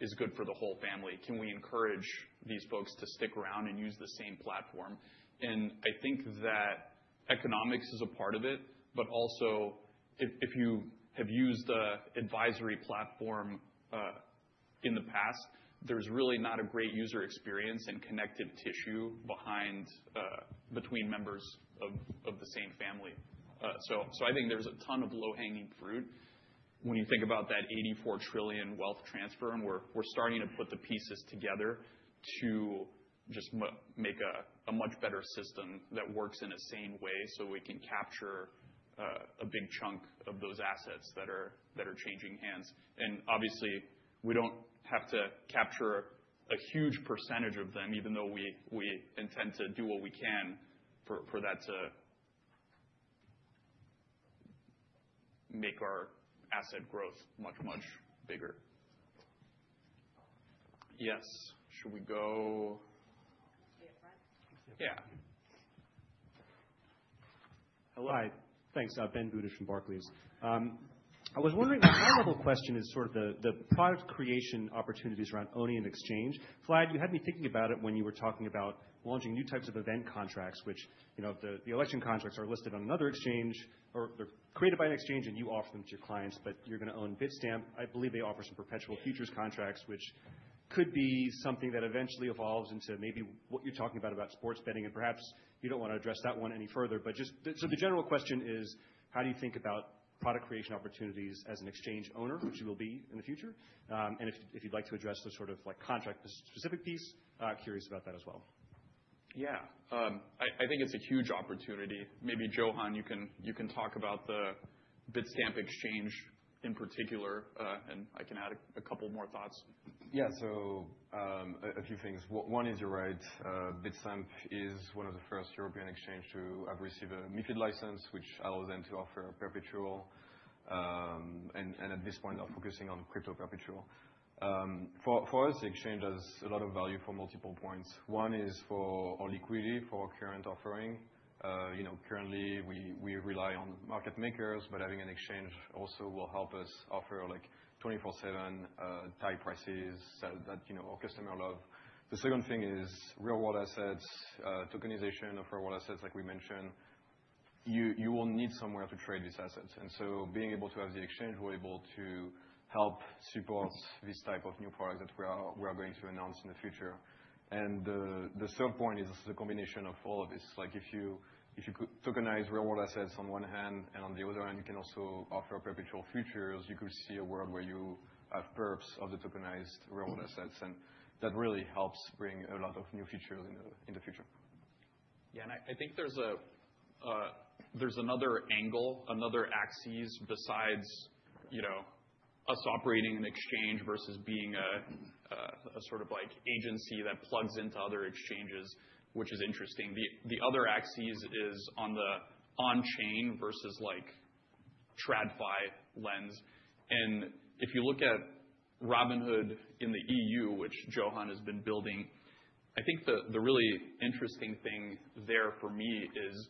is good for the whole family? Can we encourage these folks to stick around and use the same platform? And I think that economics is a part of it. But also, if you have used the advisory platform in the past, there's really not a great user experience and connective tissue between members of the same family. So I think there's a ton of low-hanging fruit when you think about that $84 trillion wealth transfer. And we're starting to put the pieces together to just make a much better system that works in a sane way so we can capture a big chunk of those assets that are changing hands. And obviously, we don't have to capture a huge percentage of them, even though we intend to do what we can for that to make our asset growth much, much bigger. Yes. Should we go? Yeah. Hello. Thanks. Ben Budish from Barclays. I was wondering, my high-level question is sort of the product creation opportunities around owning an exchange. Vlad, you had me thinking about it when you were talking about launching new types of event contracts, which the election contracts are listed on another exchange. They're created by an exchange, and you offer them to your clients. But you're going to own Bitstamp. I believe they offer some perpetual futures contracts, which could be something that eventually evolves into maybe what you're talking about sports betting. And perhaps you don't want to address that one any further. So the general question is, how do you think about product creation opportunities as an exchange owner, which you will be in the future? And if you'd like to address the sort of contract-specific piece, curious about that as well. Yeah. I think it's a huge opportunity. Maybe Johann, you can talk about the Bitstamp exchange in particular. And I can add a couple more thoughts. Yeah. So a few things. One is you're right. Bitstamp is one of the first European exchanges to have received a MiFID license, which allows them to offer perpetuals. And at this point, they're focusing on crypto perpetuals. For us, the exchange has a lot of value for multiple points. One is overall liquidity for current offerings. Currently, we rely on market makers, but having an exchange also will help us offer 24/7 tight prices that our customers love. The second thing is real-world assets, tokenization of real-world assets, like we mentioned. You will need somewhere to trade these assets. And so being able to have the exchange, we're able to help support this type of new product that we are going to announce in the future. And the third point is the combination of all of this. If you tokenize real-world assets on one hand, and on the other hand, you can also offer perpetual futures, you could see a world where you have perps of the tokenized real-world assets, and that really helps bring a lot of new features in the future. Yeah. And I think there's another angle, another axis besides us operating an exchange versus being a sort of agency that plugs into other exchanges, which is interesting. The other axis is on the on-chain versus tradfi lens. And if you look at Robinhood in the E.U., which Johann has been building, I think the really interesting thing there for me is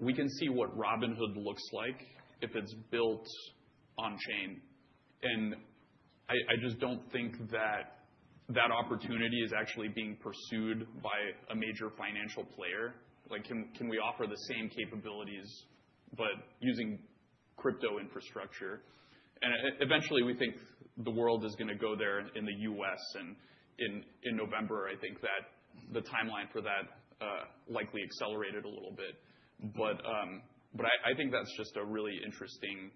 we can see what Robinhood looks like if it's built on-chain. And I just don't think that that opportunity is actually being pursued by a major financial player. Can we offer the same capabilities but using crypto infrastructure? And eventually, we think the world is going to go there in the U.S. And in November, I think that the timeline for that likely accelerated a little bit. But I think that's just a really interesting thing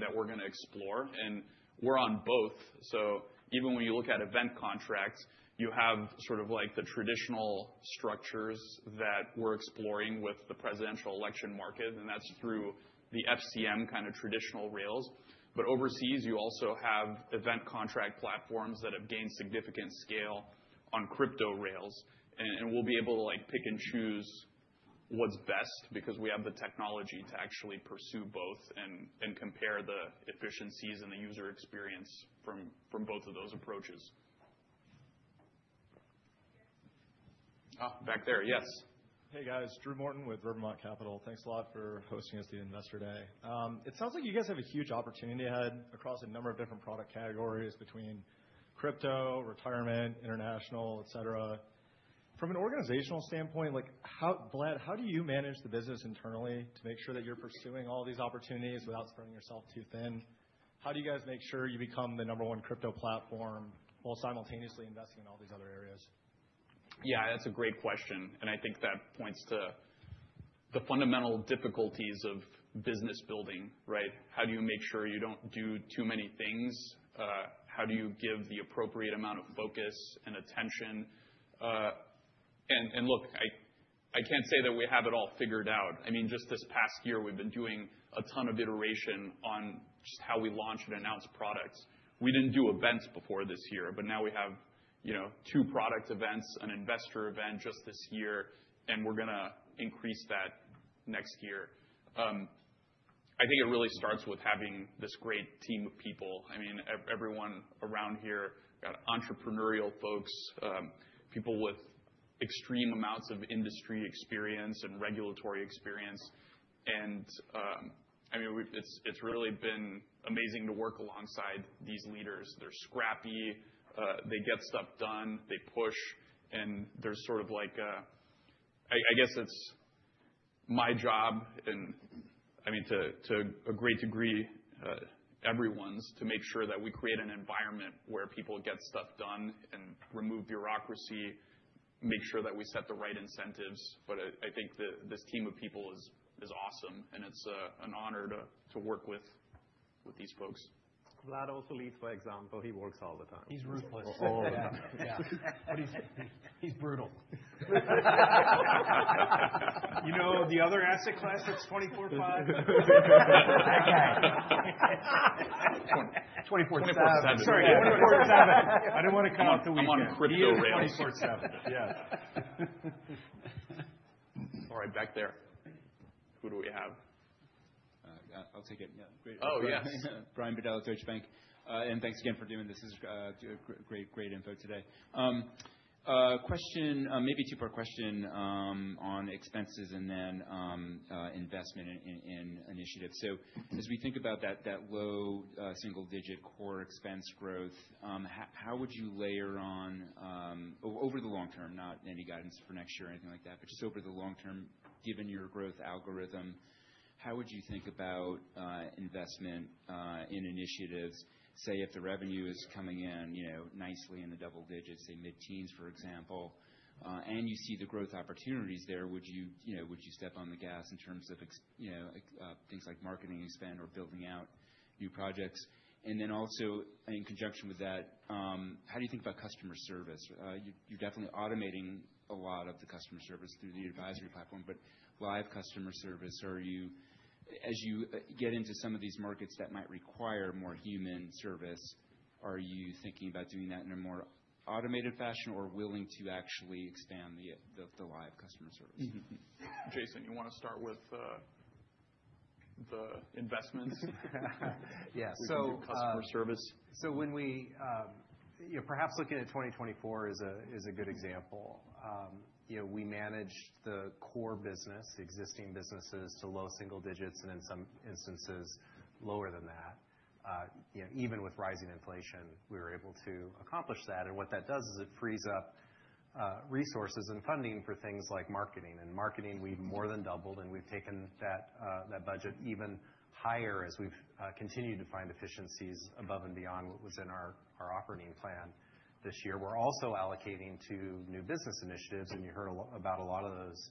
that we're going to explore. And we're on both. So even when you look at event contracts, you have sort of the traditional structures that we're exploring with the presidential election market. And that's through the FCM kind of traditional rails. But overseas, you also have event contract platforms that have gained significant scale on crypto rails. And we'll be able to pick and choose what's best because we have the technology to actually pursue both and compare the efficiencies and the user experience from both of those approaches. Oh, back there. Yes. Hey, guys. Drew Morton with Rivermont Capital. Thanks a lot for hosting us the investor day. It sounds like you guys have a huge opportunity ahead across a number of different product categories between crypto, retirement, international, etc. From an organizational standpoint, Vlad, how do you manage the business internally to make sure that you're pursuing all these opportunities without spreading yourself too thin? How do you guys make sure you become the number one crypto platform while simultaneously investing in all these other areas? Yeah. That's a great question. And I think that points to the fundamental difficulties of business building, right? How do you make sure you don't do too many things? How do you give the appropriate amount of focus and attention? And look, I can't say that we have it all figured out. I mean, just this past year, we've been doing a ton of iteration on just how we launch and announce products. We didn't do events before this year. But now we have two product events, an investor event just this year. And we're going to increase that next year. I think it really starts with having this great team of people. I mean, everyone around here got entrepreneurial folks, people with extreme amounts of industry experience and regulatory experience. And I mean, it's really been amazing to work alongside these leaders. They're scrappy. They get stuff done. They push. And there's sort of like a, I guess it's my job, and I mean, to a great degree, everyone's, to make sure that we create an environment where people get stuff done and remove bureaucracy, make sure that we set the right incentives. But I think this team of people is awesome. And it's an honor to work with these folks. Vlad also leads by example. He works all the time. He's ruthless. Oh, yeah. Yeah. But he's brutal. You know the other asset class that's 24/5? 24/7. Sorry. I didn't want to come out as weak here. I'm on crypto rails. 24/7. Yeah. All right. Back there. Who do we have? I'll take it. Yeah. Oh, yes. Brian Bedell at Deutsche Bank. And thanks again for doing this. This is great, great info today. Question, maybe a two-part question on expenses and then investment in initiatives. So as we think about that low single-digit core expense growth, how would you layer on over the long term, not any guidance for next year or anything like that, but just over the long term, given your growth algorithm, how would you think about investment in initiatives, say, if the revenue is coming in nicely in the double digits, say, mid-teens, for example, and you see the growth opportunities there, would you step on the gas in terms of things like marketing expand or building out new projects? And then also, in conjunction with that, how do you think about customer service? You're definitely automating a lot of the customer service through the advisory platform. But live customer service, as you get into some of these markets that might require more human service, are you thinking about doing that in a more automated fashion or willing to actually expand the live customer service? Jason, you want to start with the investments? Yeah. So perhaps looking at 2024 is a good example. We managed the core business, existing businesses to low single digits and in some instances lower than that. Even with rising inflation, we were able to accomplish that. And what that does is it frees up resources and funding for things like marketing. And marketing, we've more than doubled. And we've taken that budget even higher as we've continued to find efficiencies above and beyond what was in our operating plan this year. We're also allocating to new business initiatives. And you heard about a lot of those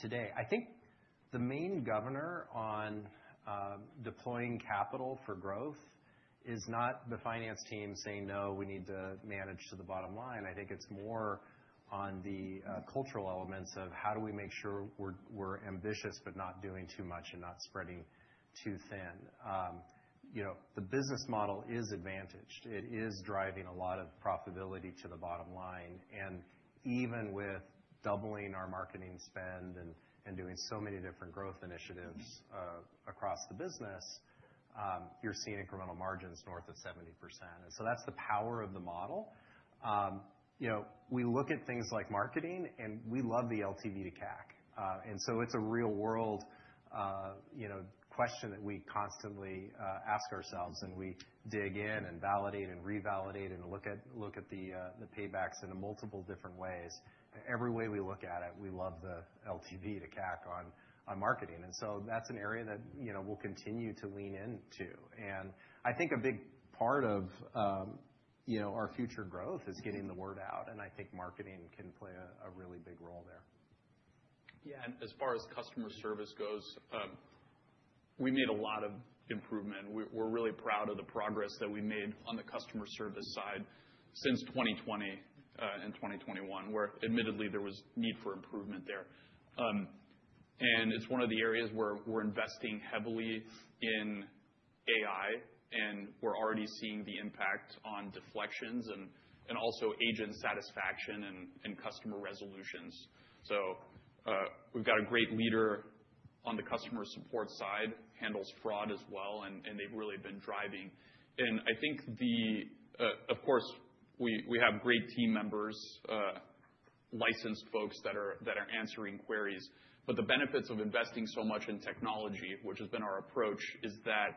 today. I think the main governor on deploying capital for growth is not the finance team saying, "No, we need to manage to the bottom line." I think it's more on the cultural elements of how do we make sure we're ambitious but not doing too much and not spreading too thin. The business model is advantaged. It is driving a lot of profitability to the bottom line, and even with doubling our marketing spend and doing so many different growth initiatives across the business, you're seeing incremental margins north of 70%. And so that's the power of the model. We look at things like marketing, and we love the LTV to CAC, and so it's a real-world question that we constantly ask ourselves, and we dig in and validate and revalidate and look at the paybacks in multiple different ways. Every way we look at it, we love the LTV to CAC on marketing, and so that's an area that we'll continue to lean into, and I think a big part of our future growth is getting the word out, and I think marketing can play a really big role there. Yeah. And as far as customer service goes, we made a lot of improvement. We're really proud of the progress that we made on the customer service side since 2020 and 2021, where admittedly, there was need for improvement there. And it's one of the areas where we're investing heavily in AI. And we're already seeing the impact on deflections and also agent satisfaction and customer resolutions. So we've got a great leader on the customer support side, handles fraud as well. And they've really been driving. And I think, of course, we have great team members, licensed folks that are answering queries. But the benefits of investing so much in technology, which has been our approach, is that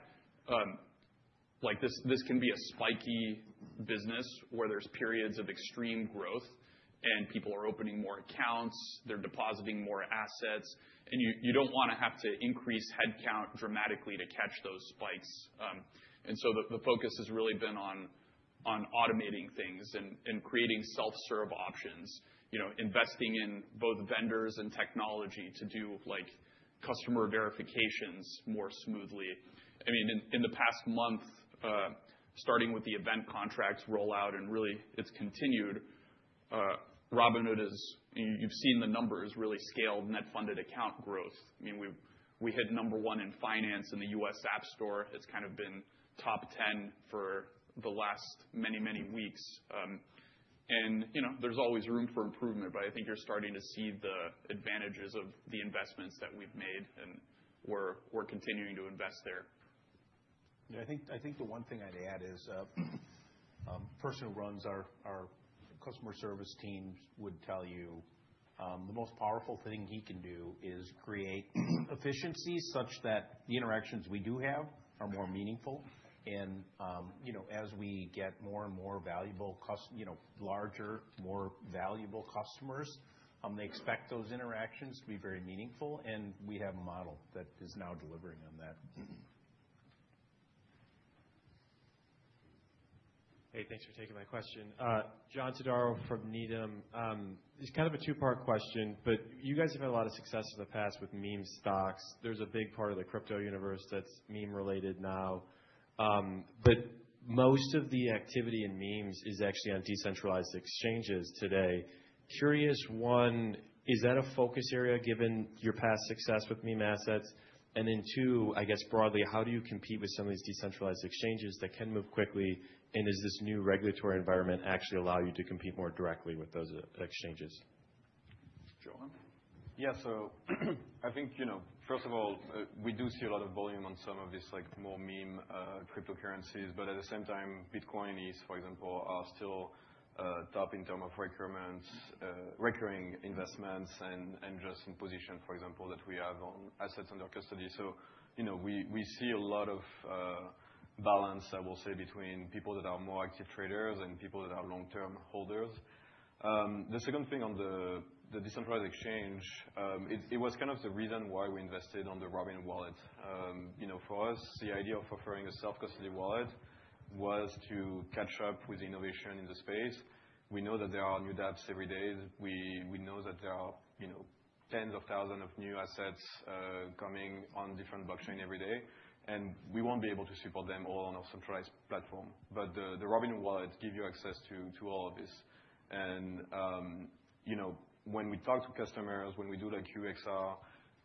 this can be a spiky business where there's periods of extreme growth. And people are opening more accounts. They're depositing more assets. And you don't want to have to increase headcount dramatically to catch those spikes. And so the focus has really been on automating things and creating self-serve options, investing in both vendors and technology to do customer verifications more smoothly. I mean, in the past month, starting with the event contracts rollout, and really, it's continued, Robinhood has, you've seen the numbers really scale net funded account growth. I mean, we hit number one in finance in the U.S. App Store. It's kind of been top 10 for the last many, many weeks. And there's always room for improvement. But I think you're starting to see the advantages of the investments that we've made. And we're continuing to invest there. Yeah. I think the one thing I'd add is a person who runs our customer service team would tell you the most powerful thing he can do is create efficiencies such that the interactions we do have are more meaningful. And as we get more and more valuable, larger, more valuable customers, they expect those interactions to be very meaningful. And we have a model that is now delivering on that. Hey, thanks for taking my question. John Todaro from Needham. It's kind of a two-part question. But you guys have had a lot of success in the past with meme stocks. There's a big part of the crypto universe that's meme-related now. But most of the activity in memes is actually on decentralized exchanges today. Curious, one, is that a focus area given your past success with meme assets? And then two, I guess broadly, how do you compete with some of these decentralized exchanges that can move quickly? And does this new regulatory environment actually allow you to compete more directly with those exchanges? Johann? Yeah. So, I think, first of all, we do see a lot of volume on some of these more meme cryptocurrencies. But at the same time, Bitcoin is, for example, still top in terms of recurring investments and just in position, for example, that we have on assets under custody. So we see a lot of balance, I will say, between people that are more active traders and people that are long-term holders. The second thing on the decentralized exchange, it was kind of the reason why we invested on the Robinhood Wallet. For us, the idea of offering a self-custody wallet was to catch up with the innovation in the space. We know that there are new dApps every day. We know that there are tens of thousands of new assets coming on different blockchains every day. We won't be able to support them all on our centralized platform. But the Robinhood Wallet gives you access to all of this. And when we talk to customers, when we do the QXR,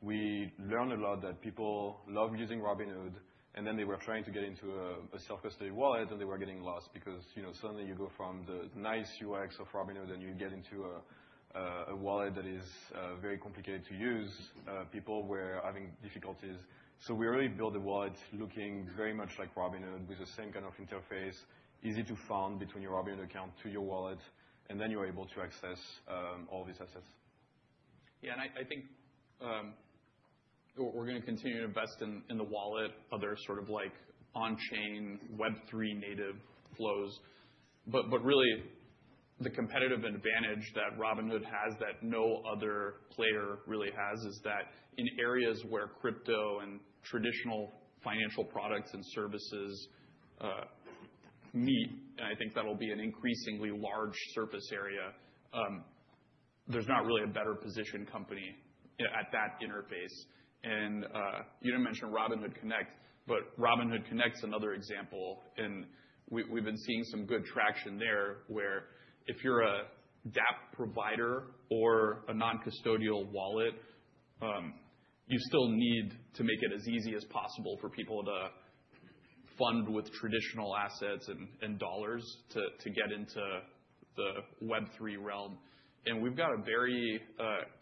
we learn a lot that people love using Robinhood. And then they were trying to get into a self-custody wallet. And they were getting lost because suddenly you go from the nice UX of Robinhood. And you get into a wallet that is very complicated to use. People were having difficulties. So we really built the wallet looking very much like Robinhood with the same kind of interface, easy to fund between your Robinhood account to your wallet. And then you're able to access all these assets. Yeah. And I think we're going to continue to invest in the wallet. Other sort of on-chain Web3 native flows. But really, the competitive advantage that Robinhood has that no other player really has is that in areas where crypto and traditional financial products and services meet, and I think that'll be an increasingly large surface area, there's not really a better-positioned company at that interface. And you didn't mention Robinhood Connect. But Robinhood Connect's another example. And we've been seeing some good traction there where if you're a dApp provider or a non-custodial wallet, you still need to make it as easy as possible for people to fund with traditional assets and dollars to get into the Web3 realm. And we've got a very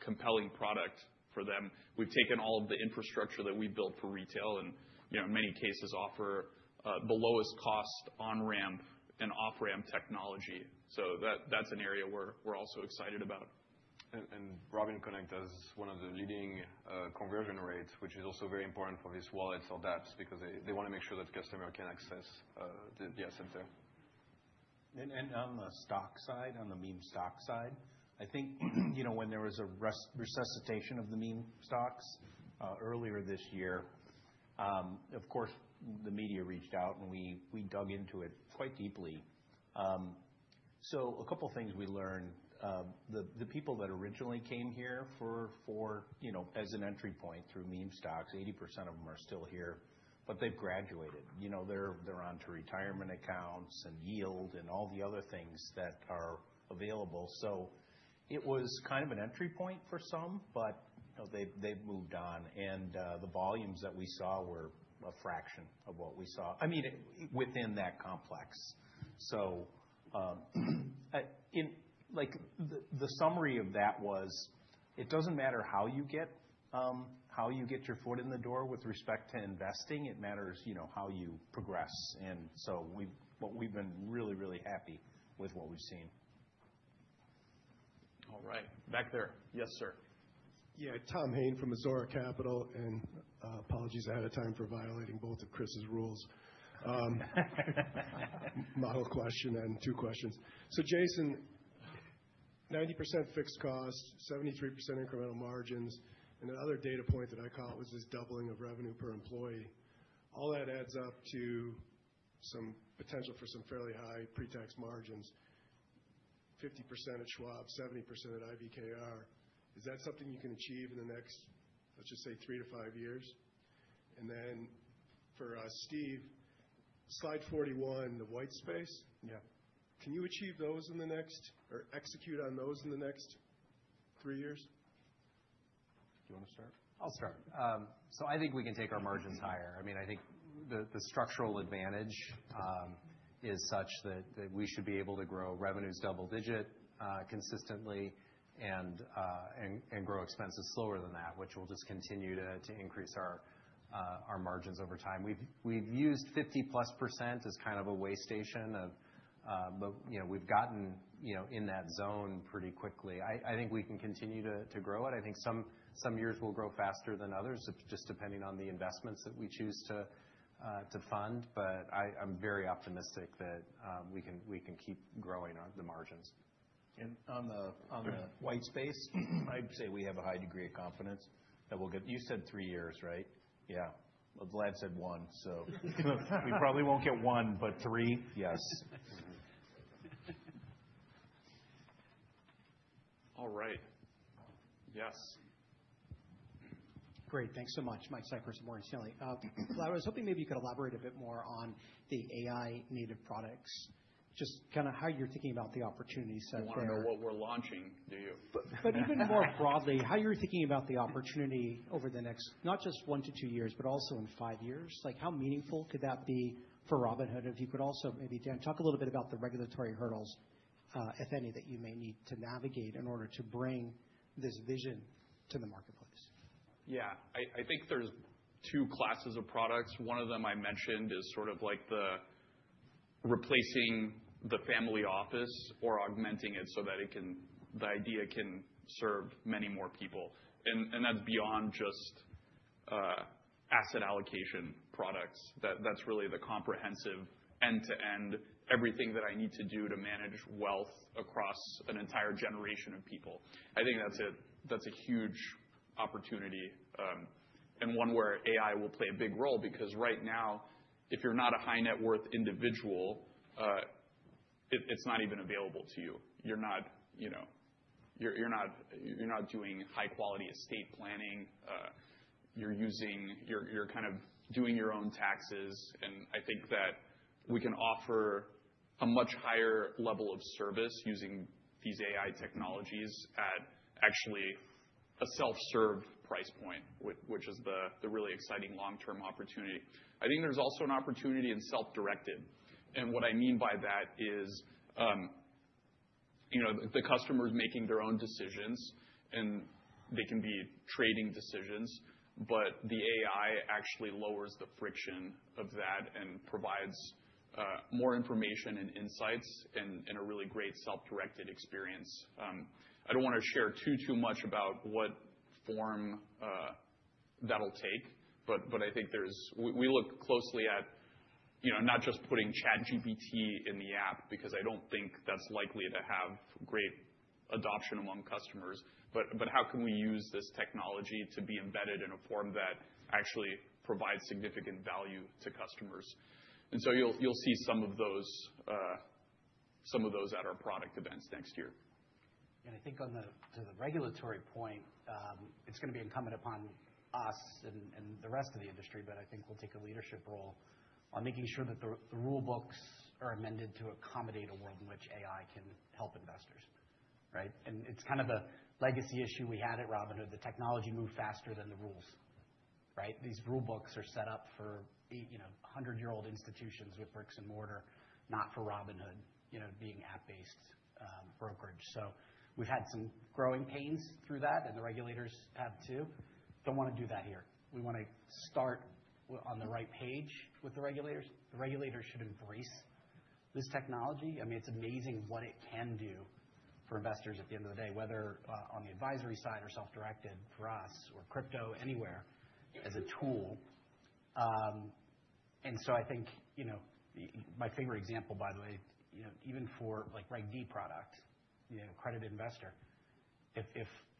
compelling product for them. We've taken all of the infrastructure that we built for retail and, in many cases, offer the lowest cost on-ramp and off-ramp technology. So that's an area we're also excited about. Robinhood Connect has one of the leading conversion rates, which is also very important for these wallets or dApps because they want to make sure that customers can access the asset there. On the stock side, on the meme stock side, I think when there was a resuscitation of the meme stocks earlier this year, of course, the media reached out. We dug into it quite deeply. A couple of things we learned. The people that originally came here as an entry point through meme stocks, 80% of them are still here, but they've graduated. They're onto retirement accounts and yield and all the other things that are available. It was kind of an entry point for some, but they've moved on. The volumes that we saw were a fraction of what we saw, I mean, within that complex. So the summary of that was it doesn't matter how you get your foot in the door with respect to investing. It matters how you progress. And so we've been really, really happy with what we've seen. All right. Back there. Yes, sir. Yeah. Tom Hayes from Azora Capital. And apologies ahead of time for violating both of Chris's rules. Model question and two questions. So Jason, 90% fixed cost, 73% incremental margins. And another data point that I caught was this doubling of revenue per employee. All that adds up to some potential for some fairly high pre-tax margins, 50% at Schwab, 70% at IBKR. Is that something you can achieve in the next, let's just say, three to five years? And then for Steve, Slide 41, the white space. Yeah. Can you achieve those in the next or execute on those in the next three years? Do you want to start? I'll start. So I think we can take our margins higher. I mean, I think the structural advantage is such that we should be able to grow revenues double-digit consistently and grow expenses slower than that, which will just continue to increase our margins over time. We've used 50+% as kind of a waystation. But we've gotten in that zone pretty quickly. I think we can continue to grow it. I think some years we'll grow faster than others, just depending on the investments that we choose to fund. But I'm very optimistic that we can keep growing the margins. On the white space, I'd say we have a high degree of confidence that we'll get. You said three years, right? Yeah. Vlad said one. So we probably won't get one, but three. Yes. All right. Yes. Great. Thanks so much, Mike Cyprys with Morgan Stanley. I was hoping maybe you could elaborate a bit more on the AI native products, just kind of how you're thinking about the opportunity set there. You want to know what we're launching, do you? But even more broadly, how you're thinking about the opportunity over the next not just one to two years, but also in five years? How meaningful could that be for Robinhood if you could also maybe then talk a little bit about the regulatory hurdles, if any, that you may need to navigate in order to bring this vision to the marketplace? Yeah. I think there's two classes of products. One of them I mentioned is sort of like replacing the family office or augmenting it so that the idea can serve many more people. And that's beyond just asset allocation products. That's really the comprehensive end-to-end, everything that I need to do to manage wealth across an entire generation of people. I think that's a huge opportunity and one where AI will play a big role. Because right now, if you're not a high-net-worth individual, it's not even available to you. You're not doing high-quality estate planning. You're kind of doing your own taxes. And I think that we can offer a much higher level of service using these AI technologies at actually a self-serve price point, which is the really exciting long-term opportunity. I think there's also an opportunity in self-directed. What I mean by that is the customer is making their own decisions. They can be trading decisions. But the AI actually lowers the friction of that and provides more information and insights and a really great self-directed experience. I don't want to share too, too much about what form that'll take. I think we look closely at not just putting ChatGPT in the app because I don't think that's likely to have great adoption among customers. How can we use this technology to be embedded in a form that actually provides significant value to customers? So you'll see some of those at our product events next year. And I think on the regulatory point, it's going to be incumbent upon us and the rest of the industry. But I think we'll take a leadership role on making sure that the rule books are amended to accommodate a world in which AI can help investors. And it's kind of a legacy issue we had at Robinhood. The technology moved faster than the rules. These rule books are set up for 100-year-old institutions with bricks and mortar, not for Robinhood being app-based brokerage. So we've had some growing pains through that. And the regulators have too. Don't want to do that here. We want to start on the right page with the regulators. The regulators should embrace this technology. I mean, it's amazing what it can do for investors at the end of the day, whether on the advisory side or self-directed for us or crypto, anywhere as a tool. And so I think my favorite example, by the way, even for like accredited product, accredited investor, if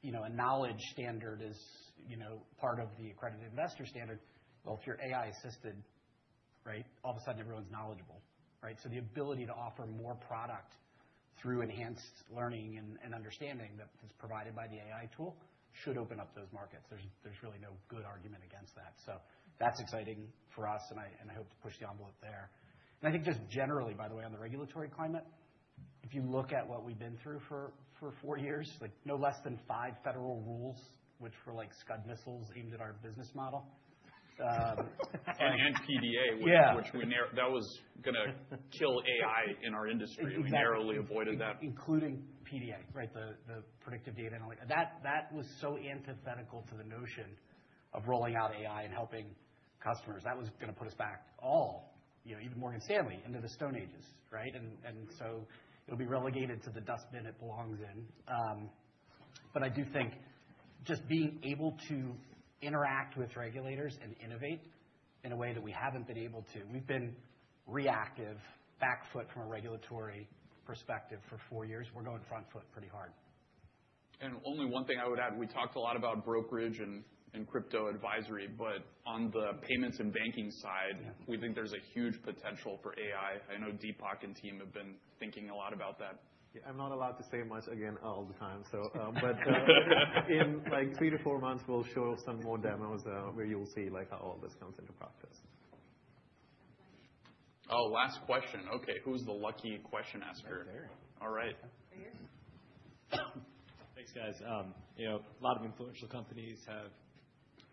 a knowledge standard is part of the accredited investor standard, well, if you're AI-assisted, all of a sudden everyone's knowledgeable. So the ability to offer more product through enhanced learning and understanding that is provided by the AI tool should open up those markets. There's really no good argument against that. So that's exciting for us. And I hope to push the envelope there. I think just generally, by the way, on the regulatory climate, if you look at what we've been through for four years, no less than five federal rules, which were like Scud missiles aimed at our business model. PDA, which was going to kill AI in our industry. We narrowly avoided that. Including PDA, the predictive data analytics. That was so antithetical to the notion of rolling out AI and helping customers. That was going to put us back all, even Morgan Stanley, into the Stone Ages. And so it'll be relegated to the dustbin it belongs in. But I do think just being able to interact with regulators and innovate in a way that we haven't been able to. We've been reactive, back foot from a regulatory perspective for four years. We're going front foot pretty hard. And only one thing I would add. We talked a lot about brokerage and crypto advisory. But on the payments and banking side, we think there's a huge potential for AI. I know Deepak and team have been thinking a lot about that. I'm not allowed to say much again all the time. But in like three to four months, we'll show some more demos where you'll see how all this comes into practice. Oh, last question. OK. Who's the lucky question asker? Right there. All right. Thanks, guys. A lot of influential companies have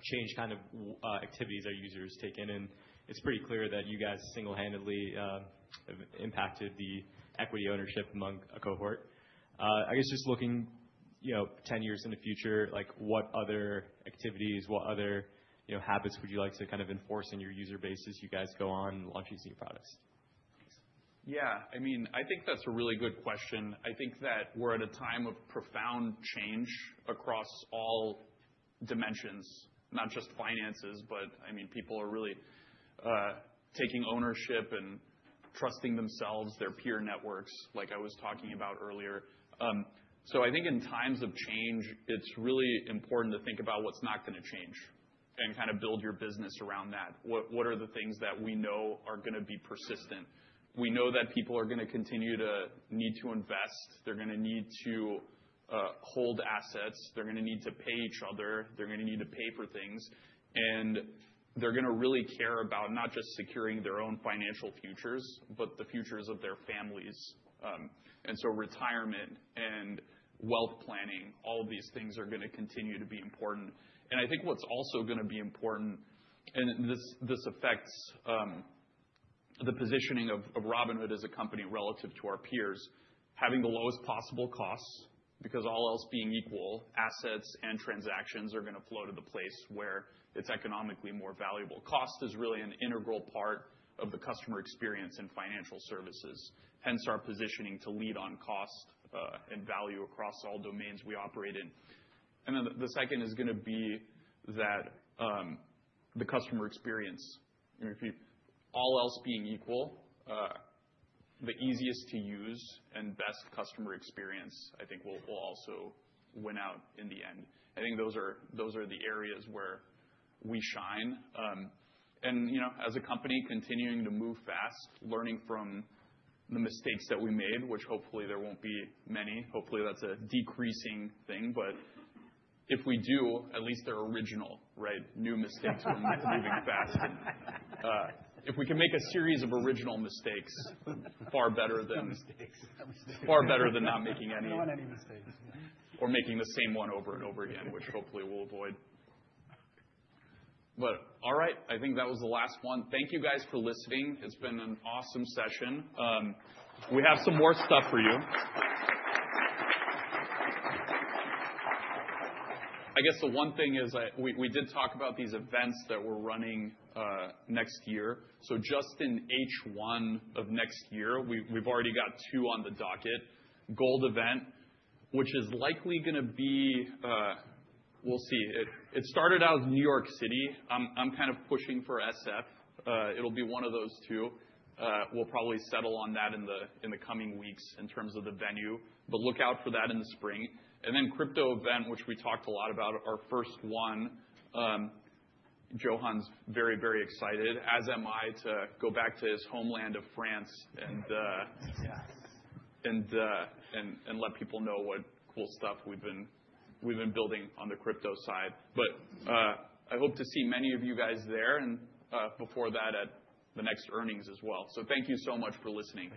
changed kind of activities that users take in. And it's pretty clear that you guys single-handedly impacted the equity ownership among a cohort. I guess just looking 10 years in the future, what other activities, what other habits would you like to kind of enforce in your user bases as you guys go on and launch these new products? Yeah. I mean, I think that's a really good question. I think that we're at a time of profound change across all dimensions, not just finances. But I mean, people are really taking ownership and trusting themselves, their peer networks, like I was talking about earlier. So I think in times of change, it's really important to think about what's not going to change and kind of build your business around that. What are the things that we know are going to be persistent? We know that people are going to continue to need to invest. They're going to need to hold assets. They're going to need to pay each other. They're going to need to pay for things. And they're going to really care about not just securing their own financial futures, but the futures of their families. And so retirement and wealth planning, all of these things are going to continue to be important. And I think what's also going to be important, and this affects the positioning of Robinhood as a company relative to our peers, having the lowest possible costs because all else being equal, assets and transactions are going to flow to the place where it's economically more valuable. Cost is really an integral part of the customer experience and financial services. Hence our positioning to lead on cost and value across all domains we operate in. And then the second is going to be that the customer experience. If all else being equal, the easiest to use and best customer experience, I think will also win out in the end. I think those are the areas where we shine. And as a company, continuing to move fast, learning from the mistakes that we made, which hopefully there won't be many. Hopefully that's a decreasing thing. But if we do, at least there are original, new mistakes from moving fast. If we can make a series of original mistakes, far better than not making any. No one any mistakes. Or making the same one over and over again, which hopefully we'll avoid. But all right. I think that was the last one. Thank you, guys, for listening. It's been an awesome session. We have some more stuff for you. I guess the one thing is we did talk about these events that we're running next year. So just in H1 of next year, we've already got two on the docket, Gold Event, which is likely going to be. We'll see. It started out in New York City. I'm kind of pushing for SF. It'll be one of those two. We'll probably settle on that in the coming weeks in terms of the venue. But look out for that in the spring. And then Crypto Event, which we talked a lot about, our first one. Johann's very, very excited, as am I, to go back to his homeland of France and let people know what cool stuff we've been building on the crypto side. But I hope to see many of you guys there and before that at the next earnings as well. So thank you so much for listening.